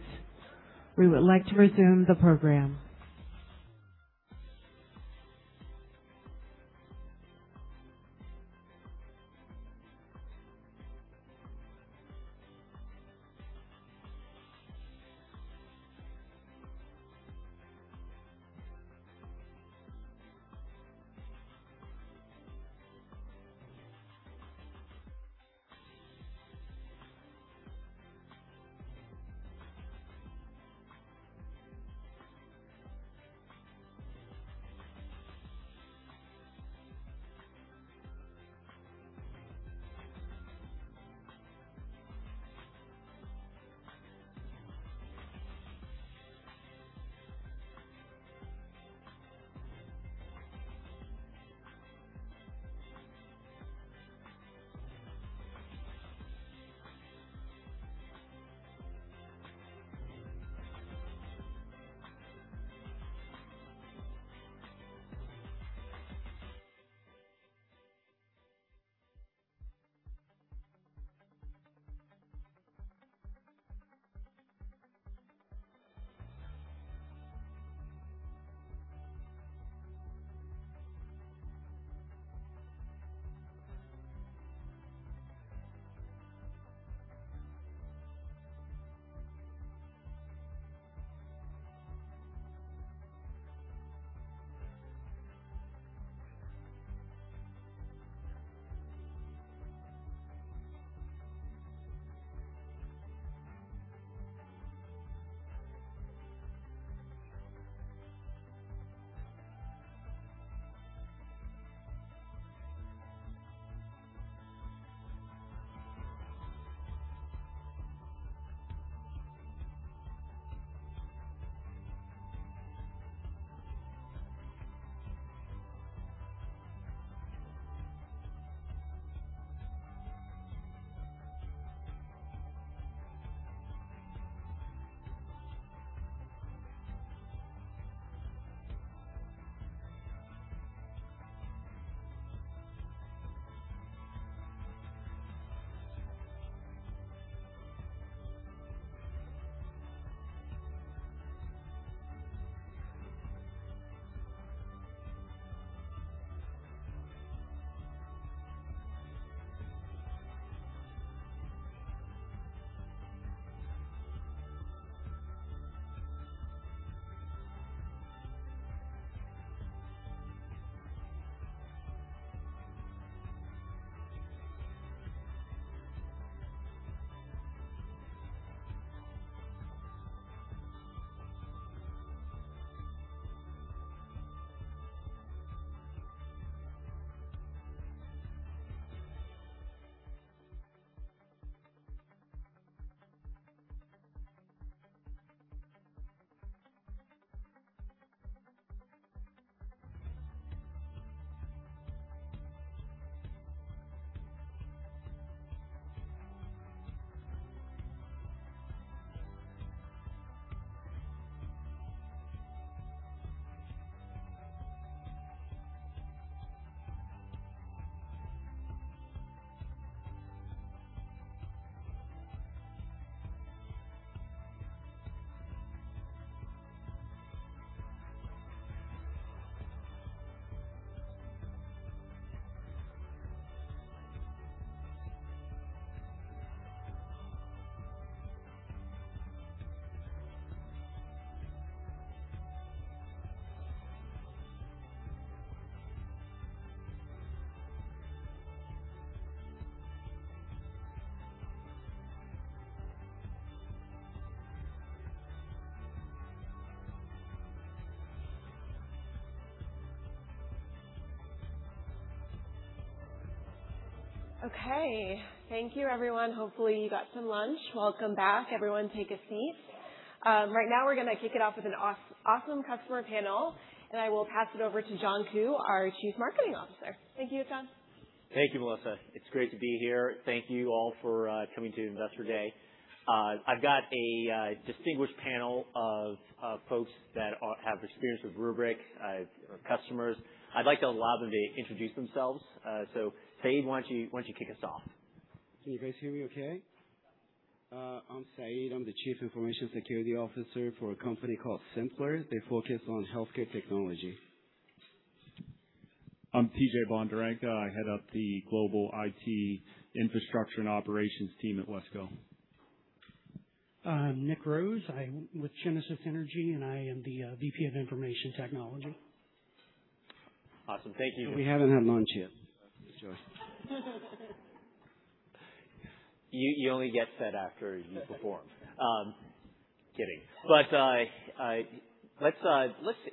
We would like to resume the program. Okay. Thank you, everyone. Hopefully, you got some lunch. Welcome back, everyone, take a seat. Right now, we're going to kick it off with an awesome customer panel. I will pass it over to John Koo, our Chief Marketing Officer. Thank you, John. Thank you, Melissa. It's great to be here. Thank you all for coming to Investor Day. I've got a distinguished panel of folks that have experience with Rubrik, our customers. I'd like to allow them to introduce themselves. Saeed, why don't you kick us off? Can you guys hear me okay? I'm Saeed. I'm the Chief Information Security Officer for a company called Symplr. They focus on healthcare technology. I'm TJ Bondarenka. I head up the global IT infrastructure and operations team at Wesco. I'm Nick Rose. I'm with Genesis Energy, and I am the VP of information technology. Awesome. Thank you. We haven't had lunch yet. That's true. You only get fed after you perform. Kidding. Let's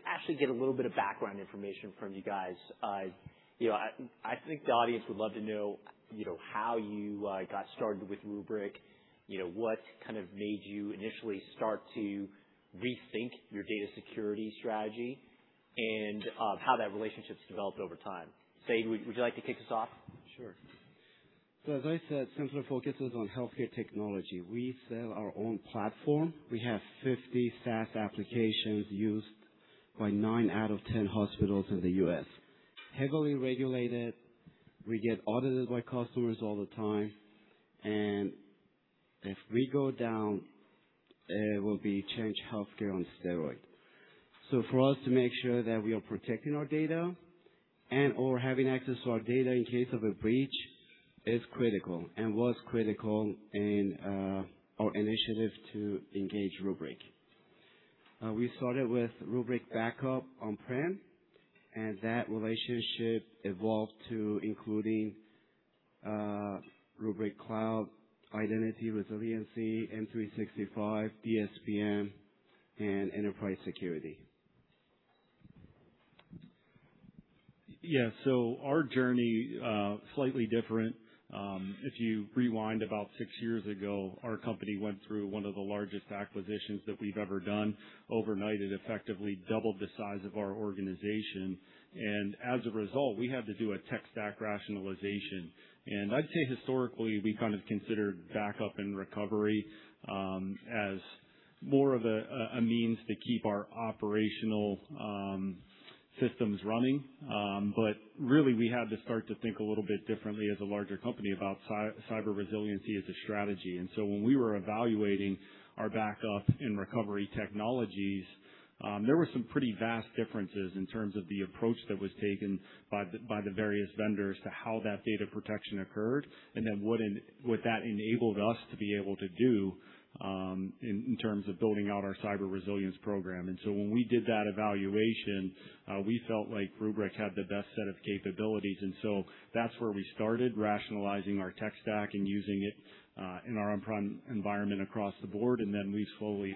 actually get a little bit of background information from you guys. I think the audience would love to know how you got started with Rubrik, what made you initially start to rethink your data security strategy, and how that relationship's developed over time. Saeed, would you like to kick us off? Sure. As I said, Symplr focuses on healthcare technology. We sell our own platform. We have 50 SaaS applications used by nine out of 10 hospitals in the U.S. Heavily regulated. We get audited by customers all the time, and if we go down, it will be Change Healthcare on steroid. For us to make sure that we are protecting our data and/or having access to our data in case of a breach is critical and was critical in our initiative to engage Rubrik. We started with Rubrik backup on-prem, and that relationship evolved to including Rubrik Cloud, Identity Resiliency, M365, DSPM, and enterprise security. Yeah. Our journey, slightly different. If you rewind about six years ago, our company went through one of the largest acquisitions that we've ever done. Overnight, it effectively doubled the size of our organization. As a result, we had to do a tech stack rationalization. I'd say historically, we considered backup and recovery as more of a means to keep our operational systems running. Really, we had to start to think a little bit differently as a larger company about cyber resiliency as a strategy. When we were evaluating our backup and recovery technologies, there were some pretty vast differences in terms of the approach that was taken by the various vendors to how that data protection occurred, and then what that enabled us to be able to do, in terms of building out our cyber resilience program. When we did that evaluation, we felt like Rubrik had the best set of capabilities, that's where we started rationalizing our tech stack and using it, in our on-prem environment across the board, we slowly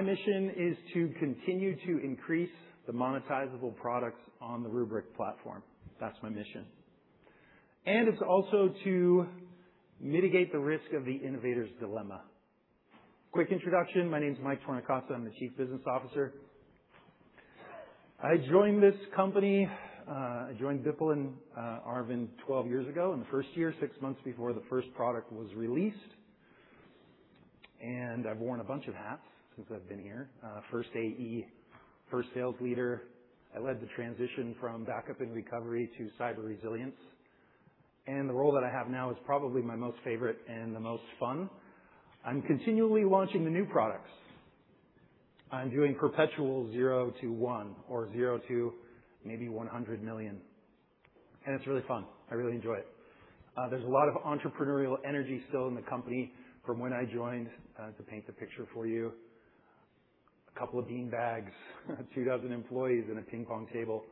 Thank you. Thank you. Thank you so much. Do you want me to introduce you or? Yeah. All right. Let's keep it going. My mission is to continue to increase the monetizable products on the Rubrik platform. That's my mission. It's also to mitigate the risk of the innovator's dilemma. Quick introduction. My name's Mike Tornincasa. I'm the Chief Business Officer. I joined this company, I joined Bipul and Arvind 12 years ago in the first year, six months before the first product was released. I've worn a bunch of hats since I've been here. First AE, first sales leader. I led the transition from backup and recovery to cyber resilience. The role that I have now is probably my most favorite and the most fun. I'm continually launching the new products. I'm doing perpetual zero to one or zero to maybe 100 million, it's really fun. I really enjoy it. There's a lot of entrepreneurial energy still in the company from when I joined, to paint the picture for you. A couple of beanbags, two dozen employees, a ping pong table.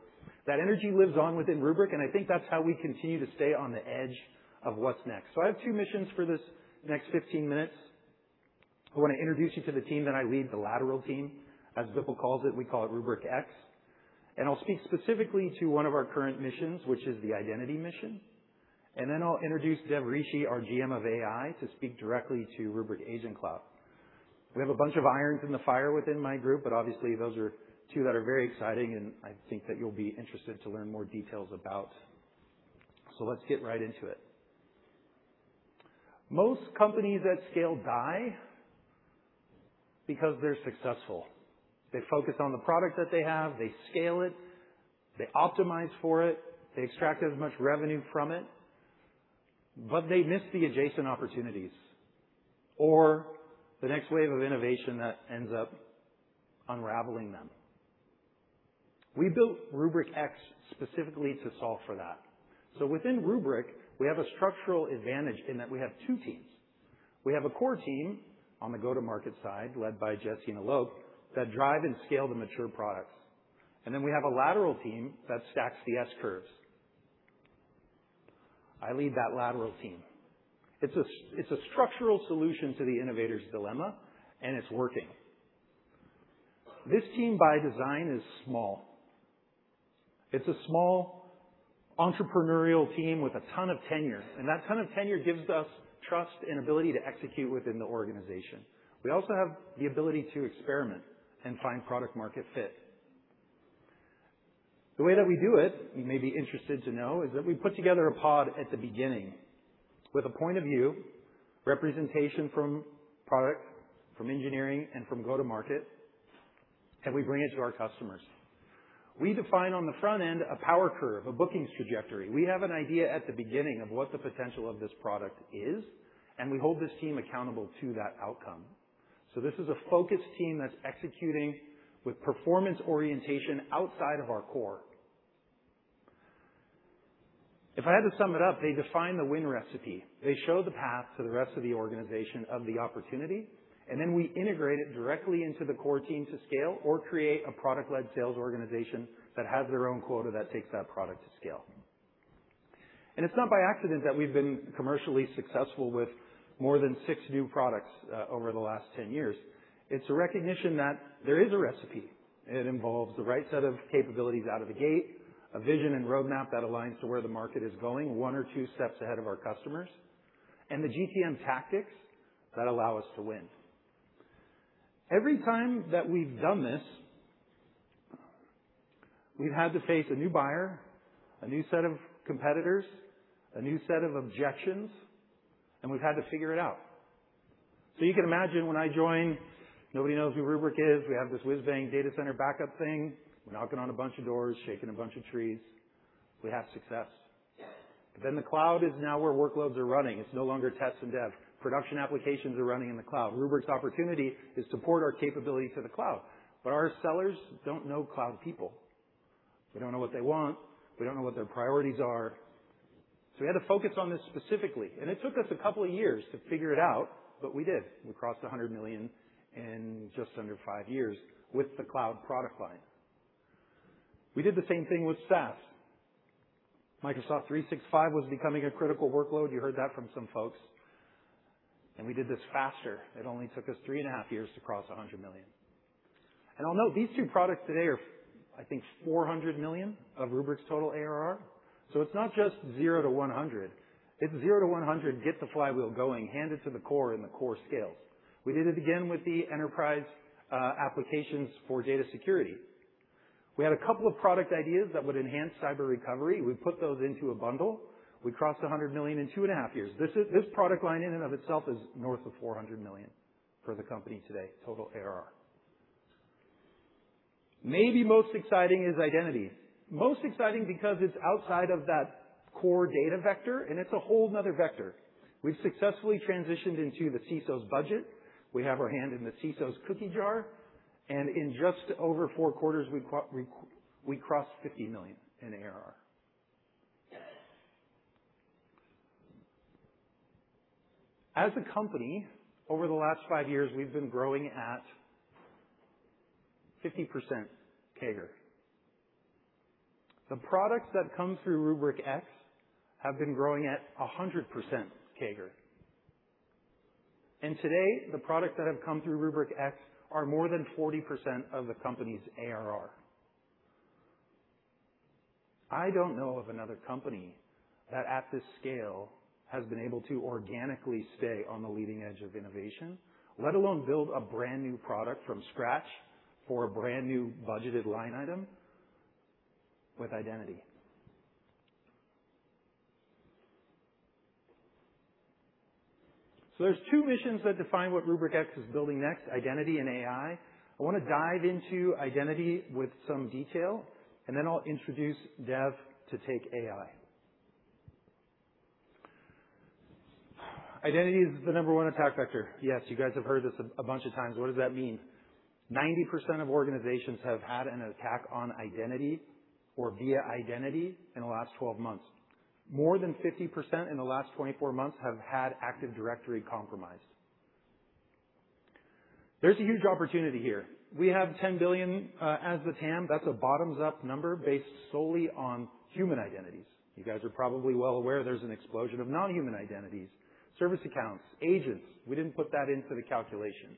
That energy lives on within Rubrik, I think that's how we continue to stay on the edge of what's next. I have two missions for this next 15 minutes. I want to introduce you to the team that I lead, the lateral team, as Bipul calls it. We call it Rubrik X. I'll speak specifically to one of our current missions, which is the identity mission. Then I'll introduce Devvret, our GM of AI, to speak directly to Rubrik Agent Cloud. We have a bunch of irons in the fire within my group, obviously those are two that are very exciting, I think that you'll be interested to learn more details about. Let's get right into it. Most companies at scale die because they're successful. They focus on the product that they have, they scale it, they optimize for it, they extract as much revenue from it, but they miss the adjacent opportunities or the next wave of innovation that ends up unraveling them. We built Rubrik X specifically to solve for that. Within Rubrik, we have a structural advantage in that we have two teams. We have a core team on the go-to-market side, led by Jesse and Alok, that drive and scale the mature products. Then we have a lateral team that stacks the S-curves. I lead that lateral team. It's a structural solution to the innovator's dilemma. It's working. This team, by design, is small. It's a small entrepreneurial team with a ton of tenure. That ton of tenure gives us trust and ability to execute within the organization. We also have the ability to experiment and find product-market fit. The way that we do it, you may be interested to know, is that we put together a pod at the beginning with a point of view, representation from product, from engineering, and from go-to-market. We bring it to our customers. We define on the front end a power curve, a bookings trajectory. We have an idea at the beginning of what the potential of this product is. We hold this team accountable to that outcome. This is a focus team that's executing with performance orientation outside of our core. If I had to sum it up, they define the win recipe, they show the path to the rest of the organization of the opportunity. Then we integrate it directly into the core team to scale or create a product-led sales organization that has their own quota that takes that product to scale. It's not by accident that we've been commercially successful with more than six new products over the last 10 years. It's a recognition that there is a recipe. It involves the right set of capabilities out of the gate, a vision and roadmap that aligns to where the market is going, one or two steps ahead of our customers, and the GTM tactics that allow us to win. Every time that we've done this, we've had to face a new buyer, a new set of competitors, a new set of objections. We've had to figure it out. You can imagine when I join, nobody knows who Rubrik is. We have this whiz-bang data center backup thing. We're knocking on a bunch of doors, shaking a bunch of trees. We have success. The cloud is now where workloads are running. It's no longer test and dev. Production applications are running in the cloud. Rubrik's opportunity is to port our capability to the cloud. Our sellers don't know cloud people. We don't know what they want. We don't know what their priorities are. We had to focus on this specifically. It took us a couple of years to figure it out. We did. We crossed $100 million in just under five years with the cloud product line. We did the same thing with SaaS. Microsoft 365 was becoming a critical workload. You heard that from some folks. We did this faster. It only took us three and a half years to cross $100 million. I'll note, these two products today are, I think, $400 million of Rubrik's total ARR. It's not just zero to 100. It's zero to 100, get the flywheel going, hand it to the core. The core scales. We did it again with the enterprise applications for data security. We had a couple of product ideas that would enhance cyber recovery. We put those into a bundle. We crossed $100 million in two and a half years. This product line in and of itself is north of $400 million for the company today, total ARR. Maybe most exciting is identity. Most exciting because it's outside of that core data vector, it's a whole another vector. We've successfully transitioned into the CISO's budget. We have our hand in the CISO's cookie jar. In just over four quarters, we crossed $50 million in ARR. As a company, over the last five years, we've been growing at 50% CAGR. The products that come through Rubrik X have been growing at 100% CAGR. Today, the products that have come through Rubrik X are more than 40% of the company's ARR. I don't know of another company that at this scale has been able to organically stay on the leading edge of innovation, let alone build a brand-new product from scratch for a brand-new budgeted line item with identity. There's two missions that define what Rubrik X is building next, identity and AI. I want to dive into identity with some detail. Then I'll introduce Dev to take AI. Identity is the number one attack vector. Yes, you guys have heard this a bunch of times. What does that mean? 90% of organizations have had an attack on identity or via identity in the last 12 months. More than 50% in the last 24 months have had Active Directory compromised. There's a huge opportunity here. We have $10 billion as the TAM. That's a bottoms-up number based solely on human identities. You guys are probably well aware there's an explosion of non-human identities, service accounts, agents. We didn't put that into the calculation.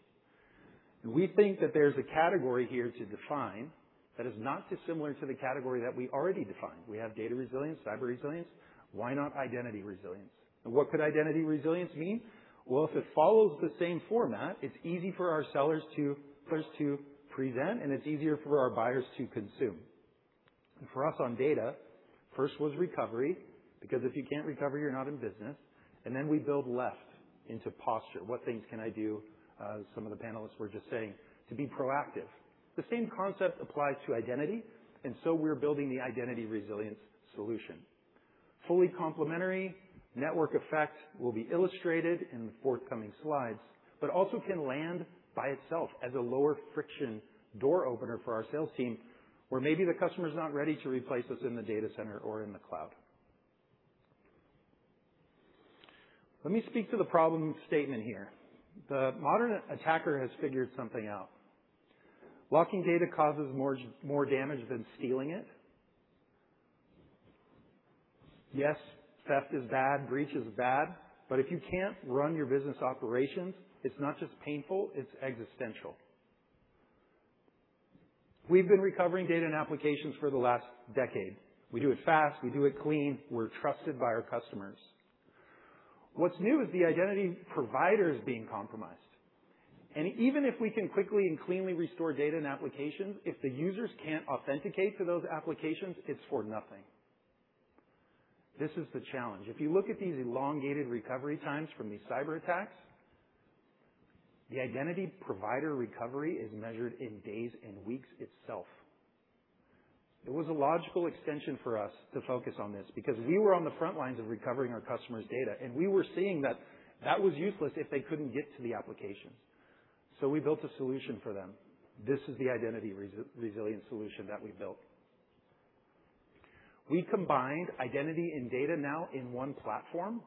We think that there's a category here to define that is not dissimilar to the category that we already defined. We have data resilience, cyber resilience. Why not identity resilience? What could identity resilience mean? Well, if it follows the same format, it's easy for our sellers to present, it's easier for our buyers to consume. For us on data, first was recovery, because if you can't recover, you're not in business. Then we build left into posture. What things can I do, as some of the panelists were just saying, to be proactive? The same concept applies to identity, so we're building the identity resilience solution. Fully complementary, network effect will be illustrated in the forthcoming slides, but also can land by itself as a lower friction door opener for our sales team, where maybe the customer's not ready to replace us in the data center or in the cloud. Let me speak to the problem statement here. The modern attacker has figured something out. Locking data causes more damage than stealing it. Yes, theft is bad, breach is bad, if you can't run your business operations, it's not just painful, it's existential. We've been recovering data and applications for the last decade. We do it fast, we do it clean, we're trusted by our customers. What's new is the identity provider is being compromised. Even if we can quickly and cleanly restore data and applications, if the users can't authenticate to those applications, it's for nothing. This is the challenge. If you look at these elongated recovery times from these cyber attacks, the identity provider recovery is measured in days and weeks itself. It was a logical extension for us to focus on this because we were on the front lines of recovering our customers' data, and we were seeing that that was useless if they couldn't get to the applications. We built a solution for them. This is the identity resilience solution that we built. We combined identity and data now in one platform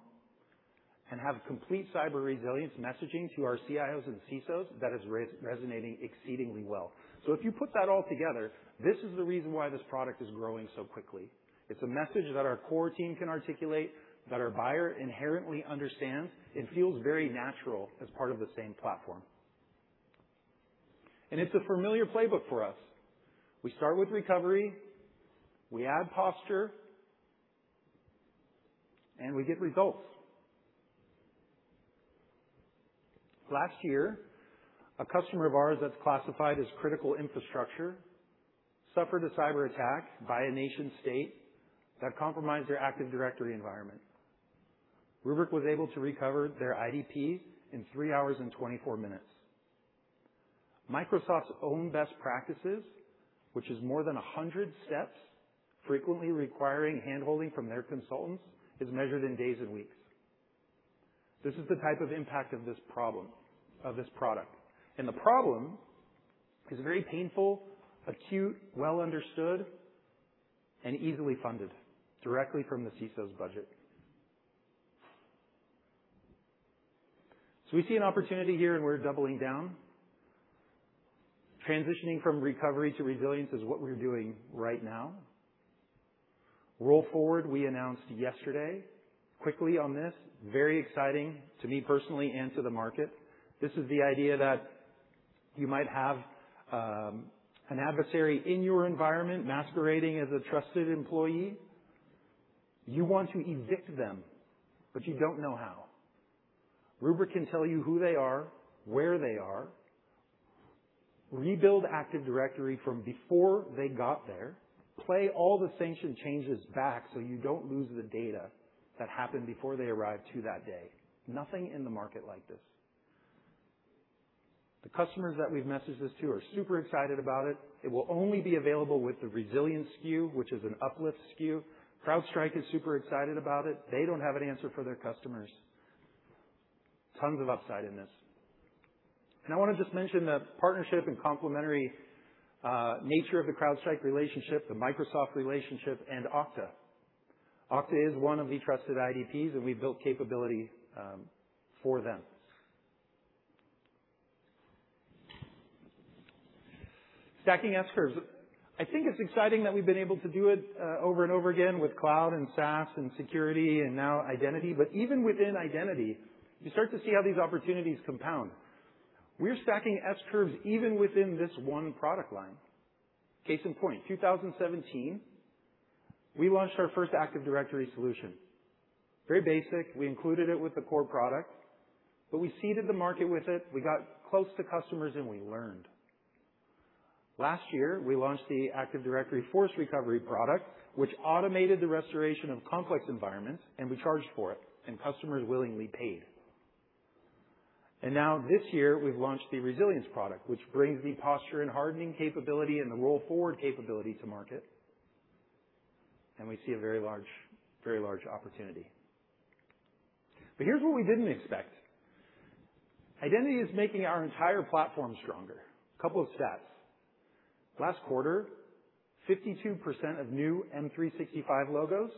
and have complete cyber resilience messaging to our CIOs and CISO that is resonating exceedingly well. If you put that all together, this is the reason why this product is growing so quickly. It's a message that our core team can articulate, that our buyer inherently understands and feels very natural as part of the same platform. It's a familiar playbook for us. We start with recovery, we add posture, and we get results. Last year, a customer of ours that's classified as critical infrastructure suffered a cyber attack by a nation state that compromised their Active Directory environment. Rubrik was able to recover their IDP in 3 hours and 24 minutes. Microsoft's own best practices, which is more than 100 steps, frequently requiring hand-holding from their consultants, is measured in days and weeks. This is the type of impact of this product. The problem is very painful, acute, well understood, and easily funded directly from the CISO's budget. We see an opportunity here, and we're doubling down. Transitioning from recovery to resilience is what we're doing right now. Roll forward, we announced yesterday quickly on this, very exciting to me personally and to the market. This is the idea that you might have an adversary in your environment masquerading as a trusted employee. You want to evict them, but you don't know how. Rubrik can tell you who they are, where they are, rebuild Active Directory from before they got there, play all the sanctioned changes back so you don't lose the data that happened before they arrived to that day. Nothing in the market like this. The customers that we've messaged this to are super excited about it. It will only be available with the resilience SKU, which is an uplift SKU. CrowdStrike is super excited about it. They don't have an answer for their customers. Tons of upside in this. I want to just mention the partnership and complementary nature of the CrowdStrike relationship, the Microsoft relationship, and Okta. Okta is one of the trusted IDPs, and we built capability for them. Stacking S-curves. I think it's exciting that we've been able to do it over and over again with cloud and SaaS and security and now identity. Even within identity, you start to see how these opportunities compound. We're stacking S-curves even within this one product line. Case in point, 2017, we launched our first Active Directory solution. Very basic. We included it with the core product, but we seeded the market with it. We got close to customers, and we learned. Last year, we launched the Active Directory Force Recovery product, which automated the restoration of complex environments, and we charged for it, and customers willingly paid. Now this year, we've launched the resilience product, which brings the posture and hardening capability and the roll forward capability to market. We see a very large opportunity. Here's what we didn't expect. Identity is making our entire platform stronger. A couple of stats. Last quarter, 52% of new M365 logos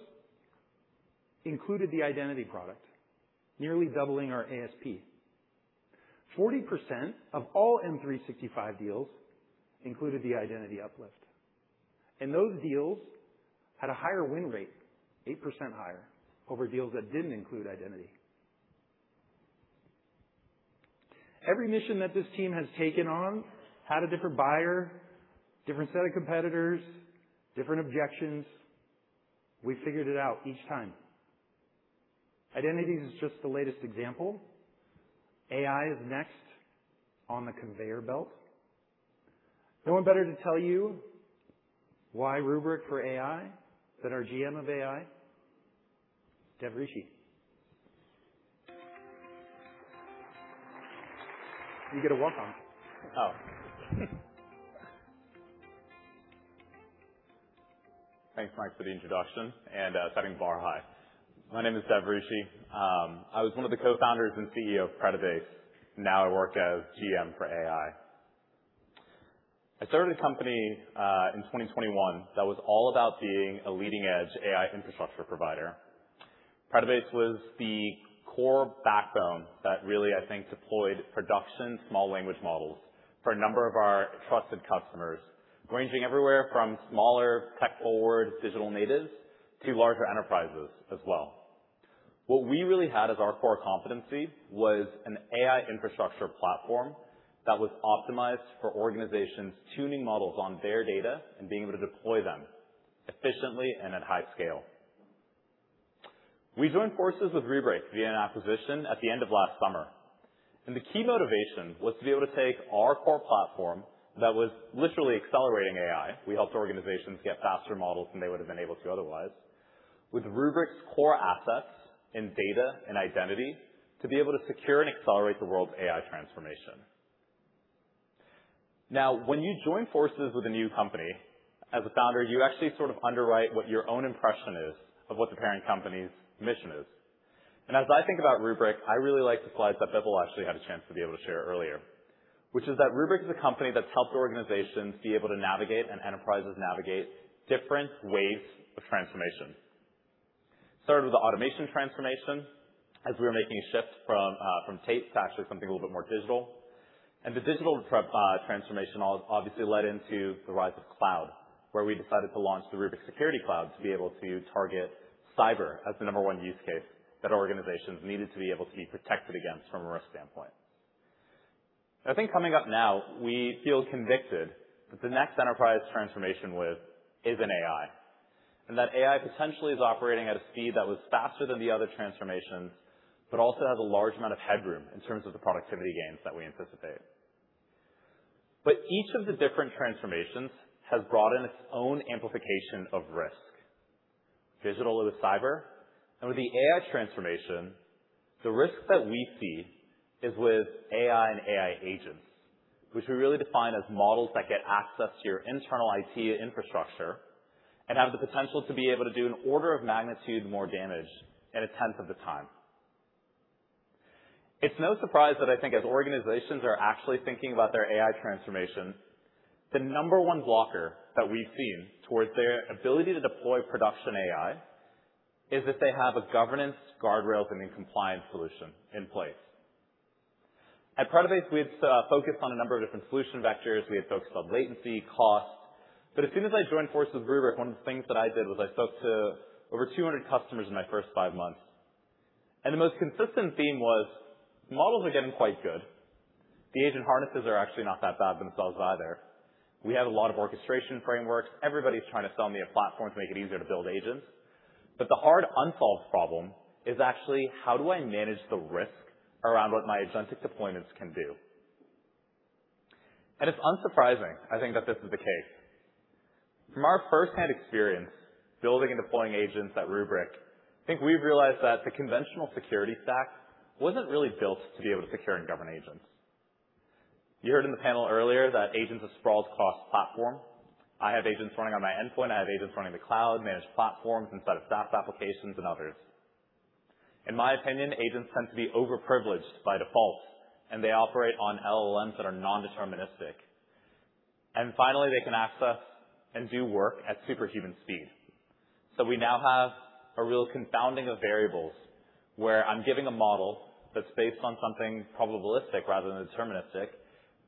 included the identity product, nearly doubling our ASP. 40% of all M365 deals included the identity uplift. Those deals had a higher win rate, 8% higher, over deals that didn't include identity. Every mission that this team has taken on had a different buyer, different set of competitors, different objections. We figured it out each time. Identities is just the latest example. AI is next on the conveyor belt. No one better to tell you why Rubrik for AI than our GM of AI, Dev Rishi. You get a welcome. Thanks, Mike, for the introduction and setting the bar high. My name is Dev Rishi. I was one of the co-founders and CEO of Predibase, now I work as GM for AI. I started a company, in 2021, that was all about being a leading-edge AI infrastructure provider. Predibase was the core backbone that really, I think, deployed production small language models for a number of our trusted customers, ranging everywhere from smaller tech-forward digital natives to larger enterprises as well. What we really had as our core competency was an AI infrastructure platform that was optimized for organizations tuning models on their data and being able to deploy them efficiently and at high scale. We joined forces with Rubrik via an acquisition at the end of last summer, and the key motivation was to be able to take our core platform that was literally accelerating AI, we helped organizations get faster models than they would've been able to otherwise, with Rubrik's core assets in data and identity to be able to secure and accelerate the world's AI transformation. When you join forces with a new company, as a founder, you actually sort of underwrite what your own impression is of what the parent company's mission is. As I think about Rubrik, I really like the slides that Bipul actually had a chance to be able to share earlier, which is that Rubrik is a company that's helped organizations be able to navigate, and enterprises navigate, different waves of transformation. It started with the automation transformation, as we were making a shift from tape stacks or something a little bit more digital. The digital transformation obviously led into the rise of cloud, where we decided to launch the Rubrik Security Cloud to be able to target cyber as the number 1 use case that organizations needed to be able to be protected against from a risk standpoint. I think coming up now, we feel convicted that the next enterprise transformation width is in AI, and that AI potentially is operating at a speed that was faster than the other transformations, but also has a large amount of headroom in terms of the productivity gains that we anticipate. Each of the different transformations has brought in its own amplification of risk. Digital with cyber. With the AI transformation, the risk that we see is with AI and AI agents, which we really define as models that get access to your internal IT infrastructure and have the potential to be able to do an order of magnitude more damage at a tenth of the time. It is no surprise that I think as organizations are actually thinking about their AI transformation, the number 1 blocker that we have seen towards their ability to deploy production AI is if they have a governance, guardrails, and then compliance solution in place. At Predibase, we had focused on a number of different solution vectors. We had focused on latency, costs. As soon as I joined forces with Rubrik, one of the things that I did was I spoke to over 200 customers in my first five months. The most consistent theme was, models are getting quite good. The agent harnesses are actually not that bad themselves either. We have a lot of orchestration frameworks. Everybody is trying to sell me a platform to make it easier to build agents. The hard unsolved problem is actually how do I manage the risk around what my agentic deployments can do? It is unsurprising, I think, that this is the case. From our firsthand experience building and deploying agents at Rubrik, I think we have realized that the conventional security stack was not really built to be able to secure and govern agents. You heard in the panel earlier that agents have sprawled across platform. I have agents running on my endpoint, I have agents running in the cloud, managed platforms inside of SaaS applications and others. In my opinion, agents tend to be overprivileged by default, and they operate on LLMs that are non-deterministic. Finally, they can access and do work at superhuman speed. We now have a real confounding of variables, where I am giving a model that is based on something probabilistic rather than deterministic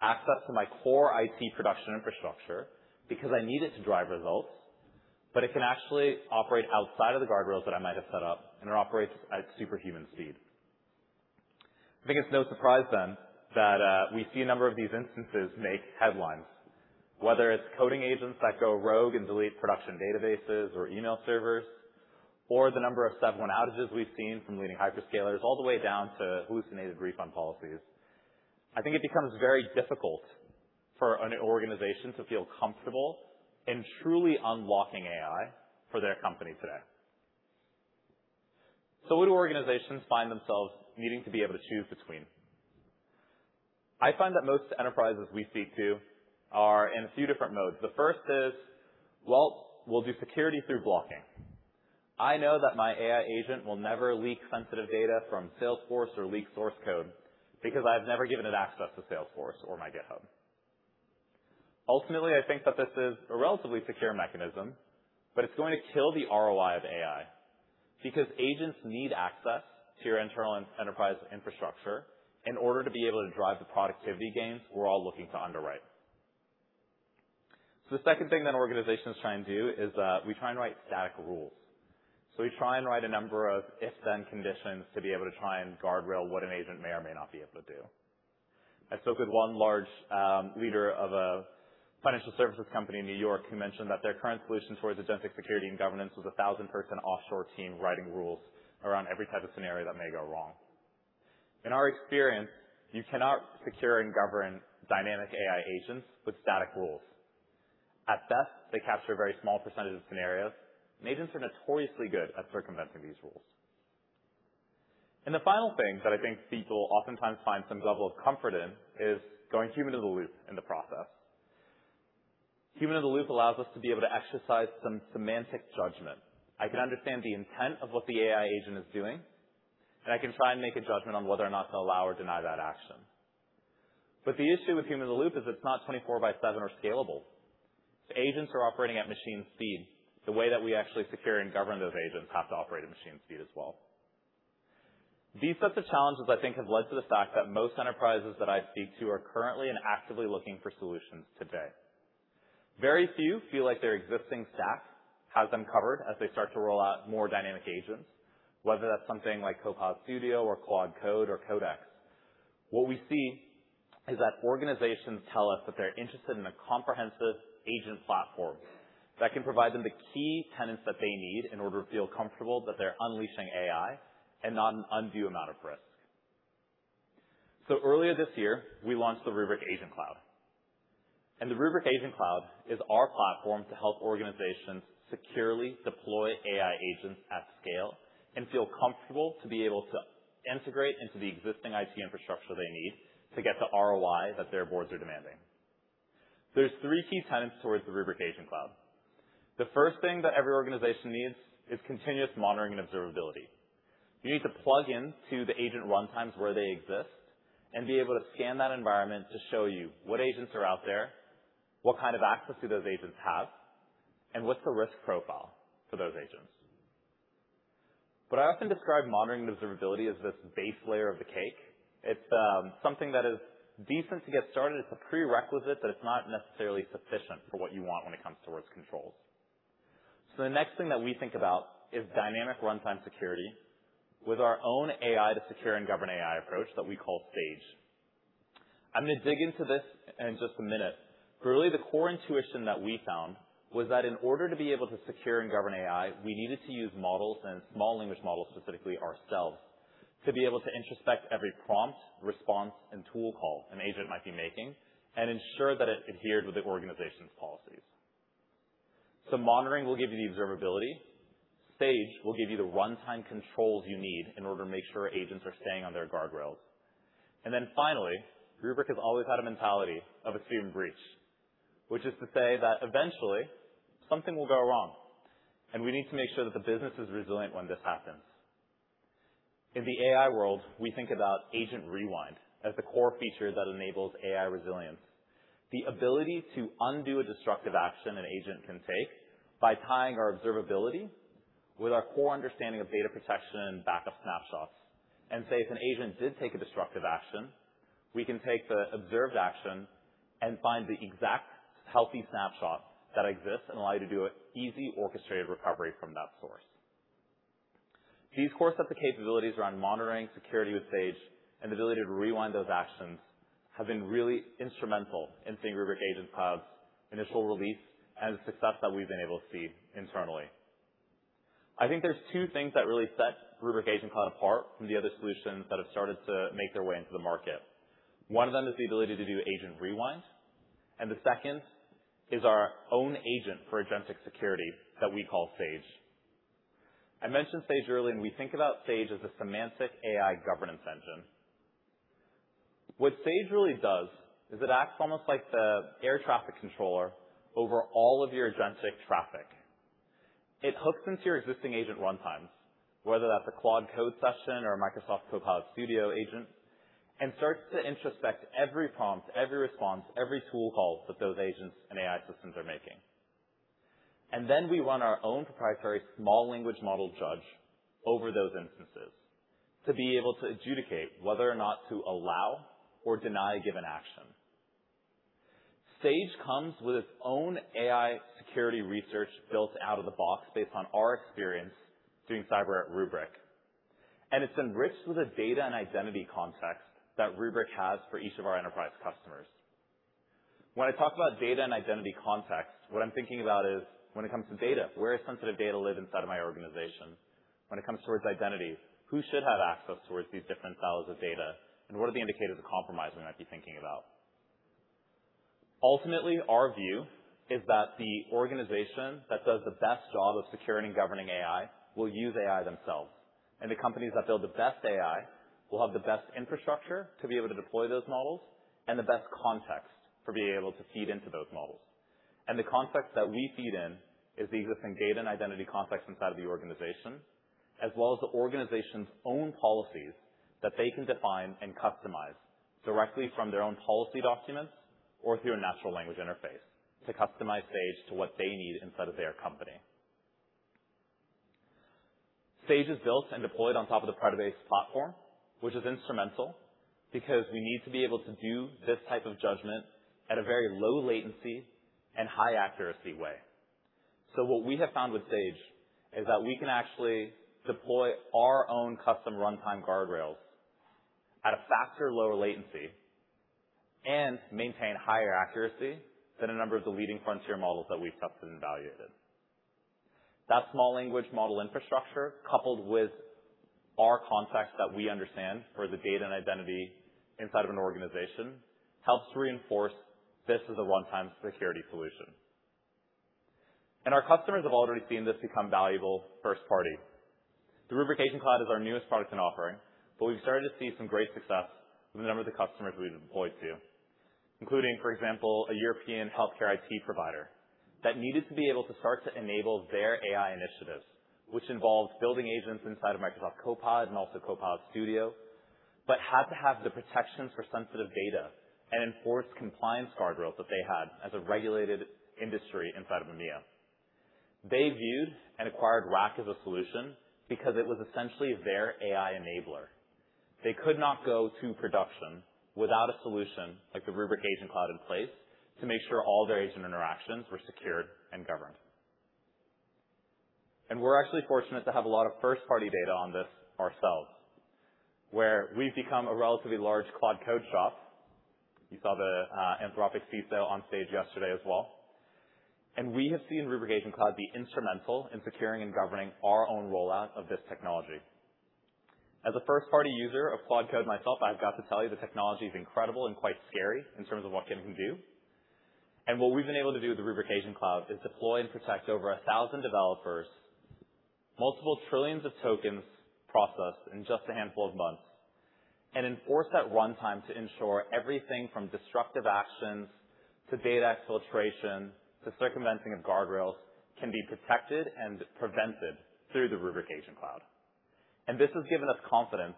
access to my core IT production infrastructure because I need it to drive results, but it can actually operate outside of the guardrails that I might have set up, and it operates at superhuman speed. I think it is no surprise then that we see a number of these instances make headlines, whether it is coding agents that go rogue and delete production databases or email servers, or the number of 71 outages we have seen from leading hyperscalers all the way down to hallucinated refund policies. I think it becomes very difficult for an organization to feel comfortable in truly unlocking AI for their company today. What do organizations find themselves needing to be able to choose between? I find that most enterprises we speak to are in a few different modes. The first is, well, we will do security through blocking. I know that my AI agent will never leak sensitive data from Salesforce or leak source code because I have never given it access to Salesforce or my GitHub. Ultimately, I think that this is a relatively secure mechanism, but it is going to kill the ROI of AI. Because agents need access to your internal enterprise infrastructure in order to be able to drive the productivity gains we are all looking to underwrite. The second thing that an organization is trying to do is we try and write static rules. We try and write a number of if/then conditions to be able to try and guardrail what an agent may or may not be able to do. I spoke with one large leader of a financial services company in N.Y. who mentioned that their current solution towards agentic security and governance was a 1,000-person offshore team writing rules around every type of scenario that may go wrong. In our experience, you cannot secure and govern dynamic AI agents with static rules. At best, they capture a very small % of scenarios, and agents are notoriously good at circumventing these rules. The final thing that I think people oftentimes find some level of comfort in is going human-in-the-loop in the process. Human-in-the-loop allows us to be able to exercise some semantic judgment. I can understand the intent of what the AI agent is doing, and I can try and make a judgment on whether or not to allow or deny that action. The issue with human-in-the-loop is it's not 24 by 7 or scalable. If agents are operating at machine speed, the way that we actually secure and govern those agents have to operate at machine speed as well. These sets of challenges, I think, have led to the fact that most enterprises that I speak to are currently and actively looking for solutions today. Very few feel like their existing stack has them covered as they start to roll out more dynamic agents, whether that's something like Copilot Studio or Claude Code or Codex. What we see is that organizations tell us that they're interested in a comprehensive agent platform that can provide them the key tenants that they need in order to feel comfortable that they're unleashing AI and not an undue amount of risk. Earlier this year, we launched the Rubrik Agent Cloud. The Rubrik Agent Cloud is our platform to help organizations securely deploy AI agents at scale and feel comfortable to be able to integrate into the existing IT infrastructure they need to get the ROI that their boards are demanding. There's three key tenants towards the Rubrik Agent Cloud. The first thing that every organization needs is continuous monitoring and observability. You need to plug in to the agent runtimes where they exist and be able to scan that environment to show you what agents are out there, what kind of access do those agents have, and what's the risk profile for those agents. What I often describe monitoring and observability as this base layer of the cake. It's something that is decent to get started. It's a prerequisite, but it's not necessarily sufficient for what you want when it comes towards controls. The next thing that we think about is dynamic runtime security with our own AI to secure and govern AI approach that we call SAGE. I'm going to dig into this in just a minute, but really the core intuition that we found was that in order to be able to secure and govern AI, we needed to use models and small language models, specifically ourselves, to be able to introspect every prompt, response, and tool call an agent might be making and ensure that it adheres with the organization's policies. Monitoring will give you the observability. SAGE will give you the runtime controls you need in order to make sure agents are staying on their guardrails. Finally, Rubrik has always had a mentality of assume breach, which is to say that eventually something will go wrong, and we need to make sure that the business is resilient when this happens. In the AI world, we think about agent rewind as the core feature that enables AI resilience. The ability to undo a destructive action an agent can take by tying our observability with our core understanding of data protection and backup snapshots, and say, if an agent did take a destructive action, we can take the observed action and find the exact healthy snapshot that exists and allow you to do an easy orchestrated recovery from that source. These core set of capabilities around monitoring, security with SAGE, and the ability to rewind those actions have been really instrumental in seeing Rubrik Agent Cloud's initial release and the success that we've been able to see internally. I think there's two things that really set Rubrik Agent Cloud apart from the other solutions that have started to make their way into the market. One of them is the ability to do agent rewind, and the second is our own agent for agentic security that we call SAGE. I mentioned SAGE earlier, and we think about SAGE as a Semantic AI Governance Engine. SAGE really does is it acts almost like the air traffic controller over all of your agentic traffic. It hooks into your existing agent runtimes, whether that's a Claude Code session or a Microsoft Copilot Studio agent, and starts to introspect every prompt, every response, every tool call that those agents and AI systems are making. We run our own proprietary small language model judge over those instances to be able to adjudicate whether or not to allow or deny a given action. SAGE comes with its own AI security research built out of the box based on our experience doing cyber at Rubrik, and it's enriched with a data and identity context that Rubrik has for each of our enterprise customers. When I talk about data and identity context, what I'm thinking about is when it comes to data, where does sensitive data live inside of my organization? When it comes towards identity, who should have access towards these different silos of data, and what are the indicators of compromise we might be thinking about? Ultimately, our view is that the organization that does the best job of securing and governing AI will use AI themselves. The companies that build the best AI will have the best infrastructure to be able to deploy those models and the best context for being able to feed into those models. The context that we feed in is the existing data and identity context inside of the organization, as well as the organization's own policies that they can define and customize directly from their own policy documents or through a natural language interface to customize SAGE to what they need inside of their company. SAGE is built and deployed on top of the Predibase platform, which is instrumental because we need to be able to do this type of judgment at a very low latency and high accuracy way. What we have found with SAGE is that we can actually deploy our own custom runtime guardrails at a faster, lower latency, and maintain higher accuracy than a number of the leading frontier models that we've tested and evaluated. That small language model infrastructure, coupled with our context that we understand for the data and identity inside of an organization, helps reinforce this as a one-time security solution. Our customers have already seen this become valuable first party. The Rubrik Agent Cloud is our newest product and offering, we've started to see some great success with a number of the customers we've deployed to, including, for example, a European healthcare IT provider that needed to be able to start to enable their AI initiatives, which involves building agents inside of Microsoft Copilot and also Copilot Studio, but had to have the protections for sensitive data and enforce compliance guardrails that they had as a regulated industry inside of EMEA. They viewed and acquired RAC as a solution because it was essentially their AI enabler. They could not go to production without a solution like the Rubrik Agent Cloud in place to make sure all their agent interactions were secured and governed. We're actually fortunate to have a lot of first-party data on this ourselves, where we've become a relatively large Claude Code shop. You saw the Anthropic C sale on stage yesterday as well. We have seen Rubrik Agent Cloud be instrumental in securing and governing our own rollout of this technology. As a first-party user of Claude Code myself, I've got to tell you, the technology is incredible and quite scary in terms of what it can do. What we've been able to do with the Rubrik Agent Cloud is deploy and protect over 1,000 developers, multiple trillions of tokens processed in just a handful of months, and enforce that runtime to ensure everything from destructive actions to data exfiltration to circumventing of guardrails can be protected and prevented through the Rubrik Agent Cloud. This has given us confidence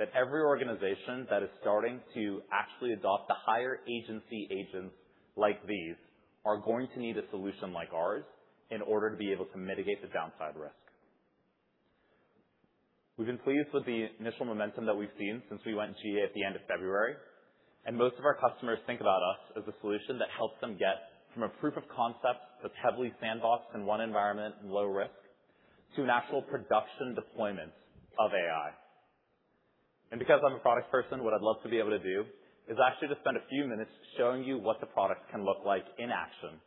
that every organization that is starting to actually adopt the higher agency agents like these are going to need a solution like ours in order to be able to mitigate the downside risk. We've been pleased with the initial momentum that we've seen since we went GA at the end of February, most of our customers think about us as a solution that helps them get from a proof of concept that's heavily sandboxed in one environment and low risk, to an actual production deployment of AI. Because I'm a product person, what I'd love to be able to do is actually to spend a few minutes showing you what the product can look like in action,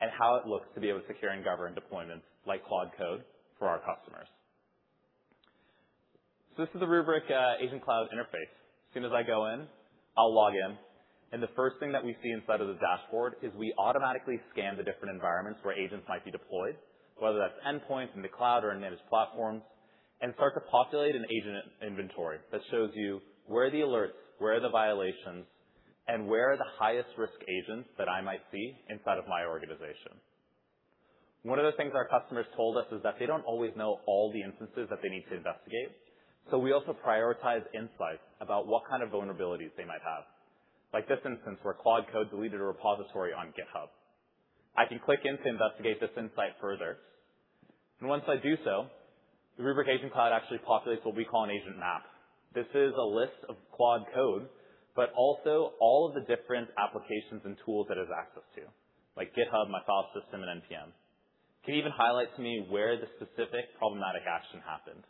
and how it looks to be able to secure and govern deployments like Claude Code for our customers. This is the Rubrik Agent Cloud interface. As soon as I go in, I'll log in. The first thing that we see inside of the dashboard is we automatically scan the different environments where agents might be deployed, whether that's endpoints in the cloud or in managed platforms, and start to populate an agent inventory that shows you where are the alerts, where are the violations, and where are the highest risk agents that I might see inside of my organization. One of the things our customers told us is that they don't always know all the instances that they need to investigate, so we also prioritize insights about what kind of vulnerabilities they might have. Like this instance where Claude Code deleted a repository on GitHub. I can click in to investigate this insight further. Once I do so, the Rubrik Agent Cloud actually populates what we call an agent map. This is a list of Claude Code, but also all of the different applications and tools that it has access to, like GitHub, my file system, and npm. It can even highlight to me where the specific problematic action happened.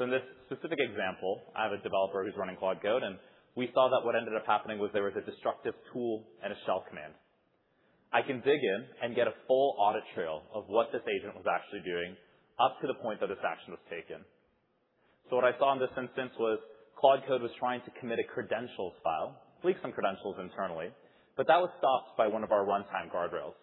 In this specific example, I have a developer who's running Claude Code, and we saw that what ended up happening was there was a destructive tool and a shell command. I can dig in and get a full audit trail of what this agent was actually doing up to the point that this action was taken. What I saw in this instance was Claude Code was trying to commit a credentials file, leak some credentials internally, but that was stopped by one of our runtime guardrails.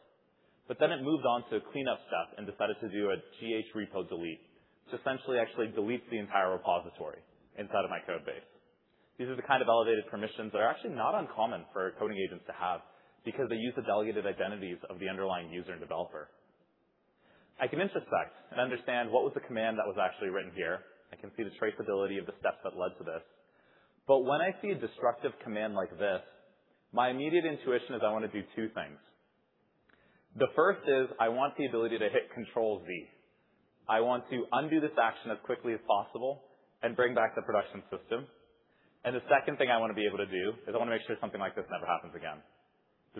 It moved on to a cleanup step and decided to do a gh repo delete, which essentially actually deletes the entire repository inside of my code base. These are the kind of elevated permissions that are actually not uncommon for coding agents to have because they use the delegated identities of the underlying user and developer. I can intersect and understand what was the command that was actually written here. I can see the traceability of the steps that led to this. When I see a destructive command like this, my immediate intuition is I want to do two things. The first is I want the ability to hit Ctrl + Z. I want to undo this action as quickly as possible and bring back the production system. The second thing I want to be able to do is I want to make sure something like this never happens again.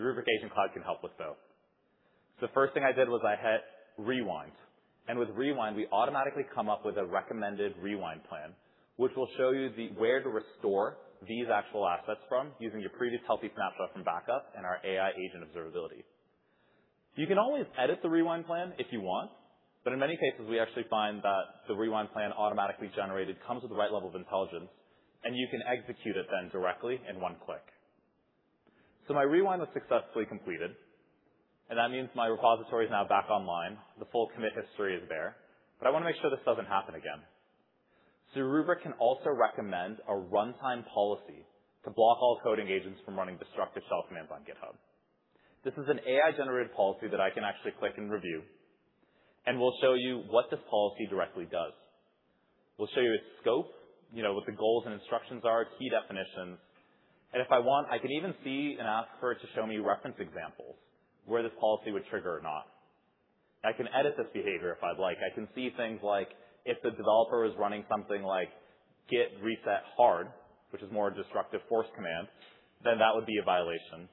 The Rubrik Agent Cloud can help with both. The first thing I did was I hit rewind. With rewind, we automatically come up with a recommended rewind plan, which will show you where to restore these actual assets from using your previous healthy snapshot from backup and our AI agent observability. You can always edit the rewind plan if you want, but in many cases, we actually find that the rewind plan automatically generated comes with the right level of intelligence, and you can execute it then directly in one click. My rewind was successfully completed, and that means my repository is now back online. The full commit history is there. I want to make sure this doesn't happen again. Rubrik can also recommend a runtime policy to block all coding agents from running destructive shell commands on GitHub. This is an AI-generated policy that I can actually click and review, and we'll show you what this policy directly does. We'll show you its scope, what the goals and instructions are, key definitions. If I want, I can even see and ask for it to show me reference examples where this policy would trigger or not. I can edit this behavior if I'd like. I can see things like if the developer is running something like git reset --hard, which is more a destructive force command, then that would be a violation.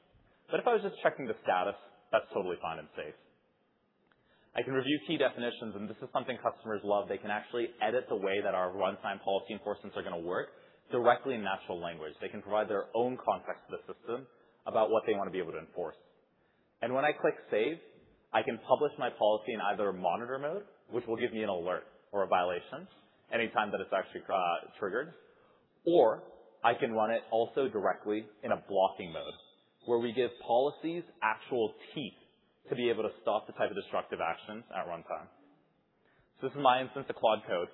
If I was just checking the status, that's totally fine and safe. I can review key definitions, and this is something customers love. They can actually edit the way that our runtime policy enforcements are going to work directly in natural language. They can provide their own context to the system about what they want to be able to enforce. When I click Save, I can publish my policy in either monitor mode, which will give me an alert or a violation anytime that it's actually triggered, or I can run it also directly in a blocking mode, where we give policies actual teeth to be able to stop the type of destructive actions at runtime. This is my instance of Claude Code.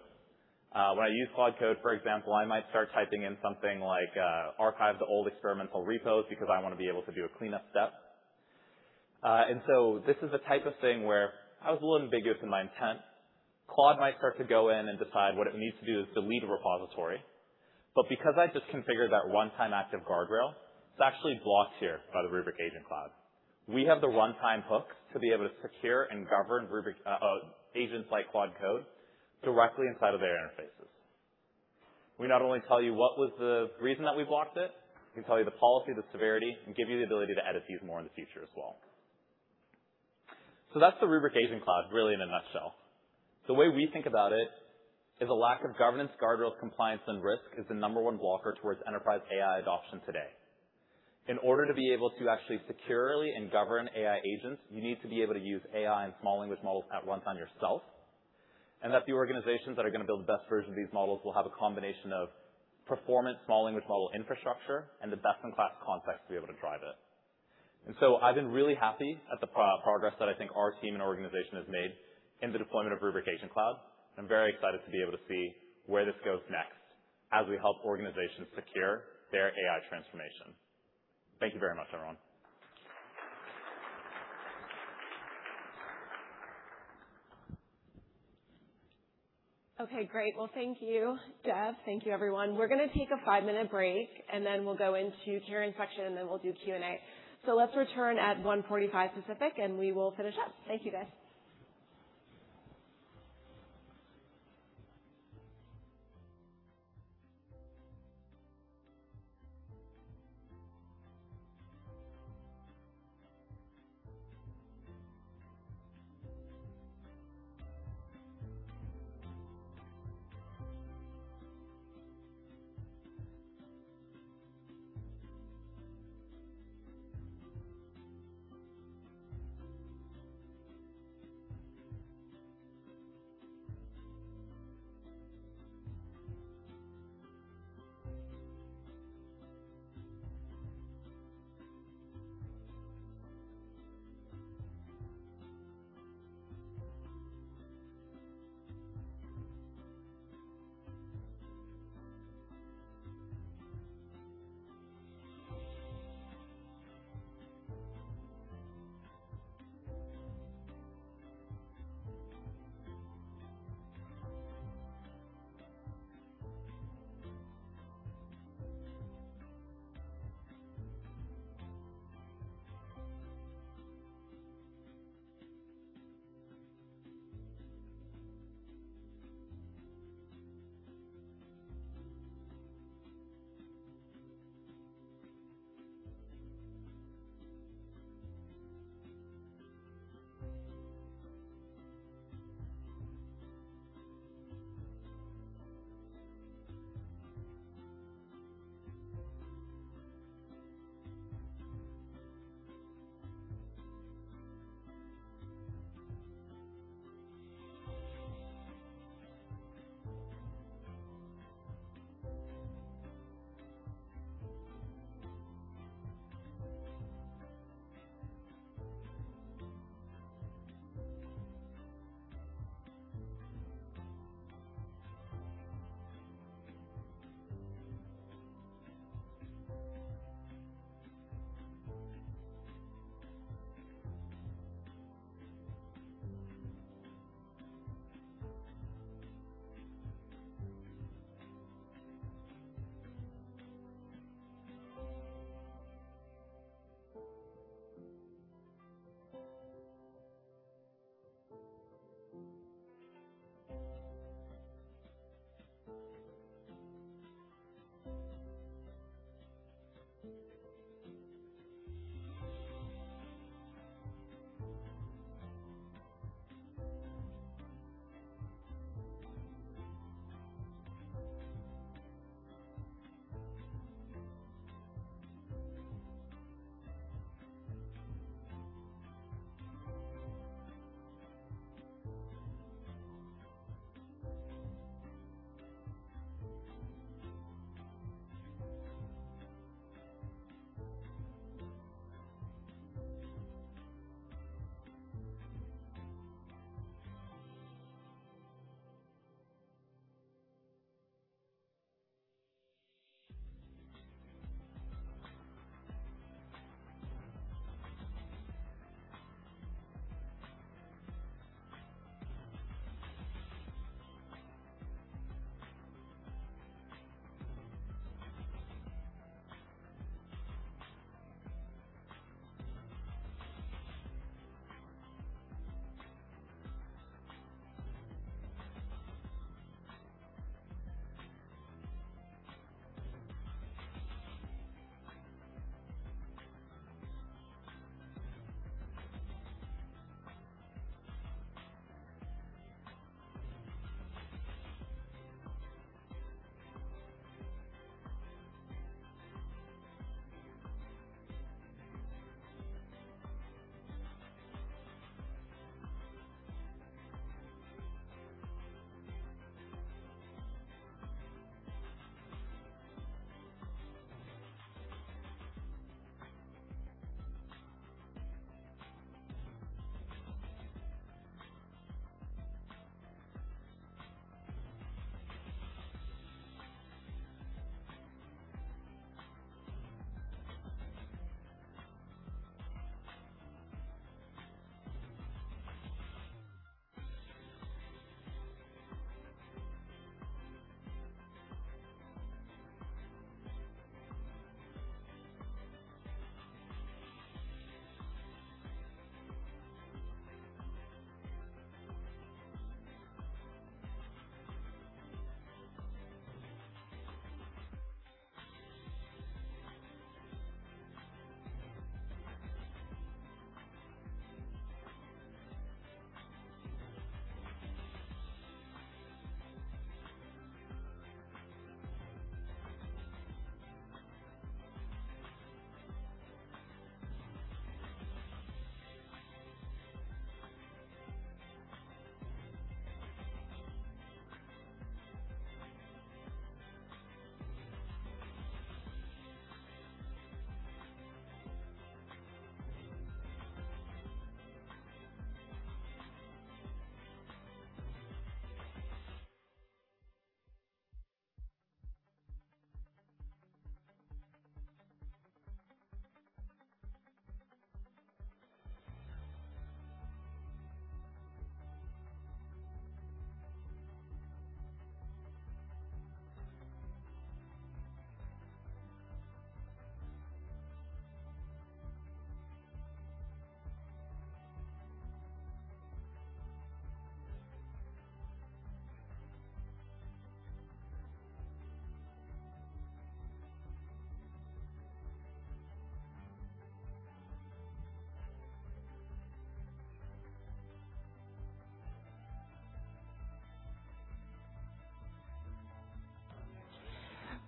When I use Claude Code, for example, I might start typing in something like archive the old experimental repos because I want to be able to do a cleanup step. This is the type of thing where I was a little ambiguous in my intent. Claude might start to go in and decide what it needs to do is delete a repository. Because I just configured that runtime active guardrail, it's actually blocked here by the Rubrik Agent Cloud. We have the runtime hooks to be able to secure and govern agents like Claude Code directly inside of their interfaces. We not only tell you what was the reason that we blocked it, we can tell you the policy, the severity, and give you the ability to edit these more in the future as well. That's the Rubrik Agent Cloud really in a nutshell. The way we think about it is a lack of governance, guardrails, compliance, and risk is the number one blocker towards enterprise AI adoption today. In order to be able to actually securely and govern AI agents, you need to be able to use AI and small language models at runtime yourself, and that the organizations that are going to build the best version of these models will have a combination of performance small language model infrastructure and the best-in-class context to be able to drive it. I've been really happy at the progress that I think our team and organization has made in the deployment of Rubrik Agent Cloud, and I'm very excited to be able to see where this goes next as we help organizations secure their AI transformation. Thank you very much, everyone. Okay, great. Well, thank you, Dev. Thank you, everyone. We're going to take a five-minute break, and then we'll go into Kiran's section, and then we'll do Q&A. Let's return at 1:45 P.M. Pacific, and we will finish up. Thank you, guys.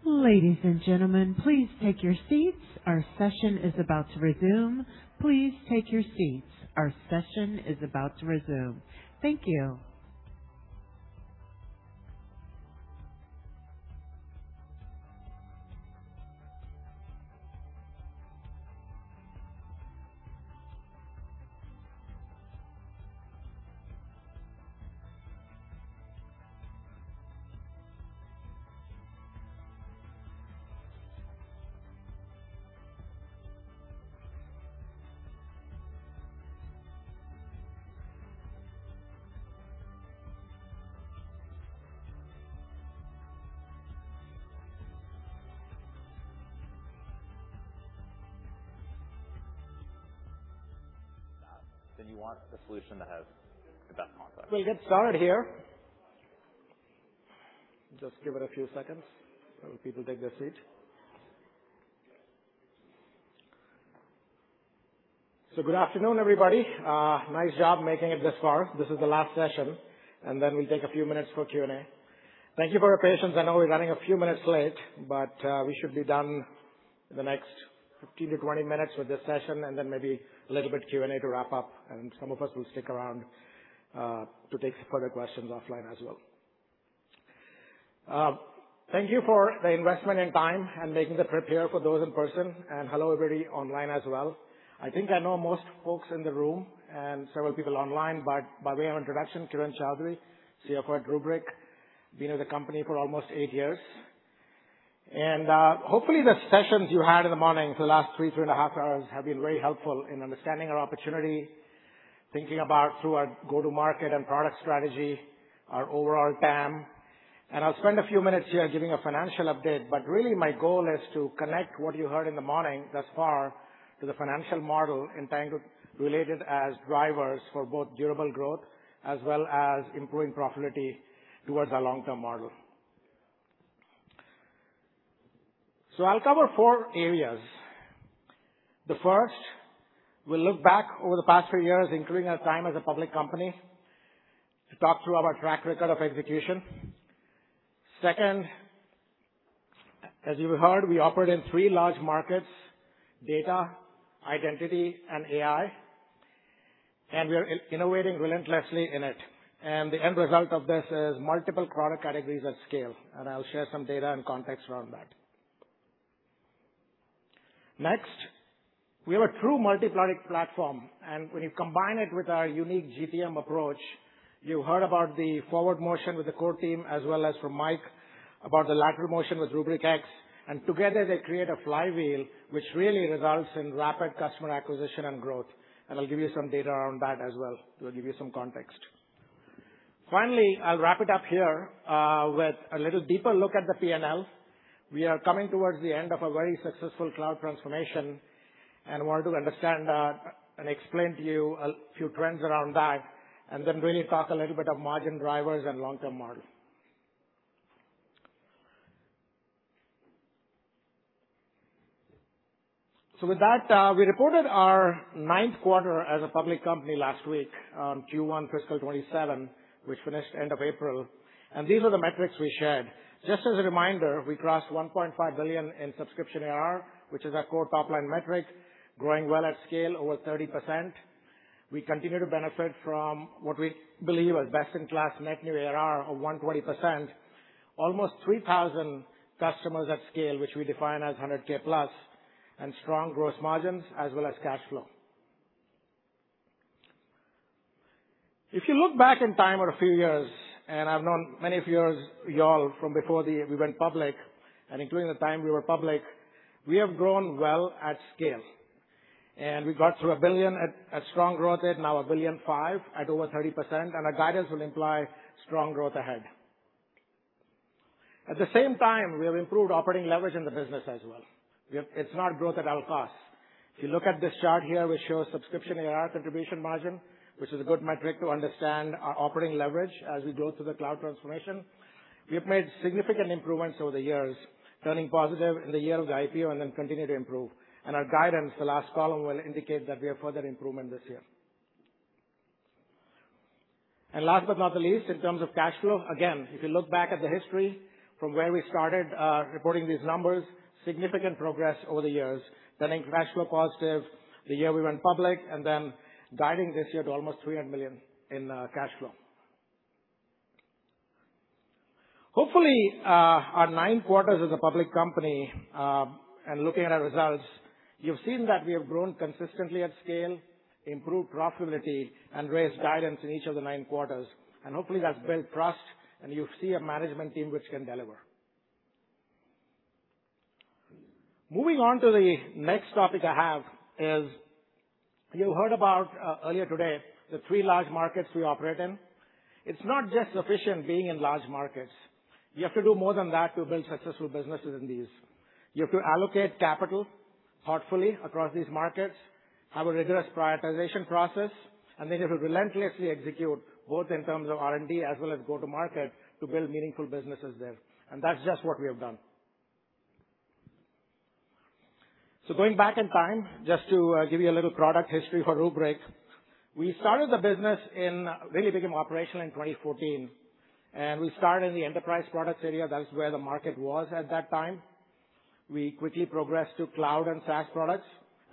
Ladies and gentlemen, please take your seats. Our session is about to resume. Please take your seats. Our session is about to resume. Thank you. You want the solution that has the best context. We'll get started here. Just give it a few seconds while people take their seats. Good afternoon, everybody. Nice job making it this far. This is the last session, and then we'll take a few minutes for Q&A. Thank you for your patience. I know we're running a few minutes late, but we should be done in the next 15-20 minutes with this session, and then maybe a little bit of Q&A to wrap up. Some of us will stick around to take further questions offline as well. Thank you for the investment and time and making the trip here for those in person, and hello, everybody online as well. I think I know most folks in the room and several people online, but by way of introduction, Kiran Choudary, CFO at Rubrik, been with the company for almost eight years. Hopefully, the sessions you had in the morning for the last 3 to 3.5 hours have been very helpful in understanding our opportunity, thinking about through our go-to-market and product strategy, our overall TAM. I'll spend a few minutes here giving a financial update, but really my goal is to connect what you heard in the morning thus far to the financial model related as drivers for both durable growth as well as improving profitability towards our long-term model. I'll cover four areas. The first, we'll look back over the past few years, including our time as a public company, to talk through our track record of execution. Second, as you heard, we operate in three large markets: data, identity, and AI, and we are innovating relentlessly in it. The end result of this is multiple product categories at scale, and I'll share some data and context around that. Next, we are a true multi-product platform, and when you combine it with our unique GTM approach-You heard about the forward motion with the core team as well as from Mike about the lateral motion with Rubrik X, and together they create a flywheel which really results in rapid customer acquisition and growth. I'll give you some data around that as well to give you some context. Finally, I'll wrap it up here with a little deeper look at the P&L. We are coming towards the end of a very successful cloud transformation and wanted to understand and explain to you a few trends around that, and then really talk a little bit of margin drivers and long-term model. With that, we reported our ninth quarter as a public company last week, Q1 fiscal 2027, which finished end of April. These are the metrics we shared. Just as a reminder, we crossed $1.5 billion in subscription ARR, which is our core top-line metric, growing well at scale, over 30%. We continue to benefit from what we believe is best-in-class net new ARR of 120%, almost 3,000 customers at scale, which we define as 100K+, and strong gross margins as well as cash flow. If you look back in time or a few years, I've known many of you all from before we went public and including the time we were public, we have grown well at scale. We got to $1 billion at strong growth rate, now $1.5 billion at over 30%, and our guidance will imply strong growth ahead. At the same time, we have improved operating leverage in the business as well. It's not growth at all costs. If you look at this chart here, which shows subscription ARR contribution margin, which is a good metric to understand our operating leverage as we go through the cloud transformation. We have made significant improvements over the years, turning positive in the year of the IPO and then continue to improve. Our guidance, the last column, will indicate that we have further improvement this year. Last but not the least, in terms of cash flow, again, if you look back at the history from where we started reporting these numbers, significant progress over the years, turning cash flow positive the year we went public and then guiding this year to almost $300 million in cash flow. Hopefully, our nine quarters as a public company, and looking at our results, you've seen that we have grown consistently at scale, improved profitability, and raised guidance in each of the nine quarters. Hopefully that's built trust and you see a management team which can deliver. Moving on to the next topic I have is, you heard about earlier today the three large markets we operate in. It's not just sufficient being in large markets. You have to do more than that to build successful businesses in these. You have to allocate capital thoughtfully across these markets, have a rigorous prioritization process, and then you have to relentlessly execute both in terms of R&D as well as go-to-market to build meaningful businesses there. That's just what we have done. Going back in time, just to give you a little product history for Rubrik. We started the business, really became operational in 2014. We started in the enterprise products area. That is where the market was at that time. We quickly progressed to cloud and SaaS products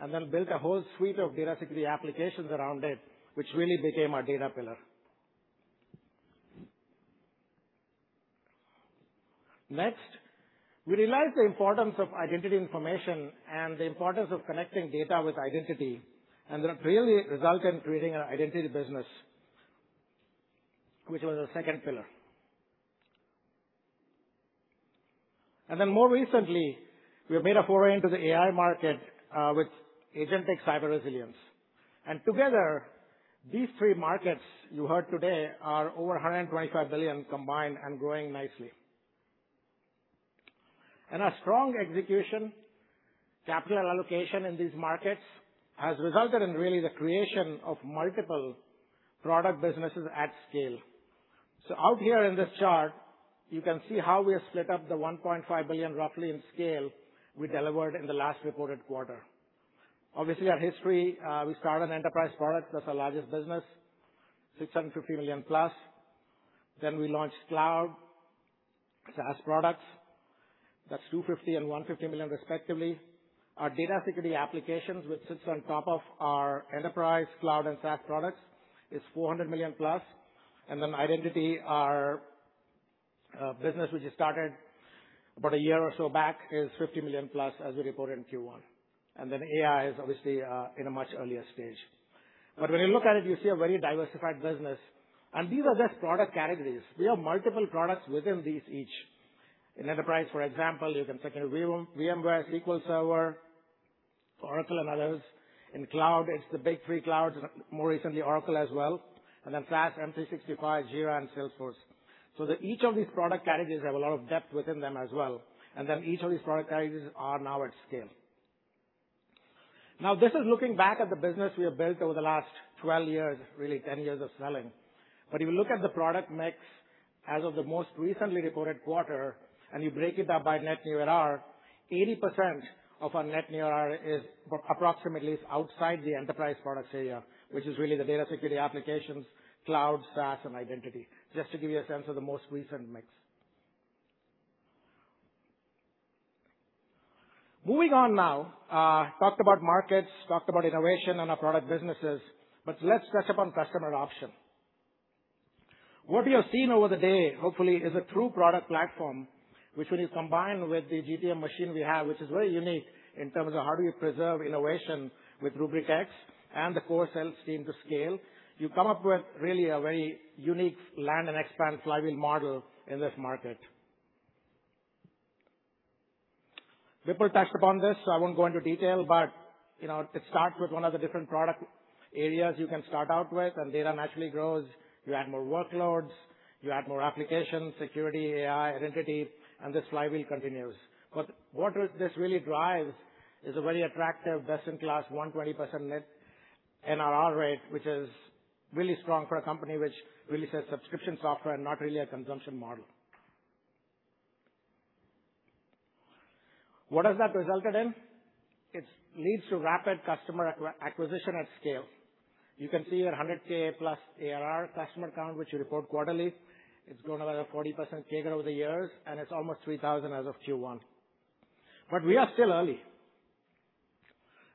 and then built a whole suite of data security applications around it, which really became our data pillar. Next, we realized the importance of identity information and the importance of connecting data with identity, and that really resulted in creating our identity business, which was the second pillar. More recently, we have made a foray into the AI market, with agentic cyber resilience. Together, these three markets you heard today are over $125 billion combined and growing nicely. Our strong execution capital allocation in these markets has resulted in really the creation of multiple product businesses at scale. Out here in this chart, you can see how we have split up the $1.5 billion roughly in scale we delivered in the last reported quarter. Obviously, our history, we started an enterprise product, that's our largest business, $650 million plus. We launched cloud SaaS products. That's $250 million and $150 million respectively. Our data security applications, which sits on top of our enterprise cloud and SaaS products, is $400 million plus. Identity, our business which we started about a year or so back, is $50 million plus as we reported in Q1. AI is obviously in a much earlier stage. When you look at it, you see a very diversified business. These are just product categories. We have multiple products within these each. In enterprise, for example, you can think of VMware, SQL Server, Oracle, and others. In cloud, it's the big three clouds, more recently Oracle as well. SaaS, M365, Jira, and Salesforce. Each of these product categories have a lot of depth within them as well, and then each of these product categories are now at scale. Now, this is looking back at the business we have built over the last 12 years, really 10 years of selling. If you look at the product mix as of the most recently reported quarter, and you break it up by net new ARR, 80% of our net new ARR approximately is outside the enterprise products area, which is really the data security applications, cloud, SaaS, and identity. Just to give you a sense of the most recent mix. Moving on now. Talked about markets, talked about innovation and our product businesses, but let's touch upon customer adoption. What you have seen over the day, hopefully, is a true product platform. Which when you combine with the GTM machine we have, which is very unique in terms of how do you preserve innovation with Rubrik X and the core sales team to scale, you come up with really a very unique land and expand flywheel model in this market. Bipul touched upon this, I won't go into detail, it starts with one of the different product areas you can start out with, and data naturally grows. You add more workloads, you add more applications, security, AI, identity, this flywheel continues. What this really drives is a very attractive best-in-class 120% net NRR rate, which is really strong for a company which really sells subscription software and not really a consumption model. What has that resulted in? It leads to rapid customer acquisition at scale. You can see our 100K+ ARR customer count, which we report quarterly. It's grown about a 40% CAGR over the years, and it's almost 3,000 as of Q1. We are still early.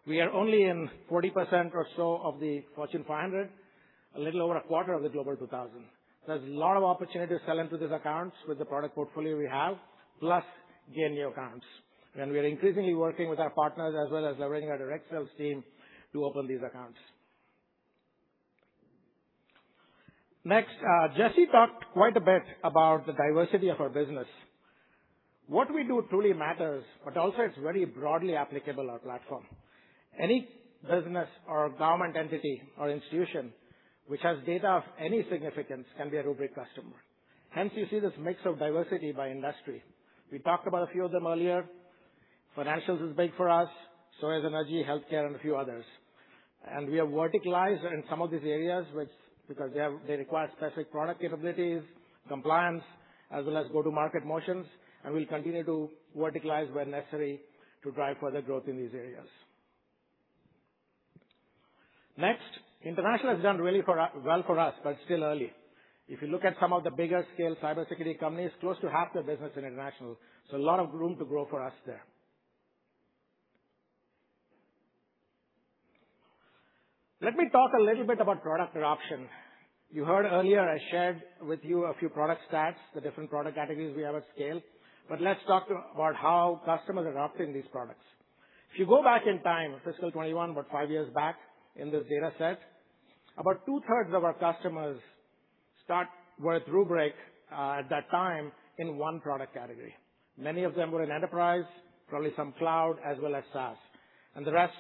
We are only in 40% or so of the Fortune 500, a little over a quarter of the Global 2000. There's a lot of opportunity to sell into these accounts with the product portfolio we have, plus gain new accounts. We are increasingly working with our partners as well as leveraging our direct sales team to open these accounts. Next, Jesse talked quite a bit about the diversity of our business. What we do truly matters, but also it's very broadly applicable, our platform. Any business or government entity or institution which has data of any significance can be a Rubrik customer. Hence, you see this mix of diversity by industry. We talked about a few of them earlier. Financials is big for us, so is energy, healthcare, and a few others. We have verticalized in some of these areas because they require specific product capabilities, compliance, as well as go-to-market motions, and we'll continue to verticalize where necessary to drive further growth in these areas. Next, international has done really well for us, but still early. If you look at some of the bigger scale cybersecurity companies, close to half their business is international, a lot of room to grow for us there. Let me talk a little bit about product adoption. You heard earlier, I shared with you a few product stats, the different product categories we have at scale. Let's talk about how customers are adopting these products. If you go back in time, fiscal 2021, about five years back in this data set, about two-thirds of our customers start with Rubrik, at that time, in 1 product category. Many of them were in enterprise, probably some cloud, as well as SaaS. The rest,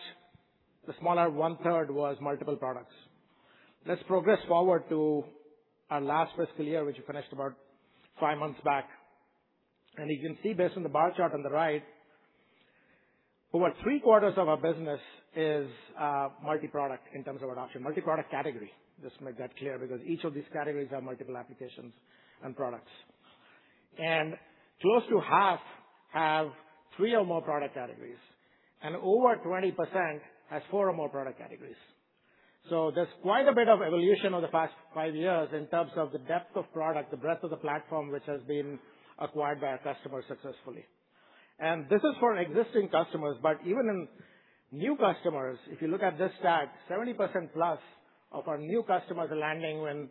the smaller one-third was multiple products. Let's progress forward to our last fiscal year, which we finished about five months back. You can see based on the bar chart on the right, over three-quarters of our business is multi-product in terms of adoption. Multi-product category, just to make that clear, because each of these categories are multiple applications and products. Close to half have 3 or more product categories, and over 20% has 4 or more product categories. There's quite a bit of evolution over the past five years in terms of the depth of product, the breadth of the platform, which has been acquired by our customers successfully. This is for existing customers, but even in new customers, if you look at this stat, 70%+ of our new customers are landing in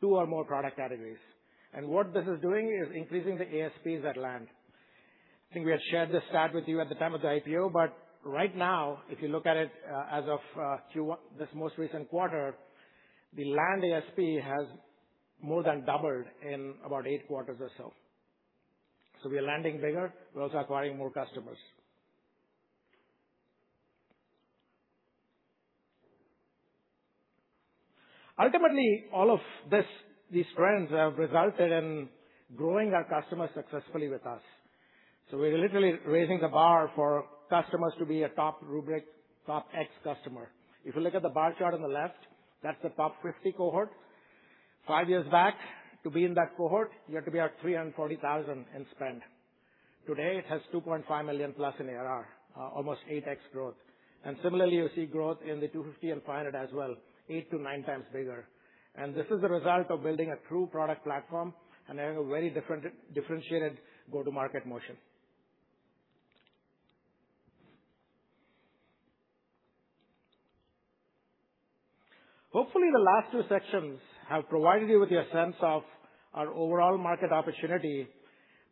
2 or more product categories. What this is doing is increasing the ASPs at land. I think we had shared this stat with you at the time of the IPO, but right now, if you look at it as of this most recent quarter, the land ASP has more than doubled in about eight quarters or so. We are landing bigger. We're also acquiring more customers. Ultimately, all of these trends have resulted in growing our customers successfully with us. We're literally raising the bar for customers to be a top Rubrik, top X customer. If you look at the bar chart on the left, that's the top 50 cohort. five years back, to be in that cohort, you had to be at $340,000 in spend. Today, it has $2.5 million+ in ARR, almost 8x growth. Similarly, you see growth in the 250 and 500 as well, eight to nine times bigger. This is the result of building a true product platform and having a very differentiated go-to-market motion. Hopefully, the last two sections have provided you with a sense of our overall market opportunity,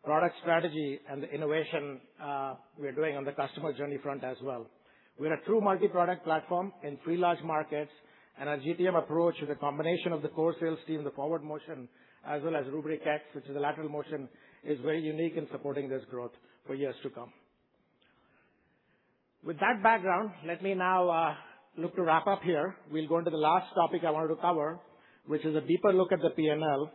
product strategy, and the innovation we're doing on the customer journey front as well. We are a true multi-product platform in three large markets, and our GTM approach with a combination of the core sales team, the forward motion, as well as Rubrik X, which is a lateral motion, is very unique in supporting this growth for years to come. With that background, let me now look to wrap up here. We'll go into the last topic I wanted to cover, which is a deeper look at the P&L.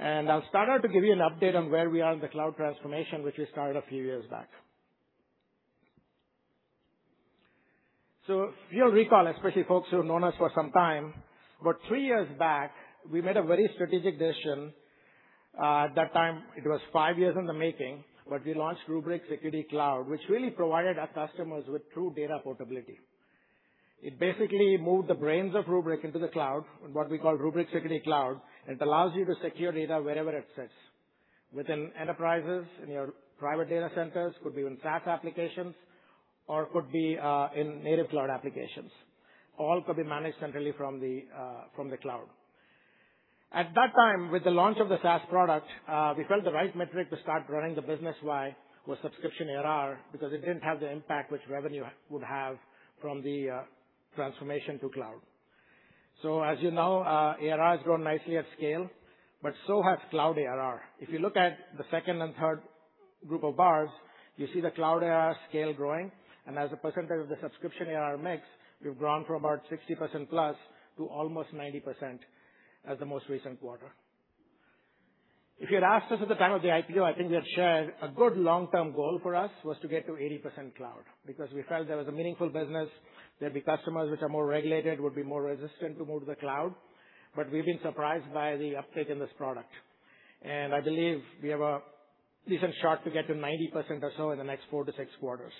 I'll start out to give you an update on where we are in the cloud transformation, which we started a few years back. If you'll recall, especially folks who have known us for some time, about three years back, we made a very strategic decision. At that time, it was five years in the making, but we launched Rubrik Security Cloud, which really provided our customers with true data portability. It basically moved the brains of Rubrik into the cloud in what we call Rubrik Security Cloud, and it allows you to secure data wherever it sits. Within enterprises, in your private data centers, could be in SaaS applications, or could be in native cloud applications. All could be managed centrally from the cloud. At that time, with the launch of the SaaS product, we felt the right metric to start running the business by was subscription ARR, because it didn't have the impact which revenue would have from the transformation to cloud. As you know, ARR has grown nicely at scale, but so has cloud ARR. If you look at the second and third group of bars, you see the cloud ARR scale growing, and as a percentage of the subscription ARR mix, we've grown from about 60%+ to almost 90% as the most recent quarter. If you'd asked us at the time of the IPO, I think we had shared a good long-term goal for us was to get to 80% cloud, because we felt there was a meaningful business. There'd be customers which are more regulated, would be more resistant to move to the cloud. We've been surprised by the uptake in this product. I believe we have a decent shot to get to 90% or so in the next 4-6 quarters,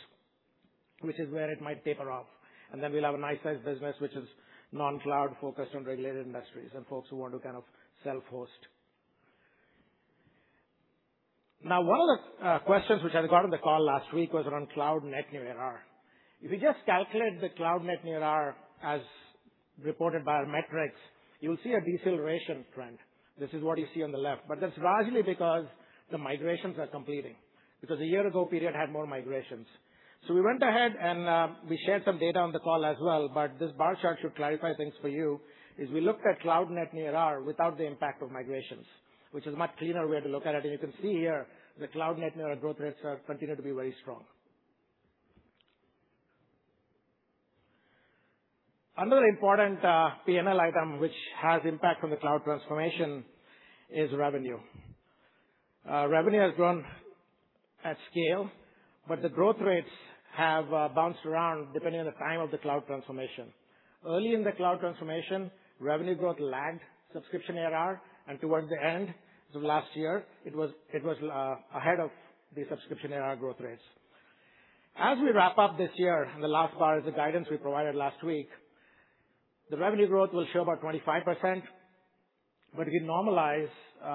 which is where it might taper off. We'll have a nice size business which is non-cloud focused on regulated industries and folks who want to kind of self-host. One of the questions which I got on the call last week was around cloud net new ARR. If you just calculate the cloud net new ARR as reported by our metrics, you'll see a deceleration trend. This is what you see on the left. That's largely because the migrations are completing, because a year ago period had more migrations. We went ahead and we shared some data on the call as well, but this bar chart should clarify things for you, is we looked at cloud net new ARR without the impact of migrations, which is a much cleaner way to look at it. You can see here the cloud net new ARR growth rates have continued to be very strong. Another important P&L item which has impact on the cloud transformation is revenue. Revenue has grown at scale, but the growth rates have bounced around depending on the time of the cloud transformation. Early in the cloud transformation, revenue growth lagged subscription ARR, and towards the end of last year, it was ahead of the subscription ARR growth rates. As we wrap up this year, and the last part is the guidance we provided last week, the revenue growth will show about 25%, but if you normalize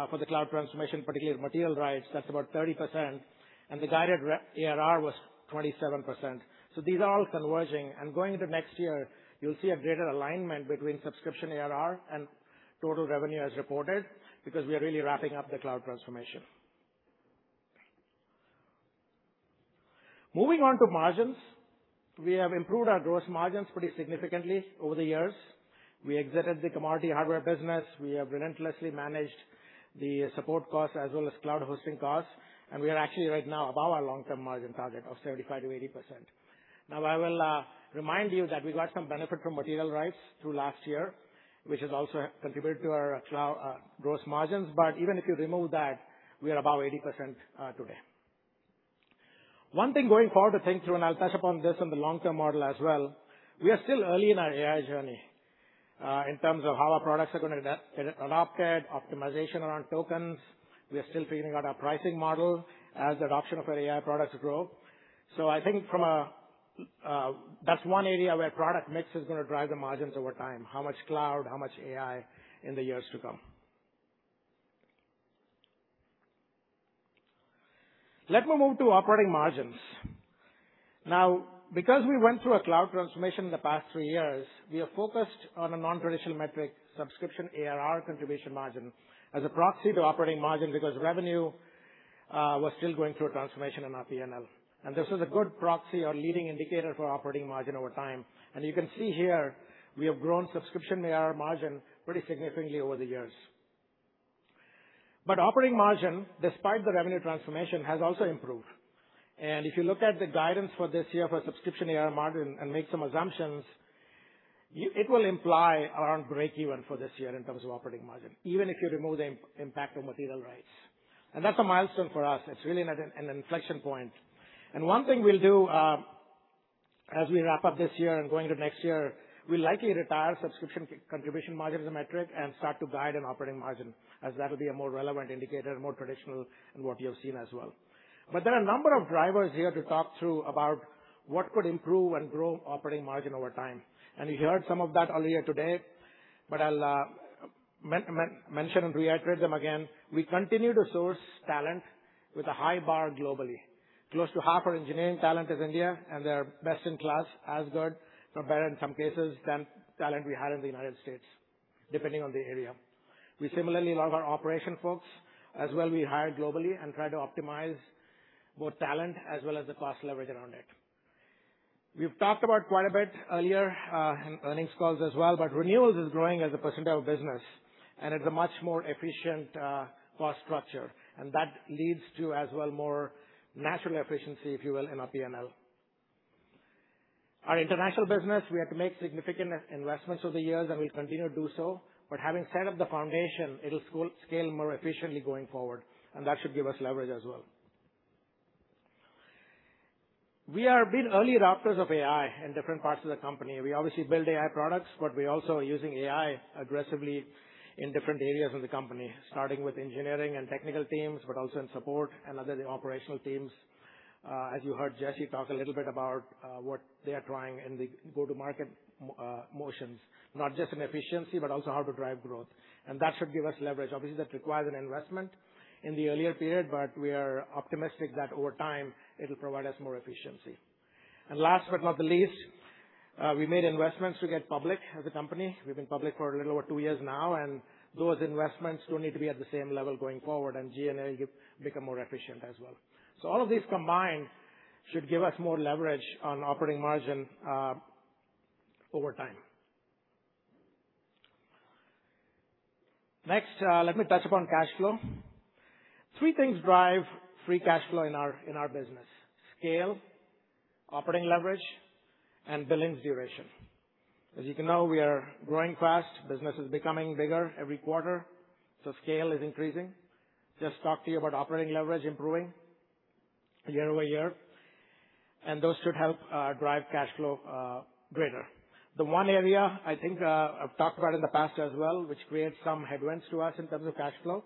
for the cloud transformation, particularly material rights, that's about 30%, and the guided ARR was 27%. These are all converging, and going into next year, you'll see a greater alignment between subscription ARR and total revenue as reported, because we are really wrapping up the cloud transformation. Moving on to margins. We have improved our gross margins pretty significantly over the years. We exited the commodity hardware business. We have relentlessly managed the support costs as well as cloud hosting costs. We are actually right now above our long-term margin target of 75%-80%. I will remind you that we got some benefit from material rights through last year, which has also contributed to our gross margins. Even if you remove that, we are above 80% today. One thing going forward to think through, and I'll touch upon this in the long-term model as well, we are still early in our AI journey, in terms of how our products are going to get adopted, optimization around tokens. We are still figuring out our pricing model as adoption of our AI products grow. I think that's one area where product mix is going to drive the margins over time. How much cloud, how much AI in the years to come. Let me move to operating margins. Because we went through a cloud transformation in the past three years, we have focused on a non-traditional metric, subscription ARR contribution margin, as a proxy to operating margin because revenue was still going through a transformation in our P&L. This is a good proxy or leading indicator for operating margin over time. You can see here we have grown subscription ARR margin pretty significantly over the years. Operating margin, despite the revenue transformation, has also improved. If you look at the guidance for this year for subscription ARR margin and make some assumptions, it will imply around break-even for this year in terms of operating margin, even if you remove the impact of material rights. That's a milestone for us. It's really an inflection point. One thing we'll do as we wrap up this year and going to next year, we'll likely retire subscription contribution margin as a metric and start to guide an operating margin, as that'll be a more relevant indicator, more traditional in what you have seen as well. There are a number of drivers here to talk through about what could improve and grow operating margin over time. You heard some of that earlier today, but I'll mention and reiterate them again. We continue to source talent with a high bar globally. Close to half our engineering talent is India, and they're best in class, as good or better in some cases than talent we had in the U.S., depending on the area. We similarly love our operation folks as well. We hire globally and try to optimize both talent as well as the cost leverage around it. We've talked about quite a bit earlier in earnings calls as well, but renewals is growing as a percentage of business, and it's a much more efficient cost structure, and that leads to as well more natural efficiency, if you will, in our P&L. Our international business, we had to make significant investments over the years, we'll continue to do so, but having set up the foundation, it'll scale more efficiently going forward, that should give us leverage as well. We have been early adopters of AI in different parts of the company. We obviously build AI products, but we also are using AI aggressively in different areas of the company, starting with engineering and technical teams, but also in support and other operational teams. As you heard Jesse talk a little bit about what they are trying in the go-to-market motions, not just in efficiency, but also how to drive growth. That should give us leverage. Obviously, that requires an investment in the earlier period, but we are optimistic that over time, it'll provide us more efficiency. Last but not the least, we made investments to get public as a company. We've been public for a little over two years now, those investments don't need to be at the same level going forward, G&A will become more efficient as well. All of these combined should give us more leverage on operating margin over time. Next, let me touch upon cash flow. Three things drive free cash flow in our business: scale, operating leverage, and billings duration. As you know, we are growing fast. Business is becoming bigger every quarter, so scale is increasing. Just talked to you about operating leverage improving year-over-year. Those should help drive cash flow greater. The one area I think I've talked about in the past as well, which creates some headwinds to us in terms of cash flow,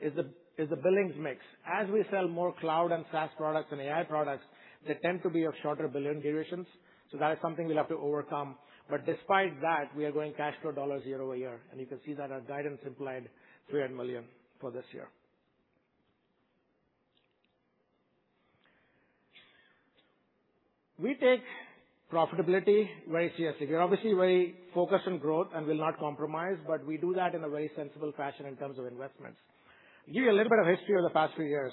is the billings mix. As we sell more cloud and SaaS products and AI products, they tend to be of shorter billing durations. That is something we'll have to overcome. Despite that, we are growing cash flow dollars year-over-year, and you can see that our guidance implied $300 million for this year. We take profitability very seriously. We are obviously very focused on growth and will not compromise, but we do that in a very sensible fashion in terms of investments. Give you a little bit of history over the past few years.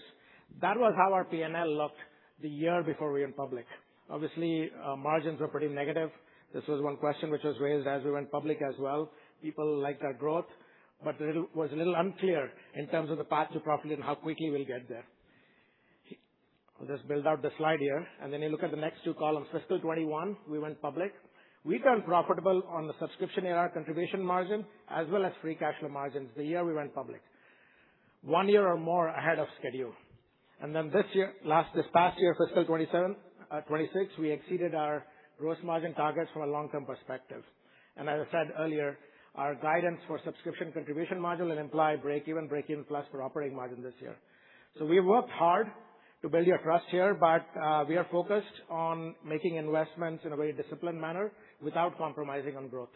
That was how our P&L looked the year before we went public. Obviously, margins were pretty negative. This was one question which was raised as we went public as well. People liked our growth, but it was a little unclear in terms of the path to profitability and how quickly we'll get there. I'll just build out the slide here. You look at the next 2 columns. FY 2021, we went public. We turned profitable on the subscription ARR contribution margin, as well as free cash flow margins, the year we went public. One year or more ahead of schedule. This past year, FY 2026, we exceeded our gross margin targets from a long-term perspective. As I said earlier, our guidance for subscription contribution margin will imply break-even, break-even plus for operating margin this year. We've worked hard to build your trust here, but we are focused on making investments in a very disciplined manner without compromising on growth.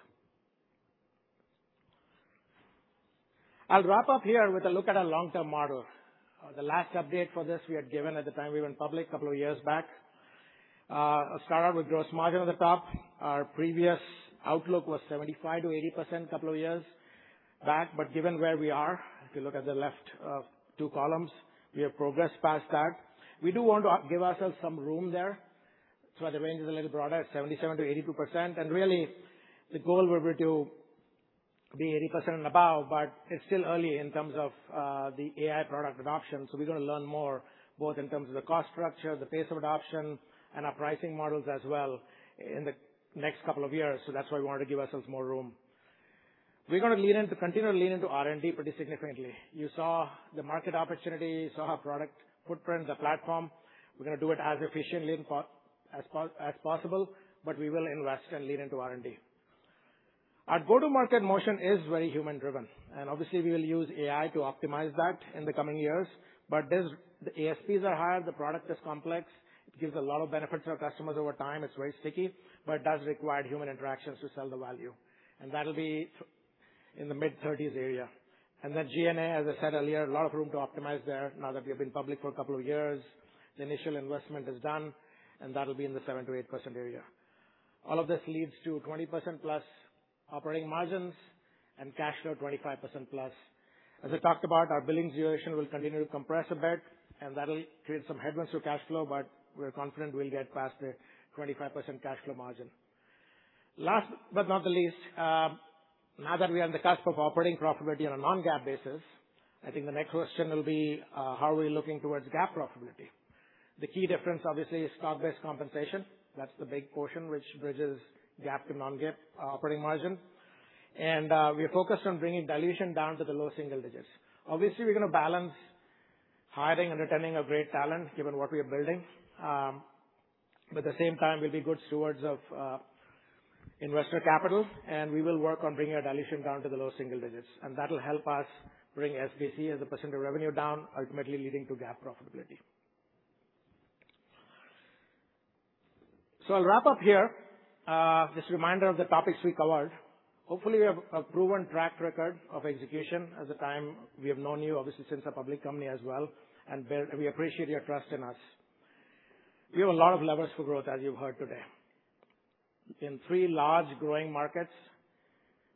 I'll wrap up here with a look at our long-term model. The last update for this we had given at the time we went public a couple of years back. I'll start out with gross margin at the top. Our previous outlook was 75%-80% couple of years back. Given where we are, if you look at the left 2 columns, we have progressed past that. We do want to give ourselves some room there. That's why the range is a little broader, 77%-82%. Really, the goal will be to be 80% and above, but it's still early in terms of the AI product adoption. We're going to learn more, both in terms of the cost structure, the pace of adoption, and our pricing models as well in the next couple of years. That's why we wanted to give ourselves more room. We're going to continue to lean into R&D pretty significantly. You saw the market opportunity. You saw our product footprint, the platform. We're going to do it as efficiently as possible. We will invest and lean into R&D. Our go-to-market motion is very human driven, and obviously, we will use AI to optimize that in the coming years. The ASPs are higher. The product is complex. It gives a lot of benefits to our customers over time. It's very sticky, but it does require human interactions to sell the value, and that'll be in the mid-30s area. G&A, as I said earlier, a lot of room to optimize there now that we have been public for a couple of years. The initial investment is done, and that'll be in the 7%-8% area. All of this leads to 20%+ operating margins and cash flow 25%+. As I talked about, our billings duration will continue to compress a bit, and that'll create some headwinds to cash flow, but we're confident we'll get past the 25% cash flow margin. Last but not the least, now that we are on the cusp of operating profitability on a non-GAAP basis, I think the next question will be how are we looking towards GAAP profitability? The key difference obviously is stock-based compensation. That's the big portion which bridges GAAP to non-GAAP operating margin. We are focused on bringing dilution down to the low single digits. Obviously, we're going to balance hiring and retaining a great talent, given what we are building. At the same time, we'll be good stewards of investor capital, and we will work on bringing our dilution down to the low single digits, and that'll help us bring SBC as a % of revenue down, ultimately leading to GAAP profitability. I'll wrap up here. Just a reminder of the topics we covered. Hopefully, we have a proven track record of execution as the time we have known you, obviously since a public company as well, and we appreciate your trust in us. We have a lot of levers for growth, as you've heard today. In three large growing markets,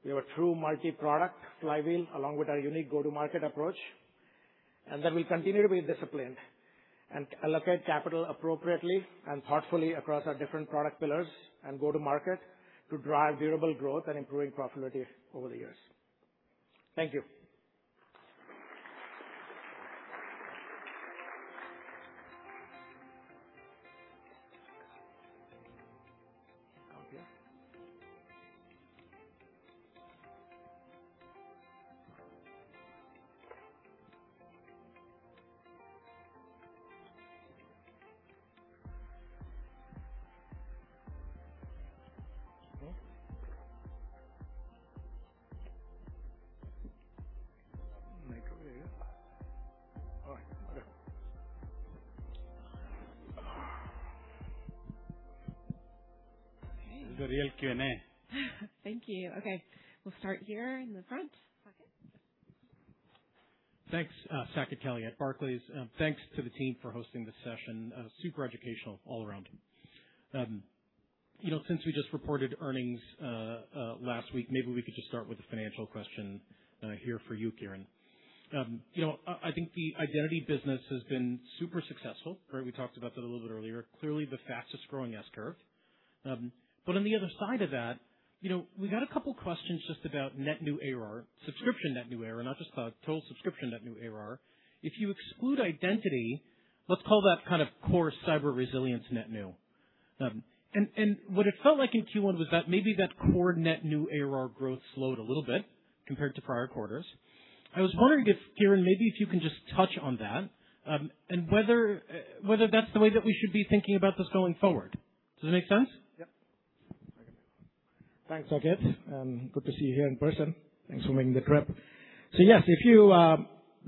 we have a true multi-product flywheel, along with our unique go-to-market approach. We'll continue to be disciplined and allocate capital appropriately and thoughtfully across our different product pillars and go to market to drive durable growth and improving profitability over the years. Thank you. Okay. This is the real Q&A. Thank you. Okay. We'll start here in the front. Thanks. Saket Kalia at Barclays. Thanks to the team for hosting this session. Super educational all around. Since we just reported earnings last week, maybe we could just start with a financial question here for you, Kiran. I think the identity business has been super successful, right? We talked about that a little bit earlier. Clearly the fastest-growing S-curve. On the other side of that, we've had a couple questions just about net new ARR, subscription net new ARR, not just cloud, total subscription net new ARR. If you exclude identity, let's call that kind of core cyber resilience net new. What it felt like in Q1 was that maybe that core net new ARR growth slowed a little bit compared to prior quarters. I was wondering if, Kiran, maybe if you can just touch on that, and whether that's the way that we should be thinking about this going forward. Does that make sense? Yep. I can go. Thanks, Saket, and good to see you here in person. Thanks for making the trip. Yes, if you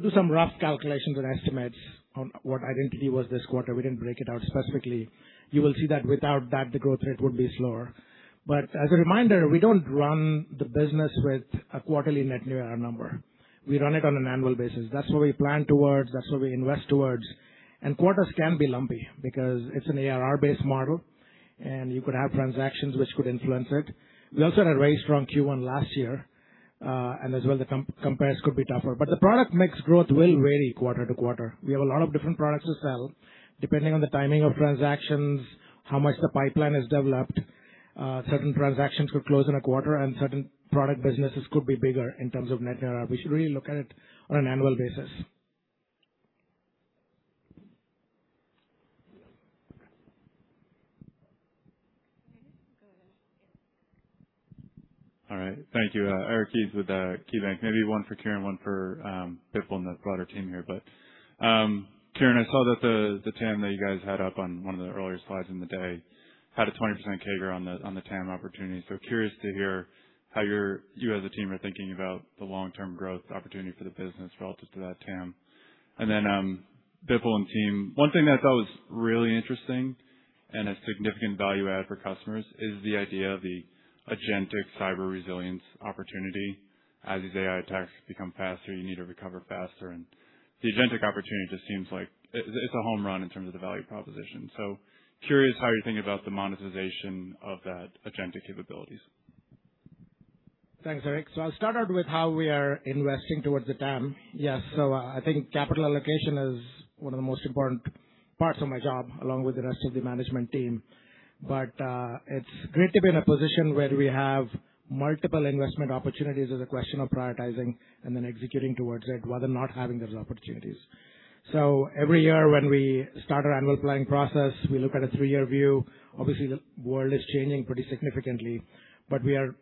do some rough calculations and estimates on what identity was this quarter, we didn't break it out specifically, you will see that without that, the growth rate would be slower. As a reminder, we don't run the business with a quarterly net new ARR number. We run it on an annual basis. That's what we plan towards, that's what we invest towards, and quarters can be lumpy because it's an ARR-based model, and you could have transactions which could influence it. We also had a very strong Q1 last year, and as well the compares could be tougher. The product mix growth will vary quarter to quarter. We have a lot of different products to sell, depending on the timing of transactions, how much the pipeline has developed. Certain transactions could close in a quarter, and certain product businesses could be bigger in terms of net new ARR. We should really look at it on an annual basis. Go ahead, yeah. Thank you. Eric Heath with KeyBanc. Maybe one for Kiran, one for Bipul and the broader team here. Kiran, I saw that the TAM that you guys had up on one of the earlier slides in the day had a 20% CAGR on the TAM opportunity. Curious to hear how you as a team are thinking about the long-term growth opportunity for the business relative to that TAM. Bipul and team, one thing that I thought was really interesting and a significant value add for customers is the idea of the agentic cyber resilience opportunity. As these AI attacks become faster, you need to recover faster, and the agentic opportunity just seems like it's a home run in terms of the value proposition. Curious how you think about the monetization of that agentic capabilities. Thanks, Eric. I'll start out with how we are investing towards the TAM. I think capital allocation is one of the most important parts of my job, along with the rest of the management team. It's great to be in a position where we have multiple investment opportunities as a question of prioritizing and then executing towards it, rather than not having those opportunities. Every year when we start our annual planning process, we look at a three-year view. Obviously, the world is changing pretty significantly, but we are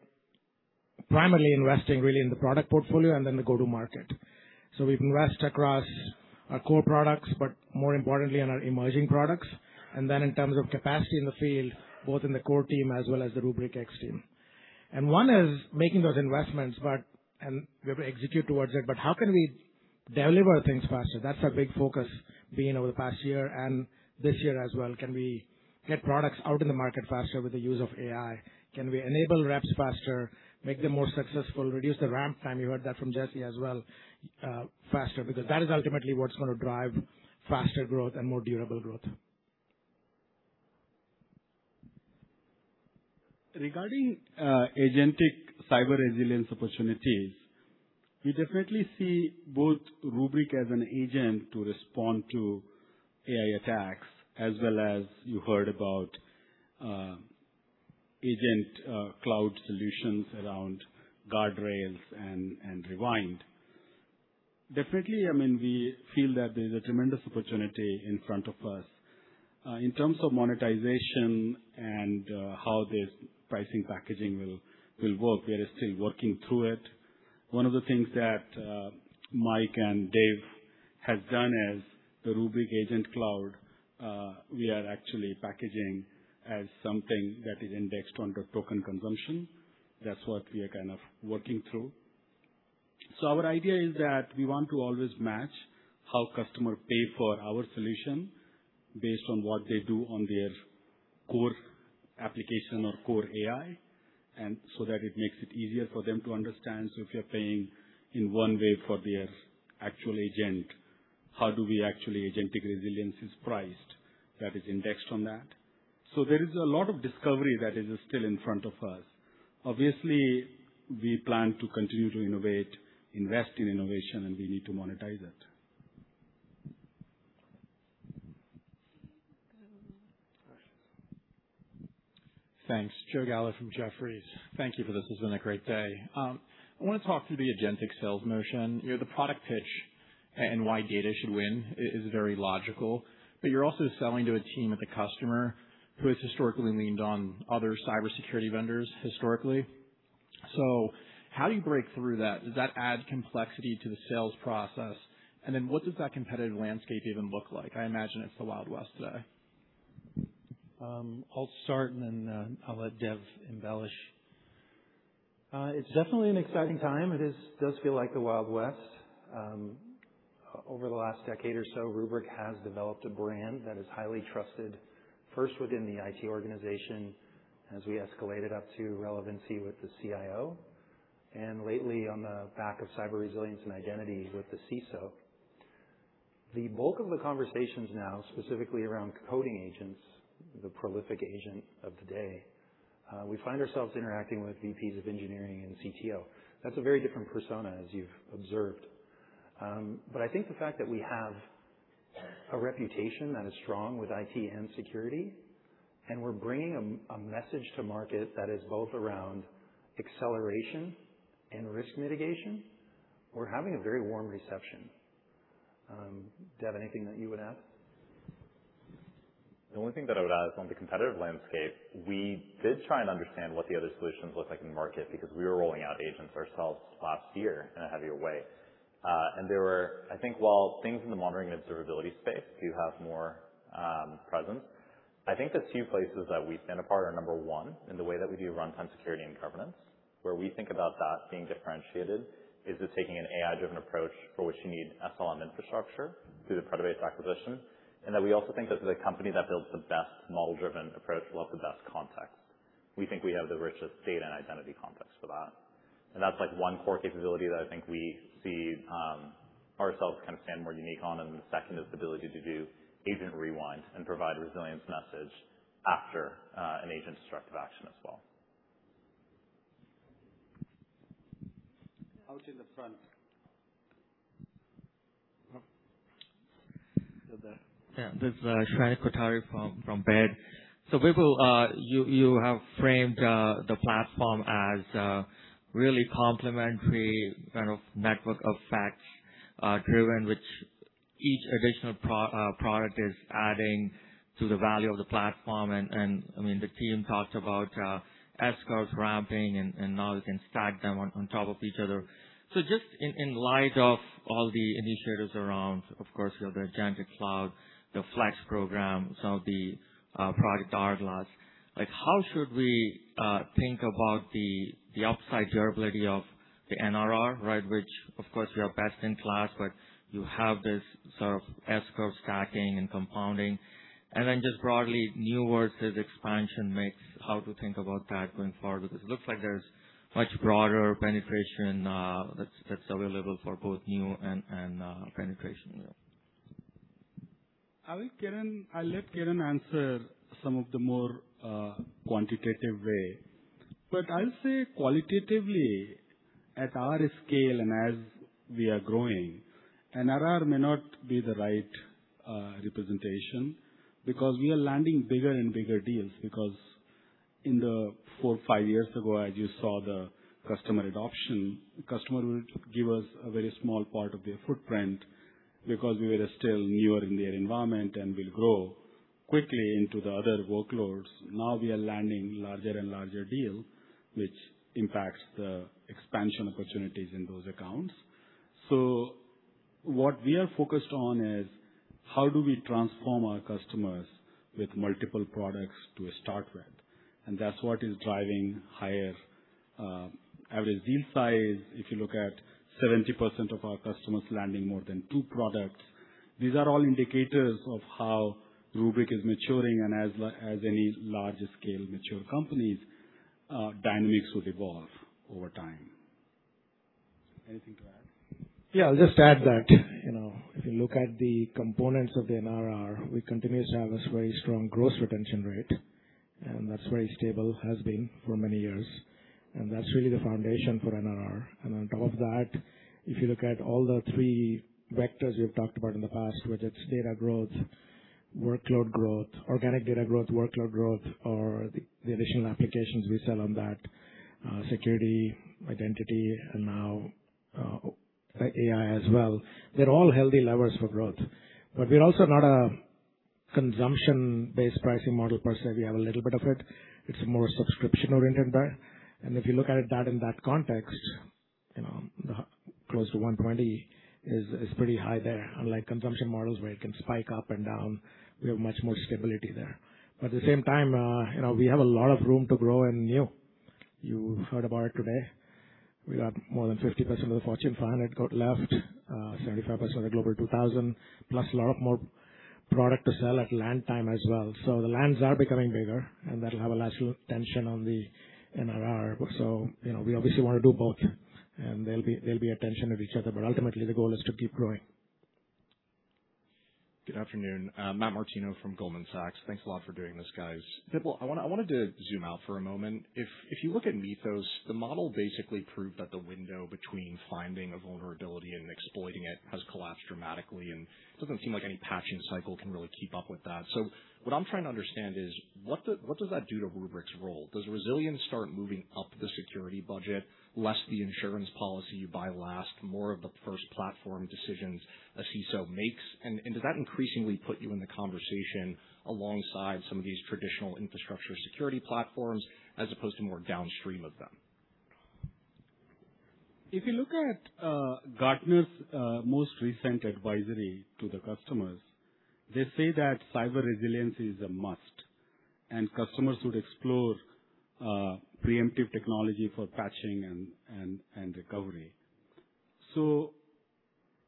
primarily investing really in the product portfolio and then the go-to-market. We've invested across our core products, but more importantly on our emerging products, and then in terms of capacity in the field, both in the core team as well as the Rubrik X team. And one is making those investments and we have to execute towards it, but how can we deliver things faster? That's our big focus being over the past year and this year as well. Can we get products out in the market faster with the use of AI? Can we enable reps faster, make them more successful, reduce the ramp time, you heard that from Jesse as well, faster? Because that is ultimately what's going to drive faster growth and more durable growth. Regarding agentic cyber resilience opportunities, we definitely see both Rubrik as an agent to respond to AI attacks, as well as you heard about Rubrik Agent Cloud solutions around Guardrails and Rewind. Definitely, we feel that there's a tremendous opportunity in front of us. In terms of monetization and how this pricing packaging will work, we are still working through it. One of the things that Mike and Dev have done as the Rubrik Agent Cloud, we are actually packaging as something that is indexed under token consumption. That's what we are kind of working through. Our idea is that we want to always match how customer pay for our solution based on what they do on their core application or core AI, so that it makes it easier for them to understand. If you're paying in one way for their actual agent, how do we actually agentic resilience is priced that is indexed on that. There is a lot of discovery that is still in front of us. Obviously, we plan to continue to innovate, invest in innovation, and we need to monetize it. Go. Questions. Thanks. Joseph Gallo from Jefferies. Thank you for this. This has been a great day. I want to talk through the agentic sales motion. The product pitch and why data should win is very logical, but you're also selling to a team at the customer who has historically leaned on other cybersecurity vendors historically. How do you break through that? Does that add complexity to the sales process? What does that competitive landscape even look like? I imagine it's the Wild West today. I'll start and then I'll let Dev embellish. It's definitely an exciting time. It does feel like the Wild West. Over the last decade or so, Rubrik has developed a brand that is highly trusted, first within the IT organization as we escalated up to relevancy with the CIO, and lately on the back of cyber resilience and identities with the CISO. The bulk of the conversations now, specifically around coding agents, the prolific agent of the day, we find ourselves interacting with VPs of engineering and CTO. That's a very different persona as you've observed. I think the fact that we have a reputation that is strong with IT and security, and we're bringing a message to market that is both around acceleration and risk mitigation, we're having a very warm reception. Dev, anything that you would add? The only thing that I would add is on the competitive landscape, we did try and understand what the other solutions look like in the market because we were rolling out agents ourselves last year in a heavier way. There were, I think while things in the monitoring and observability space do have more presence, I think the two places that we stand apart are, number 1, in the way that we do runtime security and governance. Where we think about that being differentiated is just taking an AI-driven approach for which you need SLM infrastructure through the Predibase acquisition. That we also think that the company that builds the best model-driven approach will have the best context. We think we have the richest data and identity context for that. That's one core capability that I think we see ourselves kind of stand more unique on, and then the second is the ability to do agent rewind and provide a resilience message after an agent destructive action as well. Out in the front. You there. This is Shrenik Kothari from Baird. You have framed the platform as really complementary kind of network effects, driven which each additional product is adding to the value of the platform. The team talked about S-curves ramping and now you can stack them on top of each other. Just in light of all the initiatives around, of course, the agentic cloud, the Flex program, some of the product RGLAs. How should we think about the upside durability of the NRR, right? Which of course, you are best in class, but you have this sort of S-curve stacking and compounding. Then just broadly new versus expansion mix, how to think about that going forward? Because it looks like there's much broader penetration that's available for both new and penetration. I'll let Kiran answer some of the more quantitative way. I'll say qualitatively, at our scale and as we are growing, NRR may not be the right representation because we are landing bigger and bigger deals. Because four or five years ago, as you saw the customer adoption, customer would give us a very small part of their footprint because we were still newer in their environment and will grow quickly into the other workloads. Now we are landing larger and larger deals, which impacts the expansion opportunities in those accounts. What we are focused on is how do we transform our customers with multiple products to a start rate? That's what is driving higher average deal size. If you look at 70% of our customers landing more than two products, these are all indicators of how Rubrik is maturing and as any larger scale mature companies, dynamics would evolve over time. Anything to add? Yeah, I'll just add that if you look at the components of the NRR, we continue to have a very strong gross retention rate, and that's very stable, has been for many years. That's really the foundation for NRR. On top of that, if you look at all the three vectors we've talked about in the past, whether it's data growth, workload growth, organic data growth, workload growth, or the additional applications we sell on that, security, identity, and now AI as well, they're all healthy levers for growth. We're also not a consumption-based pricing model per se. We have a little bit of it. It's more subscription oriented. If you look at that in that context, close to 120 is pretty high there. Unlike consumption models where it can spike up and down, we have much more stability there. At the same time, we have a lot of room to grow and new. You heard about it today. We got more than 50% of the Fortune 500 left, 75% of the Global 2000, plus a lot of more product to sell at land time as well. The lands are becoming bigger, and that'll have a larger tension on the NRR. We obviously want to do both, and there'll be a tension with each other, but ultimately the goal is to keep growing. Good afternoon. Matthew Martino from Goldman Sachs. Thanks a lot for doing this, guys. Bipul, I wanted to zoom out for a moment. If you look at Mythos, the model basically proved that the window between finding a vulnerability and exploiting it has collapsed dramatically, and it doesn't seem like any patching cycle can really keep up with that. What I'm trying to understand is what does that do to Rubrik's role? Does resilience start moving up the security budget, less the insurance policy you buy last, more of the first platform decisions a CISO makes? Does that increasingly put you in the conversation alongside some of these traditional infrastructure security platforms as opposed to more downstream of them? If you look at Gartner's most recent advisory to the customers, they say that cyber resilience is a must. Customers would explore preemptive technology for patching and recovery.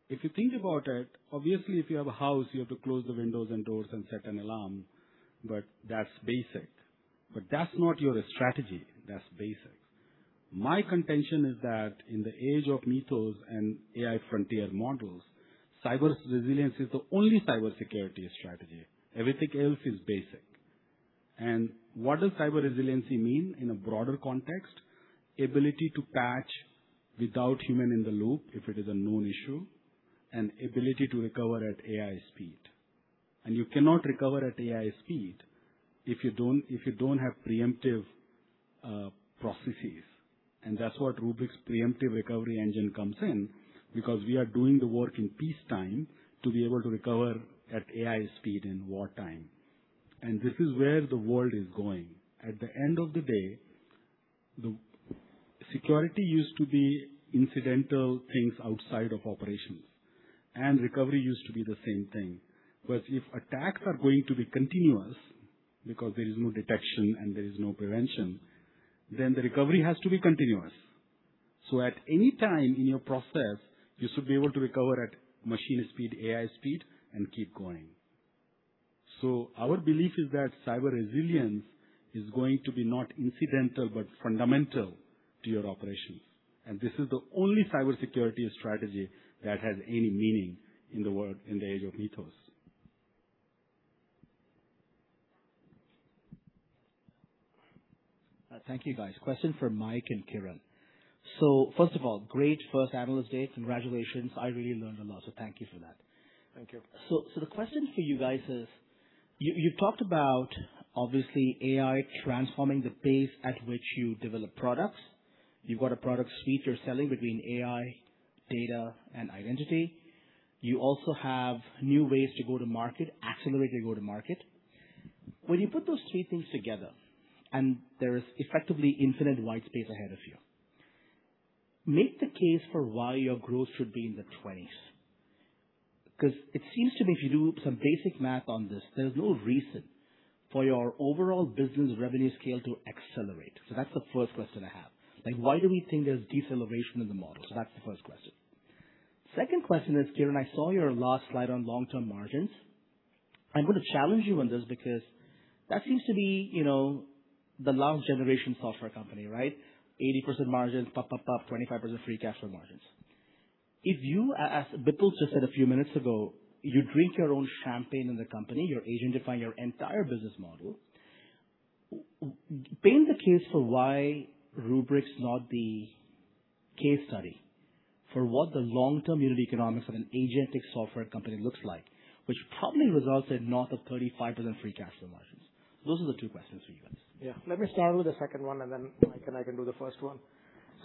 If you think about it, obviously, if you have a house, you have to close the windows and doors and set an alarm. But that's basic. But that's not your strategy. That's basic. My contention is that in the age of Mythos and AI frontier models, cyber resilience is the only cybersecurity strategy. Everything else is basic. What does cyber resiliency mean in a broader context? Ability to patch without human in the loop if it is a known issue, and ability to recover at AI speed. You cannot recover at AI speed if you don't have preemptive processes. That's what Rubrik's preemptive recovery engine comes in, because we are doing the work in peacetime to be able to recover at AI speed in wartime. This is where the world is going. At the end of the day, the security used to be incidental things outside of operations, and recovery used to be the same thing. If attacks are going to be continuous because there is no detection and there is no prevention, then the recovery has to be continuous. At any time in your process, you should be able to recover at machine speed, AI speed, and keep going. Our belief is that cyber resilience is going to be not incidental but fundamental to your operations. This is the only cybersecurity strategy that has any meaning in the world in the age of Mythos. Thank you, guys. Question for Mike and Kiran. First of all, great first Analyst Day. Congratulations. I really learned a lot, so thank you for that. Thank you. The question for you guys is, you talked about, obviously, AI transforming the pace at which you develop products. You've got a product suite you're selling between AI, data, and identity. You also have new ways to go to market, accelerated go to market. When you put those three things together, and there is effectively infinite white space ahead of you, make the case for why your growth should be in the twenties. Because it seems to me if you do some basic math on this, there's no reason for your overall business revenue scale to accelerate. That's the first question I have. Why do we think there's deceleration in the model? That's the first question. Second question is, Kiran, I saw your last slide on long-term margins. I'm going to challenge you on this because that seems to be the large generation software company, right? 80% margins, pop, pop, 25% free cash flow margins. If you, as Bipul just said a few minutes ago, you drink your own champagne in the company, your agent define your entire business model, paint the case for why Rubrik is not the case study for what the long-term unit economics of an agentic software company looks like, which probably results in north of 35% free cash flow margins. Those are the two questions for you guys. Yeah. Let me start with the second one, and then Mike and I can do the first one.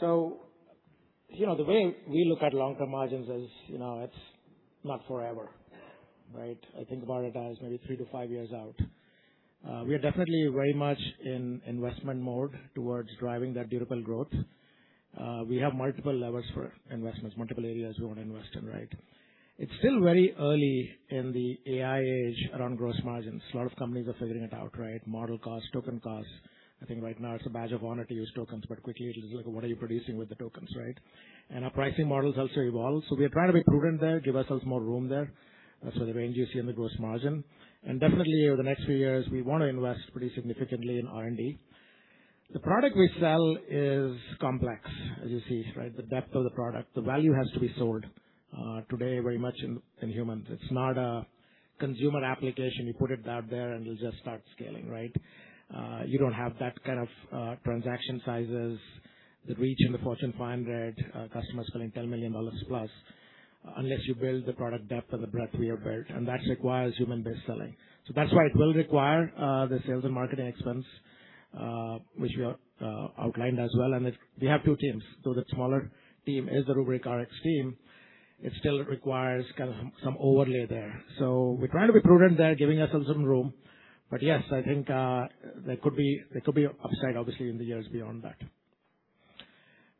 The way we look at long-term margins is it's not forever, right? I think about it as maybe 3 to 5 years out. We are definitely very much in investment mode towards driving that durable growth. We have multiple levels for investments, multiple areas we want to invest in, right? It's still very early in the AI age around gross margins. A lot of companies are figuring it out, right? Model cost, token cost. I think right now it's a badge of honor to use tokens, but quickly it is like, what are you producing with the tokens, right? Our pricing models also evolve. We are trying to be prudent there, give ourselves more room there. That's why the range you see in the gross margin. Definitely over the next few years, we want to invest pretty significantly in R&D. The product we sell is complex, as you see, right? The depth of the product. The value has to be sold, today very much in humans. It's not a consumer application. You put it out there, and it'll just start scaling, right? You don't have that kind of transaction sizes that reach in the Fortune 500 customers spending $10 million plus unless you build the product depth and the breadth we have built, and that requires human-based selling. That's why it will require the sales and marketing expense, which we have outlined as well. We have two teams. Though the smaller team is the Rubrik X team, it still requires some overlay there. We're trying to be prudent there, giving ourselves some room. Yes, I think there could be upside, obviously, in the years beyond that.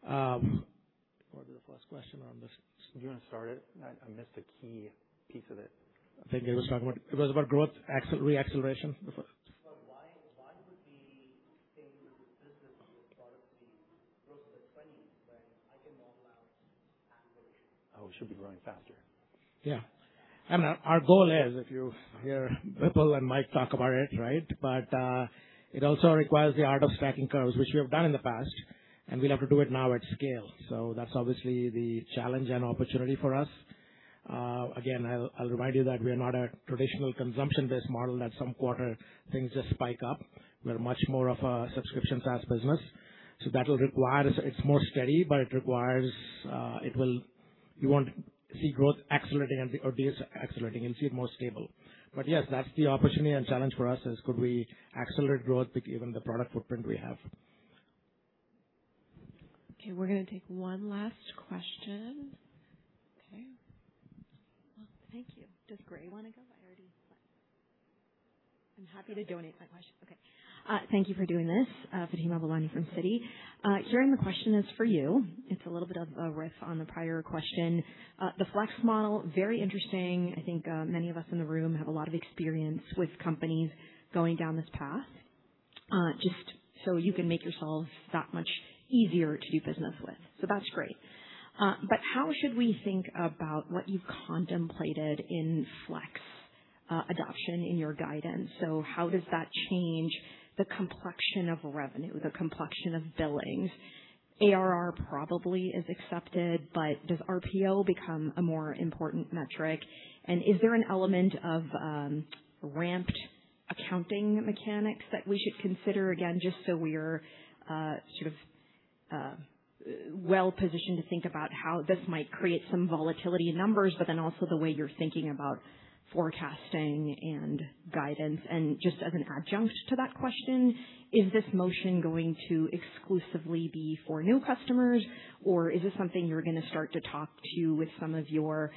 What was the first question on this? Do you want to start it? I missed the key piece of it. I think it was talking about growth re-acceleration before. Why would the same business model product be gross in the 20s when I can model out acceleration? Oh, it should be growing faster. Yeah. I mean, our goal is, if you hear Bipul and Mike talk about it, right? It also requires the art of stacking curves, which we have done in the past, and we'll have to do it now at scale. That's obviously the challenge and opportunity for us. Again, I'll remind you that we are not a traditional consumption-based model that some quarter things just spike up. We're much more of a subscription SaaS business. It's more steady, but you won't see growth accelerating or days accelerating. You'll see it more stable. Yes, that's the opportunity and challenge for us is could we accelerate growth given the product footprint we have? Okay, we're going to take one last question. Okay. Well, thank you. Does Giri want to go? I'm happy to donate my question. Okay. Thank you for doing this. Fatima Boolani from Citi. Kiran, the question is for you. It's a little bit of a riff on the prior question. The Flex model, very interesting. I think many of us in the room have a lot of experience with companies going down this path. Just so you can make yourselves that much easier to do business with, that's great. How should we think about what you contemplated in Flex adoption in your guidance? How does that change the complexion of revenue, the complexion of billings? ARR probably is accepted, but does RPO become a more important metric? Is there an element of ramped accounting mechanics that we should consider? Again, just so we're well-positioned to think about how this might create some volatility in numbers, also the way you're thinking about forecasting and guidance. Just as an adjunct to that question, is this motion going to exclusively be for new customers, or is this something you're going to start to talk to with some of your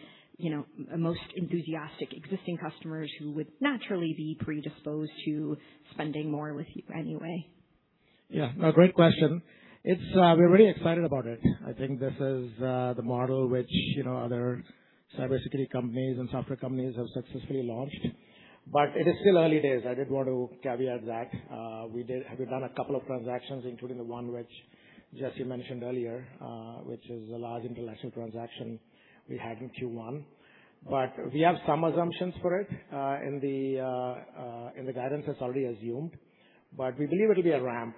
most enthusiastic existing customers who would naturally be predisposed to spending more with you anyway? No, great question. We're very excited about it. I think this is the model which other cybersecurity companies and software companies have successfully launched. It is still early days. I did want to caveat that. We've done a couple of transactions, including the one which Jesse mentioned earlier, which is a large intellectual transaction we had in Q1. We have some assumptions for it in the guidance that's already assumed. We believe it'll be a ramp.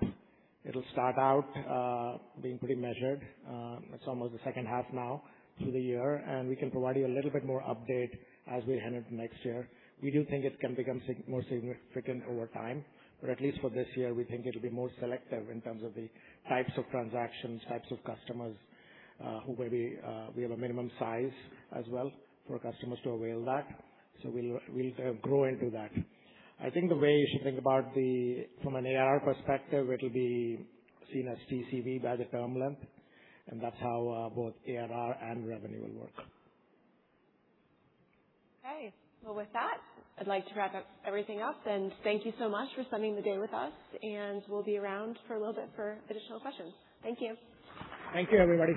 It'll start out being pretty measured. It's almost the second half now through the year, and we can provide you a little bit more update as we head into next year. We do think it can become more significant over time. At least for this year, we think it'll be more selective in terms of the types of transactions, types of customers. We have a minimum size as well for customers to avail that. We'll grow into that. I think the way you should think about from an ARR perspective, it'll be seen as TCV by the term length, and that's how both ARR and revenue will work. Well, with that, I'd like to wrap everything up. Thank you so much for spending the day with us, and we'll be around for a little bit for additional questions. Thank you. Thank you, everybody.